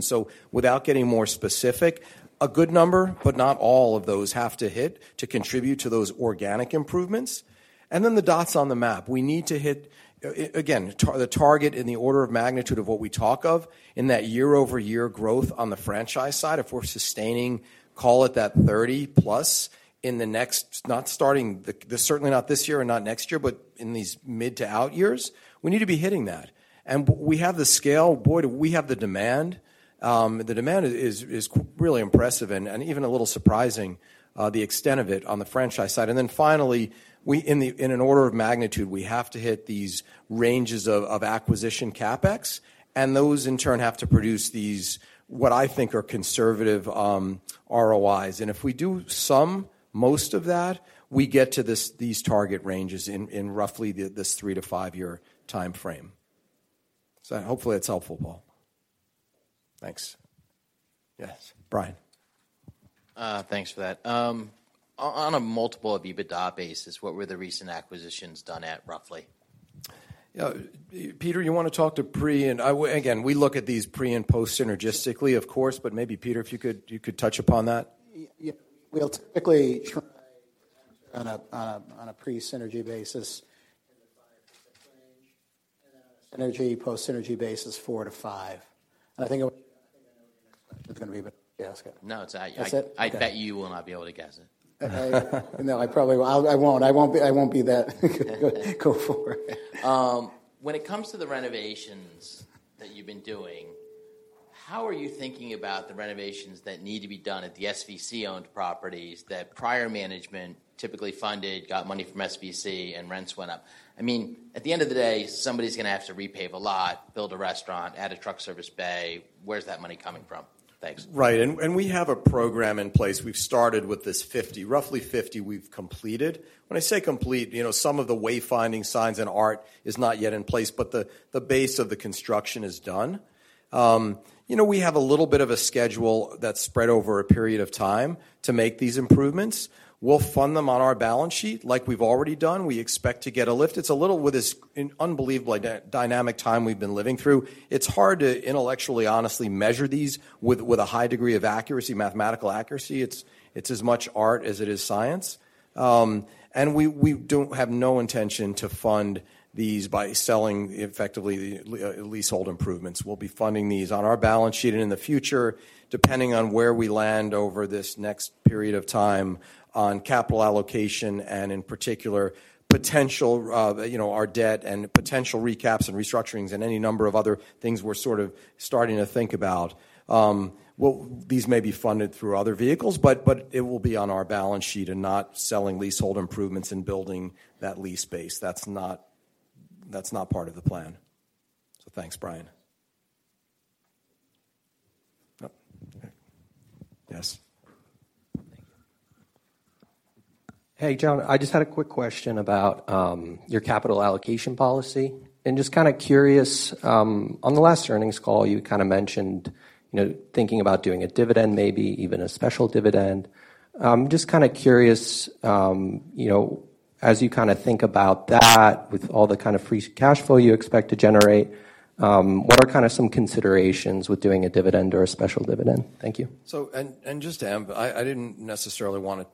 Without getting more specific, a good number, but not all of those have to hit to contribute to those organic improvements. Then the dots on the map. We need to hit again the target in the order of magnitude of what we talk of in that year-over-year growth on the franchise side. If we're sustaining, call it that 30+, certainly not this year and not next year, but in these mid to out years, we need to be hitting that. We have the scale. Boy, do we have the demand. The demand is really impressive and even a little surprising, the extent of it on the franchise side. Finally, in an order of magnitude, we have to hit these ranges of acquisition CapEx, and those in turn have to produce these, what I think are conservative, ROIs. If we do some, most of that, we get to these target ranges in roughly this three-five-year timeframe. Hopefully that's helpful, Paul. Thanks. Yes, Bryan. Thanks for that. On a multiple of EBITDA basis, what were the recent acquisitions done at roughly? You know, Peter. Again, we look at these pre and post synergistically, of course, but maybe Peter, if you could touch upon that. Yeah. We'll typically try on a pre-synergy basis in the 5% range. On a post-synergy basis, 4%-5%. I think it's gonna be. Yeah, ask it. No, it's, I- That's it? Okay. I bet you will not be able to guess it. No, I probably will. I won't. I won't be that. Go forward. When it comes to the renovations that you've been doing, how are you thinking about the renovations that need to be done at the SVC-owned properties that prior management typically funded, got money from SVC, and rents went up? I mean, at the end of the day, somebody's gonna have to repave a lot, build a restaurant, add a truck service bay. Where's that money coming from? Thanks. Right. We have a program in place. We've started with this roughly 50 we've completed. When I say complete, you know, some of the wayfinding signs and art is not yet in place, but the base of the construction is done. You know, we have a little bit of a schedule that's spread over a period of time to make these improvements. We'll fund them on our balance sheet like we've already done. We expect to get a lift. It's a little with this unbelievably dynamic time we've been living through. It's hard to intellectually, honestly measure these with a high degree of accuracy, mathematical accuracy. It's as much art as it is science. We don't have no intention to fund these by selling effectively the leasehold improvements. We'll be funding these on our balance sheet and in the future, depending on where we land over this next period of time on capital allocation and in particular, potential, our debt and potential recaps and restructurings and any number of other things we're sort of starting to think about. These may be funded through other vehicles, but it will be on our balance sheet and not selling leasehold improvements and building that lease base. That's not part of the plan. Thanks, Bryan. Oh. Yes. Thank you. Hey, Jon. I just had a quick question about your capital allocation policy and just kind of curious on the last earnings call, you kind of mentioned, you know, thinking about doing a dividend, maybe even a special dividend. Just kind of curious, you know, as you kind of think about that with all the kind of free cash flow you expect to generate, what are kind of some considerations with doing a dividend or a special dividend? Thank you. I didn't necessarily wanna,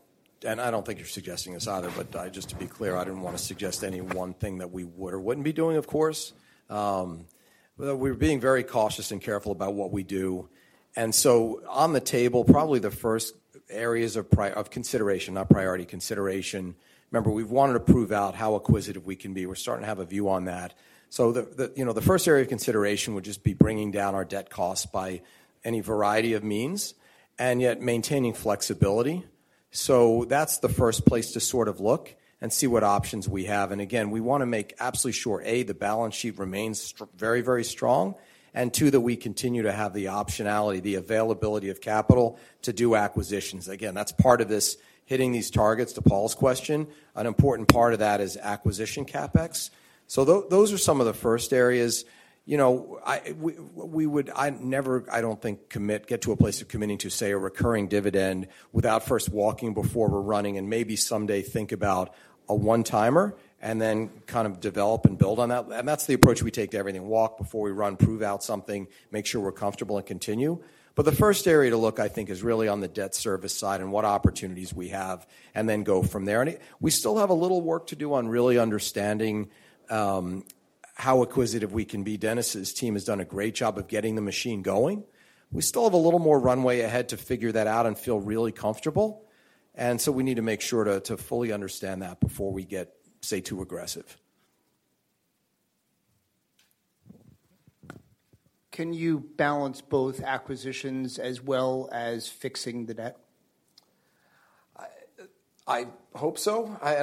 and I don't think you're suggesting this either, but just to be clear, I didn't wanna suggest any one thing that we would or wouldn't be doing, of course. But we're being very cautious and careful about what we do. On the table, probably the first areas of consideration, not priority, consideration. Remember, we've wanted to prove out how acquisitive we can be. We're starting to have a view on that. The first area of consideration would just be bringing down our debt cost by any variety of means and yet maintaining flexibility. That's the first place to sort of look and see what options we have. Again, we wanna make absolutely sure, A, the balance sheet remains very, very strong, and two, that we continue to have the optionality, the availability of capital to do acquisitions. Again, that's part of this hitting these targets to Paul's question. An important part of that is acquisition CapEx. Those are some of the first areas. You know, we would. I'd never, I don't think, commit, get to a place of committing to, say, a recurring dividend without first walking before we're running and maybe someday think about a one-timer and then kind of develop and build on that. That's the approach we take to everything. Walk before we run, prove out something, make sure we're comfortable and continue. The first area to look, I think, is really on the debt service side and what opportunities we have and then go from there. We still have a little work to do on really understanding how acquisitive we can be. Dennis' team has done a great job of getting the machine going. We still have a little more runway ahead to figure that out and feel really comfortable. We need to make sure to fully understand that before we get, say, too aggressive. Can you balance both acquisitions as well as fixing the debt? I hope so. I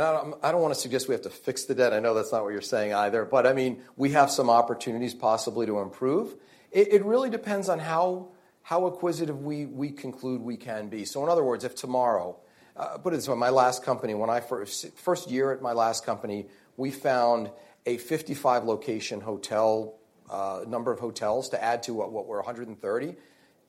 don't wanna suggest we have to fix the debt. I know that's not what you're saying either. I mean, we have some opportunities possibly to improve. It really depends on how acquisitive we conclude we can be. In other words, if tomorrow, put it this way, my last company, first year at my last company, we found a 55-location hotel number of hotels to add to what we're 130,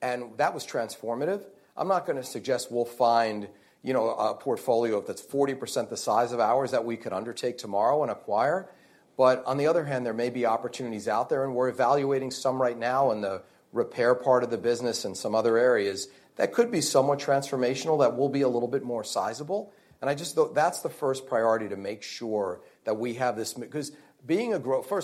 and that was transformative. I'm not gonna suggest we'll find, you know, a portfolio that's 40% the size of ours that we could undertake tomorrow and acquire. On the other hand, there may be opportunities out there, and we're evaluating some right now in the repair part of the business and some other areas that could be somewhat transformational that will be a little bit more sizable. I just, that's the first priority to make sure that we have this. First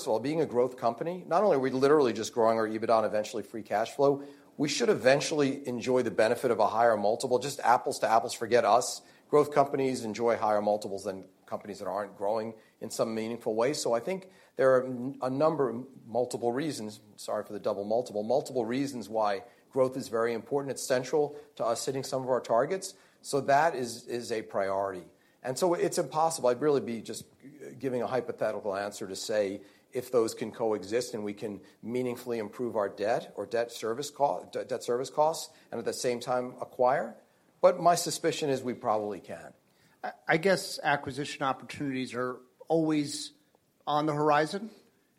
of all, being a growth company, not only are we literally just growing our EBITDA and eventually free cash flow, we should eventually enjoy the benefit of a higher multiple. Just apples to apples, forget us. Growth companies enjoy higher multiples than companies that aren't growing in some meaningful way. I think there are a number of multiple reasons, sorry for the double multiple reasons why growth is very important. It's central to us hitting some of our targets, so that is a priority. It's impossible. I'd really be just giving a hypothetical answer to say if those can coexist, and we can meaningfully improve our debt or debt service costs and at the same time acquire. My suspicion is we probably can. I guess acquisition opportunities are always on the horizon.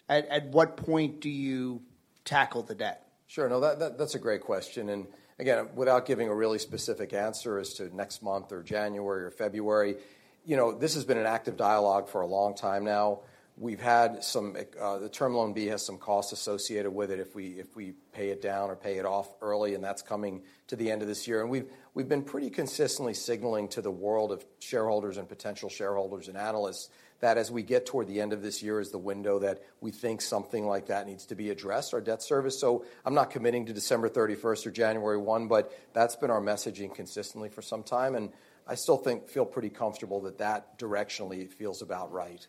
At what point do you tackle the debt? Sure. No, that's a great question. Again, without giving a really specific answer as to next month or January or February, you know, this has been an active dialogue for a long time now. The Term Loan B has some costs associated with it if we pay it down or pay it off early, and that's coming to the end of this year. We've been pretty consistently signaling to the world of shareholders and potential shareholders and analysts that as we get toward the end of this year is the window that we think something like that needs to be addressed, our debt service. I'm not committing to December thirty-first or January one, but that's been our messaging consistently for some time, and I still think feel pretty comfortable that that directionally feels about right.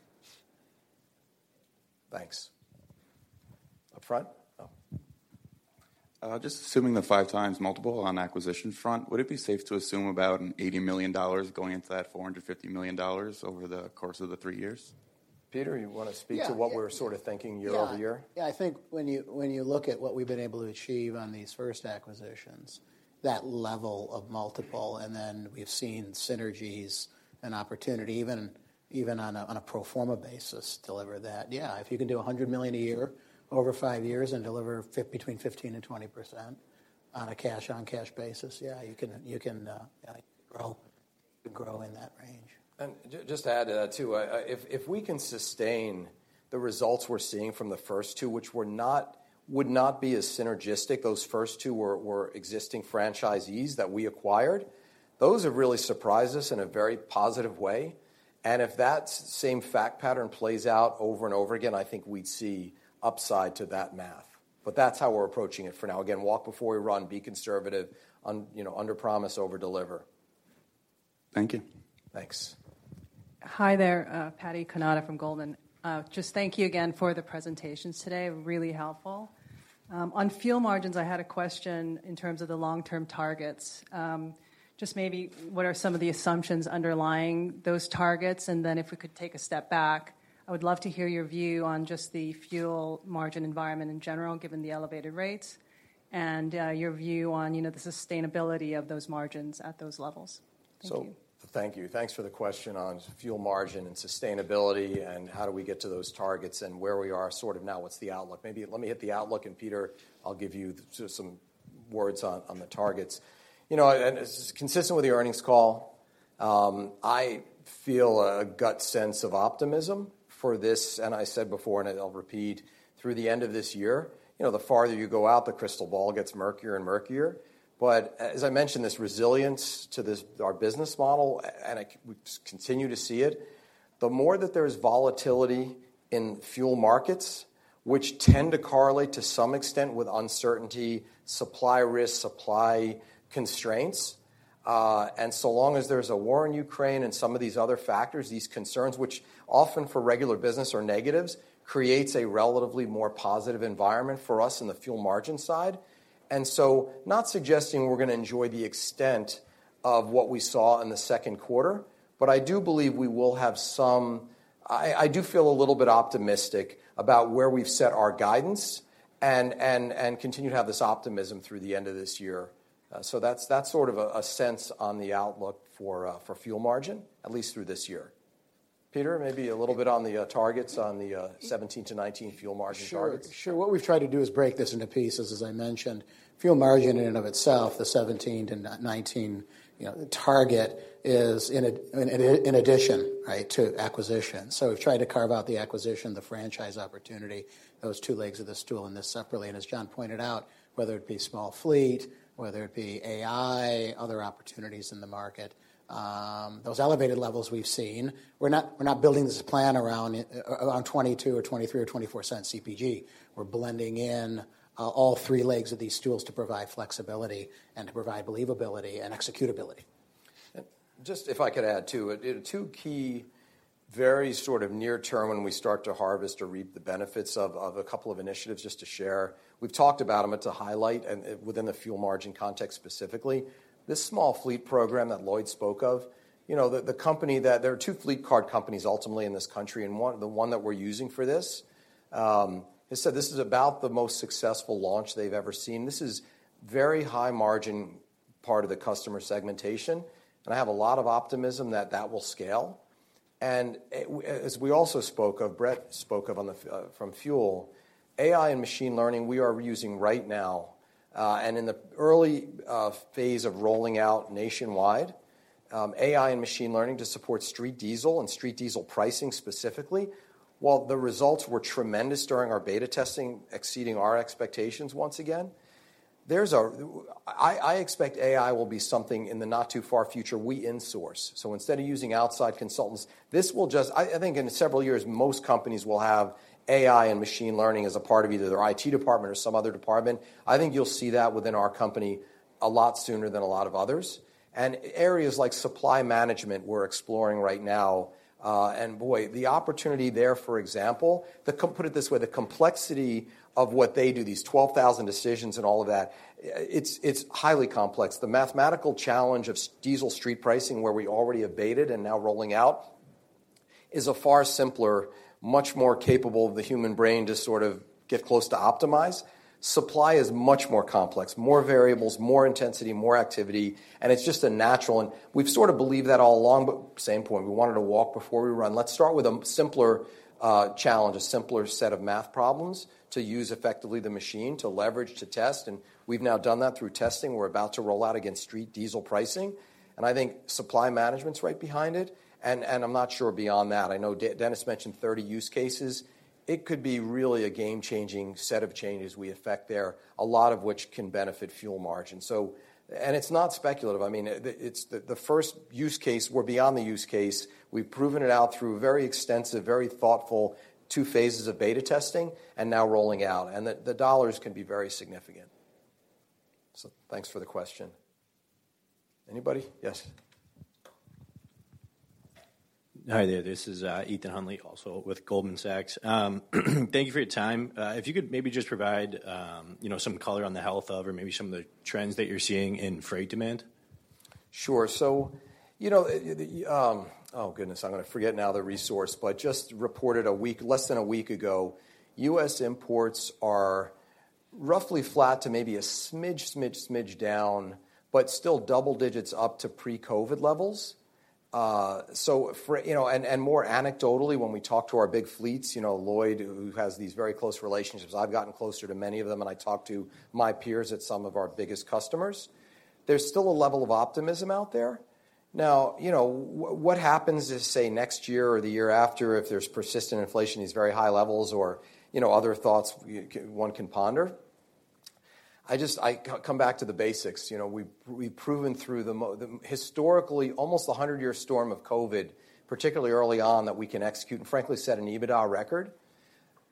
Thanks. Up front? Oh. Just assuming the 5x multiple on acquisition front, would it be safe to assume about an $80 million going into that $450 million over the course of the three years? Peter, you wanna speak. Yeah, yeah. to what we're sort of thinking year over year? Yeah. I think when you look at what we've been able to achieve on these first acquisitions, that level of multiple, and then we've seen synergies and opportunity even on a pro forma basis deliver that. Yeah, if you can do $100 million a year over five years and deliver between 15% and 20% on a cash on cash basis, yeah, you can grow in that range. Just to add to that too, if we can sustain the results we're seeing from the first two, which would not be as synergistic, those first two were existing franchisees that we acquired. Those have really surprised us in a very positive way. If that same fact pattern plays out over and over again, I think we'd see upside to that math. That's how we're approaching it for now. Again, walk before we run, be conservative, you know, underpromise, overdeliver. Thank you. Thanks. Hi there, Patty Kanada from Goldman Sachs. Just thank you again for the presentations today, really helpful. On fuel margins, I had a question in terms of the long-term targets. Just maybe what are some of the assumptions underlying those targets? If we could take a step back, I would love to hear your view on just the fuel margin environment in general, given the elevated rates, and your view on, you know, the sustainability of those margins at those levels. Thank you. Thank you. Thanks for the question on fuel margin and sustainability and how do we get to those targets and where we are sort of now, what's the outlook. Maybe let me hit the outlook, and Peter, I'll give you just some words on the targets. You know, this is consistent with the earnings call. I feel a gut sense of optimism for this, and I said before, and I'll repeat, through the end of this year. You know, the farther you go out, the crystal ball gets murkier and murkier. But as I mentioned, this resilience to this, our business model, and I, we continue to see it. The more that there's volatility in fuel markets, which tend to correlate to some extent with uncertainty, supply risk, supply constraints, and so long as there's a war in Ukraine and some of these other factors, these concerns, which often for regular business are negatives, creates a relatively more positive environment for us in the fuel margin side. Not suggesting we're gonna enjoy the extent of what we saw in the second quarter, but I do believe we will have some. I do feel a little bit optimistic about where we've set our guidance and continue to have this optimism through the end of this year. That's sort of a sense on the outlook for fuel margin, at least through this year. Peter, maybe a little bit on the 17-19 fuel margin targets. Sure. What we've tried to do is break this into pieces. As I mentioned, fuel margin in and of itself, the 17-19, you know, target is in addition, right, to acquisition. We've tried to carve out the acquisition, the franchise opportunity, those two legs of the stool, and this separately. As Jon Pertchik pointed out, whether it be small fleet, whether it be AI, other opportunities in the market, those elevated levels we've seen, we're not building this plan around 22- or 23- or 24-cent CPG. We're blending in all three legs of these stools to provide flexibility and to provide believability and executability. Just if I could add too. Two key very sort of near term when we start to harvest or reap the benefits of a couple of initiatives just to share. We've talked about them, it's a highlight and within the fuel margin context specifically. This small fleet program that Lloyd spoke of, you know, there are two fleet card companies ultimately in this country, and the one that we're using for this has said this is about the most successful launch they've ever seen. This is very high margin part of the customer segmentation, and I have a lot of optimism that that will scale. As we also spoke of, Brett spoke of from fuel, AI and machine learning we are using right now, and in the early phase of rolling out nationwide, AI and machine learning to support straight diesel and straight diesel pricing specifically. While the results were tremendous during our beta testing, exceeding our expectations once again, I expect AI will be something in the not too far future we insource. Instead of using outside consultants, this will just. I think in several years, most companies will have AI and machine learning as a part of either their IT department or some other department. I think you'll see that within our company a lot sooner than a lot of others. Areas like supply management we're exploring right now, and boy, the opportunity there, for example, put it this way, the complexity of what they do, these 12,000 decisions and all of that, it's highly complex. The mathematical challenge of street diesel pricing where we already have abated and now rolling out, is a far simpler, much more capable of the human brain to sort of get close to optimize. Supply is much more complex, more variables, more intensity, more activity, and it's just a natural and we've sort of believed that all along, but same point, we wanted to walk before we run. Let's start with a simpler challenge, a simpler set of math problems to use effectively the machine to leverage, to test, and we've now done that through testing. We're about to roll out against street diesel pricing. I think supply management's right behind it, and I'm not sure beyond that. I know Dennis mentioned 30 use cases. It could be really a game-changing set of changes we effect there, a lot of which can benefit fuel margin. It's not speculative. I mean, it's the first use case, we're beyond the use case. We've proven it out through very extensive, very thoughtful two phases of beta testing and now rolling out, and the dollars can be very significant. Thanks for the question. Anybody? Yes. Hi there. This is Ethan Huntley, also with Goldman Sachs. Thank you for your time. If you could maybe just provide, you know, some color on the health of or maybe some of the trends that you're seeing in freight demand. Sure. You know, oh, goodness, I'm gonna forget now the source, but just reported less than a week ago, U.S. imports are roughly flat to maybe a smidge down, but still double digits up to pre-COVID levels. More anecdotally, when we talk to our big fleets, you know, Lloyd, who has these very close relationships, I've gotten closer to many of them, and I talk to my peers at some of our biggest customers. There's still a level of optimism out there. Now, you know, what happens is, say, next year or the year after, if there's persistent inflation, these very high levels or, you know, other thoughts one can ponder. I come back to the basics. You know, we've proven through the historically almost a 100-year storm of COVID, particularly early on, that we can execute and frankly set an EBITDA record.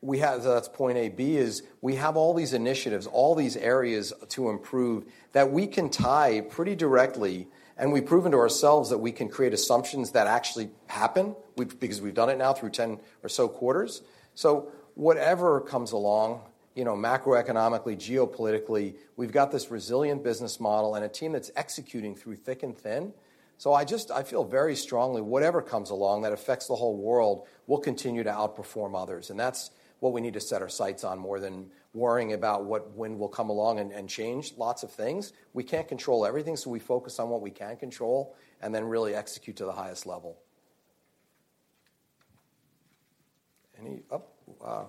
That's point A. B is we have all these initiatives, all these areas to improve that we can tie pretty directly, and we've proven to ourselves that we can create assumptions that actually happen. Because we've done it now through 10 or so quarters. Whatever comes along, you know, macroeconomically, geopolitically, we've got this resilient business model and a team that's executing through thick and thin. I just feel very strongly whatever comes along that affects the whole world, we'll continue to outperform others. That's what we need to set our sights on more than worrying about what wind will come along and change lots of things. We can't control everything, so we focus on what we can control and then really execute to the highest level.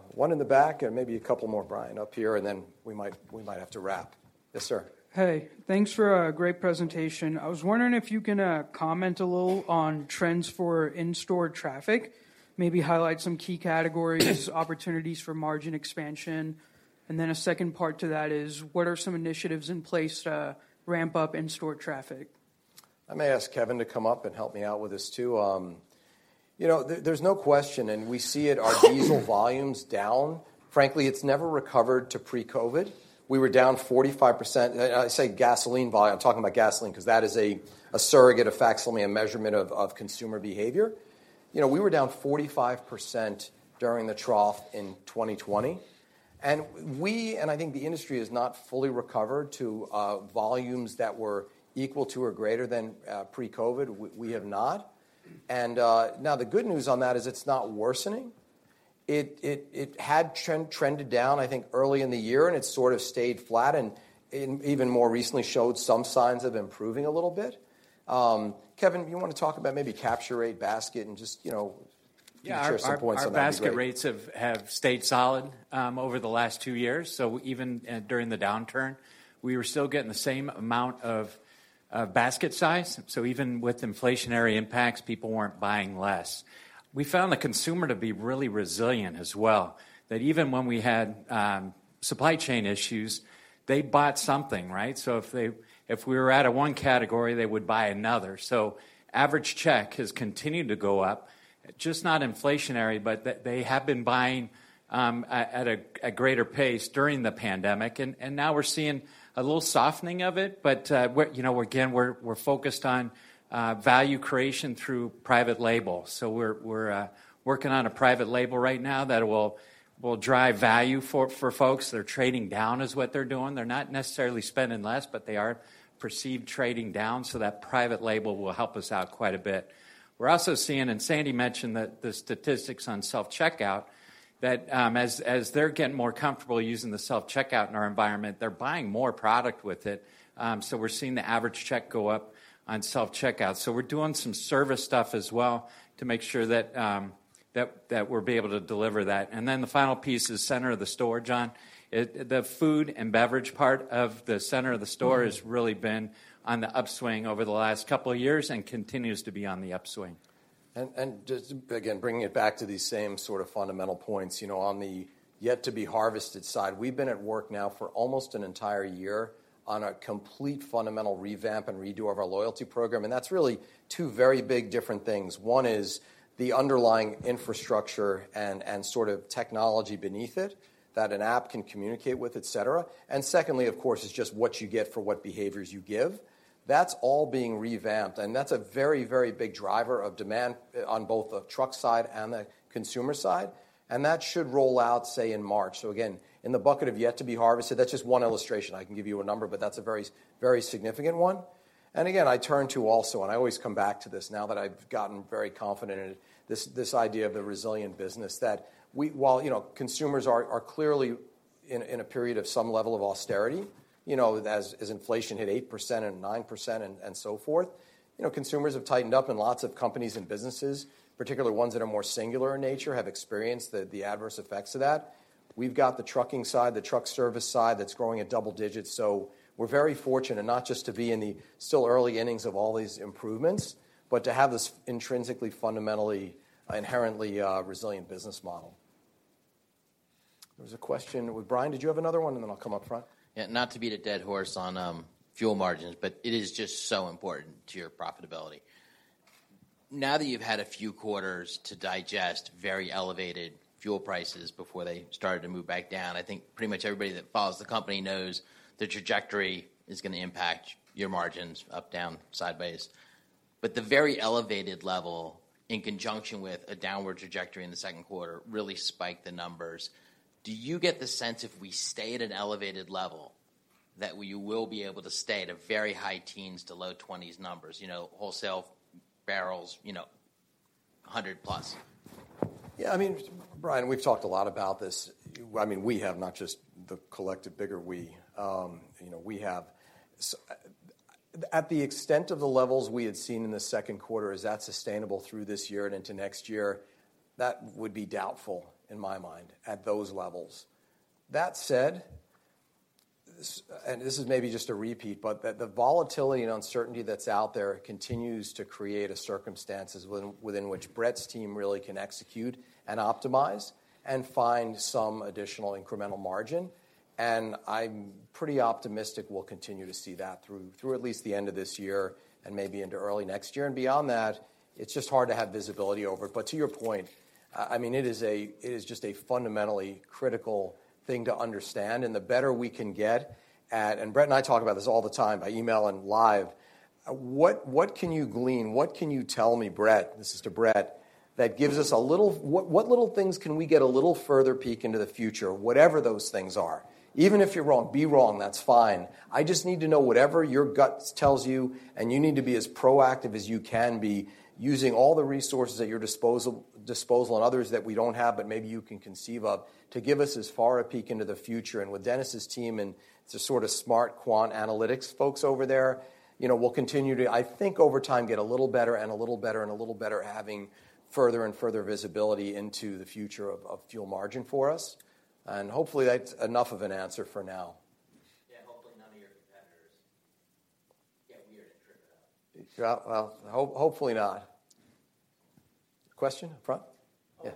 One in the back and maybe a couple more, Brian, up here, and then we might have to wrap. Yes, sir. Hey, thanks for a great presentation. I was wondering if you can comment a little on trends for in-store traffic, maybe highlight some key categories, opportunities for margin expansion. A second part to that is, what are some initiatives in place to ramp up in-store traffic? I may ask Kevin to come up and help me out with this too. You know, there's no question, and we see it, our diesel volume's down. Frankly, it's never recovered to pre-COVID. We were down 45%. I'm talking about gasoline 'cause that is a surrogate, a facsimile, a measurement of consumer behavior. You know, we were down 45% during the trough in 2020. I think the industry has not fully recovered to volumes that were equal to or greater than pre-COVID. We have not. Now the good news on that is it's not worsening. It had trended down, I think, early in the year, and it sort of stayed flat and even more recently showed some signs of improving a little bit. Kevin, you wanna talk about maybe capture rate basket and just, you know, share some points on that. Yeah. Our basket rates have stayed solid over the last two years. Even during the downturn, we were still getting the same amount of basket size. Even with inflationary impacts, people weren't buying less. We found the consumer to be really resilient as well, that even when we had supply chain issues, they bought something, right? If we were out of one category, they would buy another. Average check has continued to go up, just not inflationary, but they have been buying at a greater pace during the pandemic. Now we're seeing a little softening of it. You know, again, we're focused on value creation through private label. We're working on a private label right now that will drive value for folks. They're trading down is what they're doing. They're not necessarily spending less, but they are perceived trading down, so that private label will help us out quite a bit. We're also seeing, and Sandy mentioned that the statistics on self-checkout, that as they're getting more comfortable using the self-checkout in our environment, they're buying more product with it. So we're seeing the average check go up on self-checkouts. So we're doing some service stuff as well to make sure that we're able to deliver that. Then the final piece is center of the store, Jon. The food and beverage part of the center of the store. Has really been on the upswing over the last couple of years and continues to be on the upswing. Just, again, bringing it back to these same sort of fundamental points. You know, on the yet to be harvested side, we've been at work now for almost an entire year on a complete fundamental revamp and redo of our loyalty program, and that's really two very big different things. One is the underlying infrastructure and sort of technology beneath it that an app can communicate with, et cetera. Secondly, of course, is just what you get for what behaviors you give. That's all being revamped, and that's a very, very big driver of demand on both the truck side and the consumer side, and that should roll out, say, in March. Again, in the bucket of yet to be harvested, that's just one illustration. I can give you a number, but that's a very, very significant one. I always come back to this now that I've gotten very confident in it, this idea of the resilient business that we, while you know, consumers are clearly in a period of some level of austerity, you know, as inflation hit 8% and 9% and so forth. You know, consumers have tightened up and lots of companies and businesses, particularly ones that are more singular in nature, have experienced the adverse effects of that. We've got the trucking side, the truck service side that's growing at double digits. So we're very fortunate not just to be in the still early innings of all these improvements, but to have this intrinsically, fundamentally, inherently resilient business model. There was a question. Brian, did you have another one? Then I'll come up front. Yeah. Not to beat a dead horse on fuel margins, but it is just so important to your profitability. Now that you've had a few quarters to digest very elevated fuel prices before they started to move back down, I think pretty much everybody that follows the company knows the trajectory is gonna impact your margins up, down, sideways. The very elevated level in conjunction with a downward trajectory in the second quarter really spiked the numbers. Do you get the sense if we stay at an elevated level, that we will be able to stay at a very high teens to low twenties numbers? You know, wholesale barrels, you know, 100+. I mean, Brian, we've talked a lot about this. I mean, we have, not just the collective bigger we. You know, we have to the extent of the levels we had seen in the second quarter, is that sustainable through this year and into next year? That would be doubtful in my mind at those levels. That said, and this is maybe just a repeat, but the volatility and uncertainty that's out there continues to create the circumstances within which Brett's team really can execute and optimize and find some additional incremental margin. I'm pretty optimistic we'll continue to see that through at least the end of this year and maybe into early next year. Beyond that, it's just hard to have visibility over. To your point, I mean, it is just a fundamentally critical thing to understand, and the better we can get at. Brett and I talk about this all the time by email and live. What can you glean? What can you tell me, Brett, this is to Brett, that gives us a little what little things can we get a little further peek into the future, whatever those things are? Even if you're wrong, be wrong, that's fine. I just need to know whatever your gut tells you, and you need to be as proactive as you can be using all the resources at your disposal and others that we don't have, but maybe you can conceive of to give us as far a peek into the future. With Dennis' team and the sort of smart quant analytics folks over there, you know, we'll continue to, I think, over time, get a little better and a little better and a little better having further and further visibility into the future of fuel margin for us. Hopefully that's enough of an answer for now. Yeah. Hopefully none of your competitors get weird and trip it up. Yeah, well, hopefully not. Question up front? Yeah.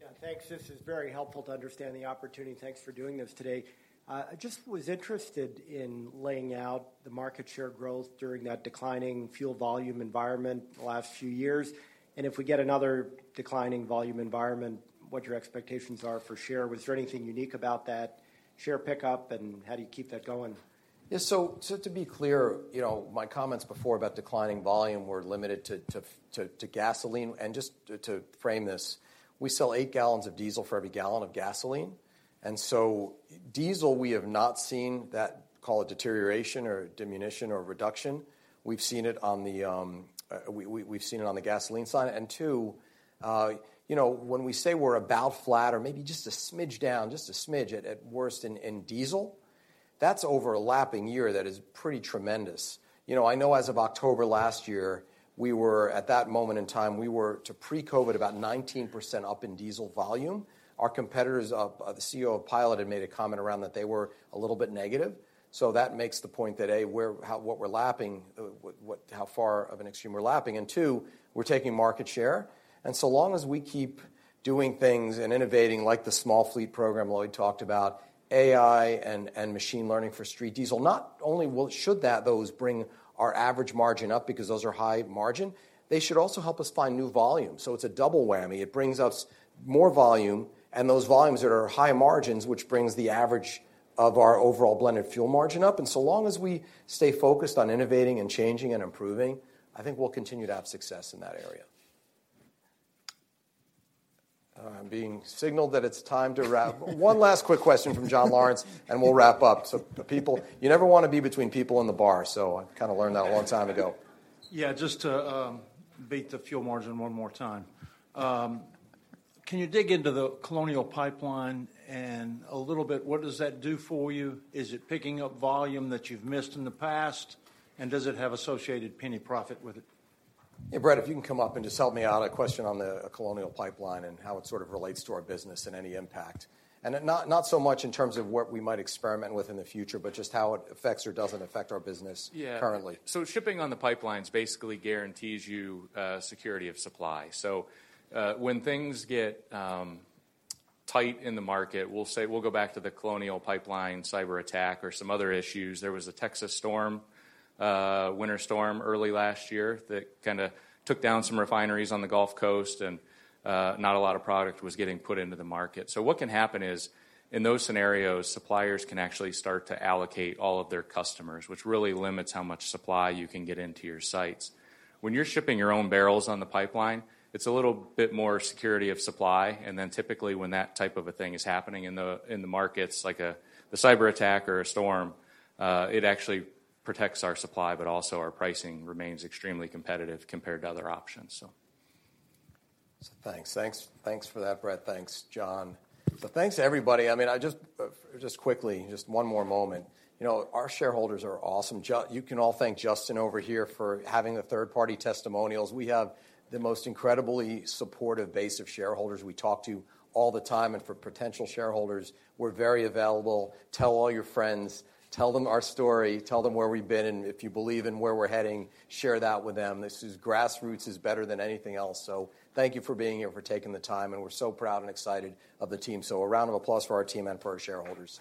Yeah. Thanks. This is very helpful to understand the opportunity. Thanks for doing this today. I just was interested in laying out the market share growth during that declining fuel volume environment the last few years. If we get another declining volume environment, what your expectations are for share. Was there anything unique about that share pickup, and how do you keep that going? So to be clear, you know, my comments before about declining volume were limited to gasoline. Just to frame this, we sell 8 gallons of diesel for every gallon of gasoline. Diesel, we have not seen that, call it deterioration or diminution or reduction. We've seen it on the gasoline side. Too, you know, when we say we're about flat or maybe just a smidge down, just a smidge at worst in diesel, that's over an overlapping year that is pretty tremendous. You know, I know as of October last year, we were at that moment in time to pre-COVID about 19% up in diesel volume. Our competitors, the CEO of Pilot, had made a comment around that they were a little bit negative. That makes the point that, A, what we're lapping, how far of an extreme we're lapping. Two, we're taking market share. So long as we keep doing things and innovating like the small fleet program Lloyd talked about, AI and machine learning for straight diesel, not only will those bring our average margin up because those are high margin, they should also help us find new volume. It's a double whammy. It brings us more volume, and those volumes that are high margins, which brings the average of our overall blended fuel margin up. So long as we stay focused on innovating and changing and improving, I think we'll continue to have success in that area. I'm being signaled that it's time to wrap. One last quick question from John Lawrence, and we'll wrap up. You never wanna be between people and the bar. I kinda learned that a long time ago. Yeah. Just to beat the fuel margin one more time. Can you dig into the Colonial Pipeline and a little bit what does that do for you? Is it picking up volume that you've missed in the past? Does it have associated penny profit with it? Hey, Brett, if you can come up and just help me out, a question on the Colonial Pipeline and how it sort of relates to our business and any impact. Not so much in terms of what we might experiment with in the future, but just how it affects or doesn't affect our business. Yeah currently. Shipping on the pipelines basically guarantees you security of supply. When things get tight in the market, we'll say we go back to the Colonial Pipeline cyberattack or some other issues. There was a Texas winter storm early last year that kinda took down some refineries on the Gulf Coast, and not a lot of product was getting put into the market. What can happen is, in those scenarios, suppliers can actually start to allocate all of their customers, which really limits how much supply you can get into your sites. When you're shipping your own barrels on the pipeline, it's a little bit more security of supply, and then typically when that type of a thing is happening in the markets, like a cyberattack or a storm, it actually protects our supply, but also our pricing remains extremely competitive compared to other options, so. Thanks for that, Brett. Thanks, Jon. Thanks, everybody. I mean, I just quickly, just one more moment. You know, our shareholders are awesome. You can all thank Justin over here for having the third-party testimonials. We have the most incredibly supportive base of shareholders we talk to all the time. For potential shareholders, we're very available. Tell all your friends, tell them our story, tell them where we've been, and if you believe in where we're heading, share that with them. This is grassroots is better than anything else. Thank you for being here, for taking the time, and we're so proud and excited of the team. A round of applause for our team and for our shareholders.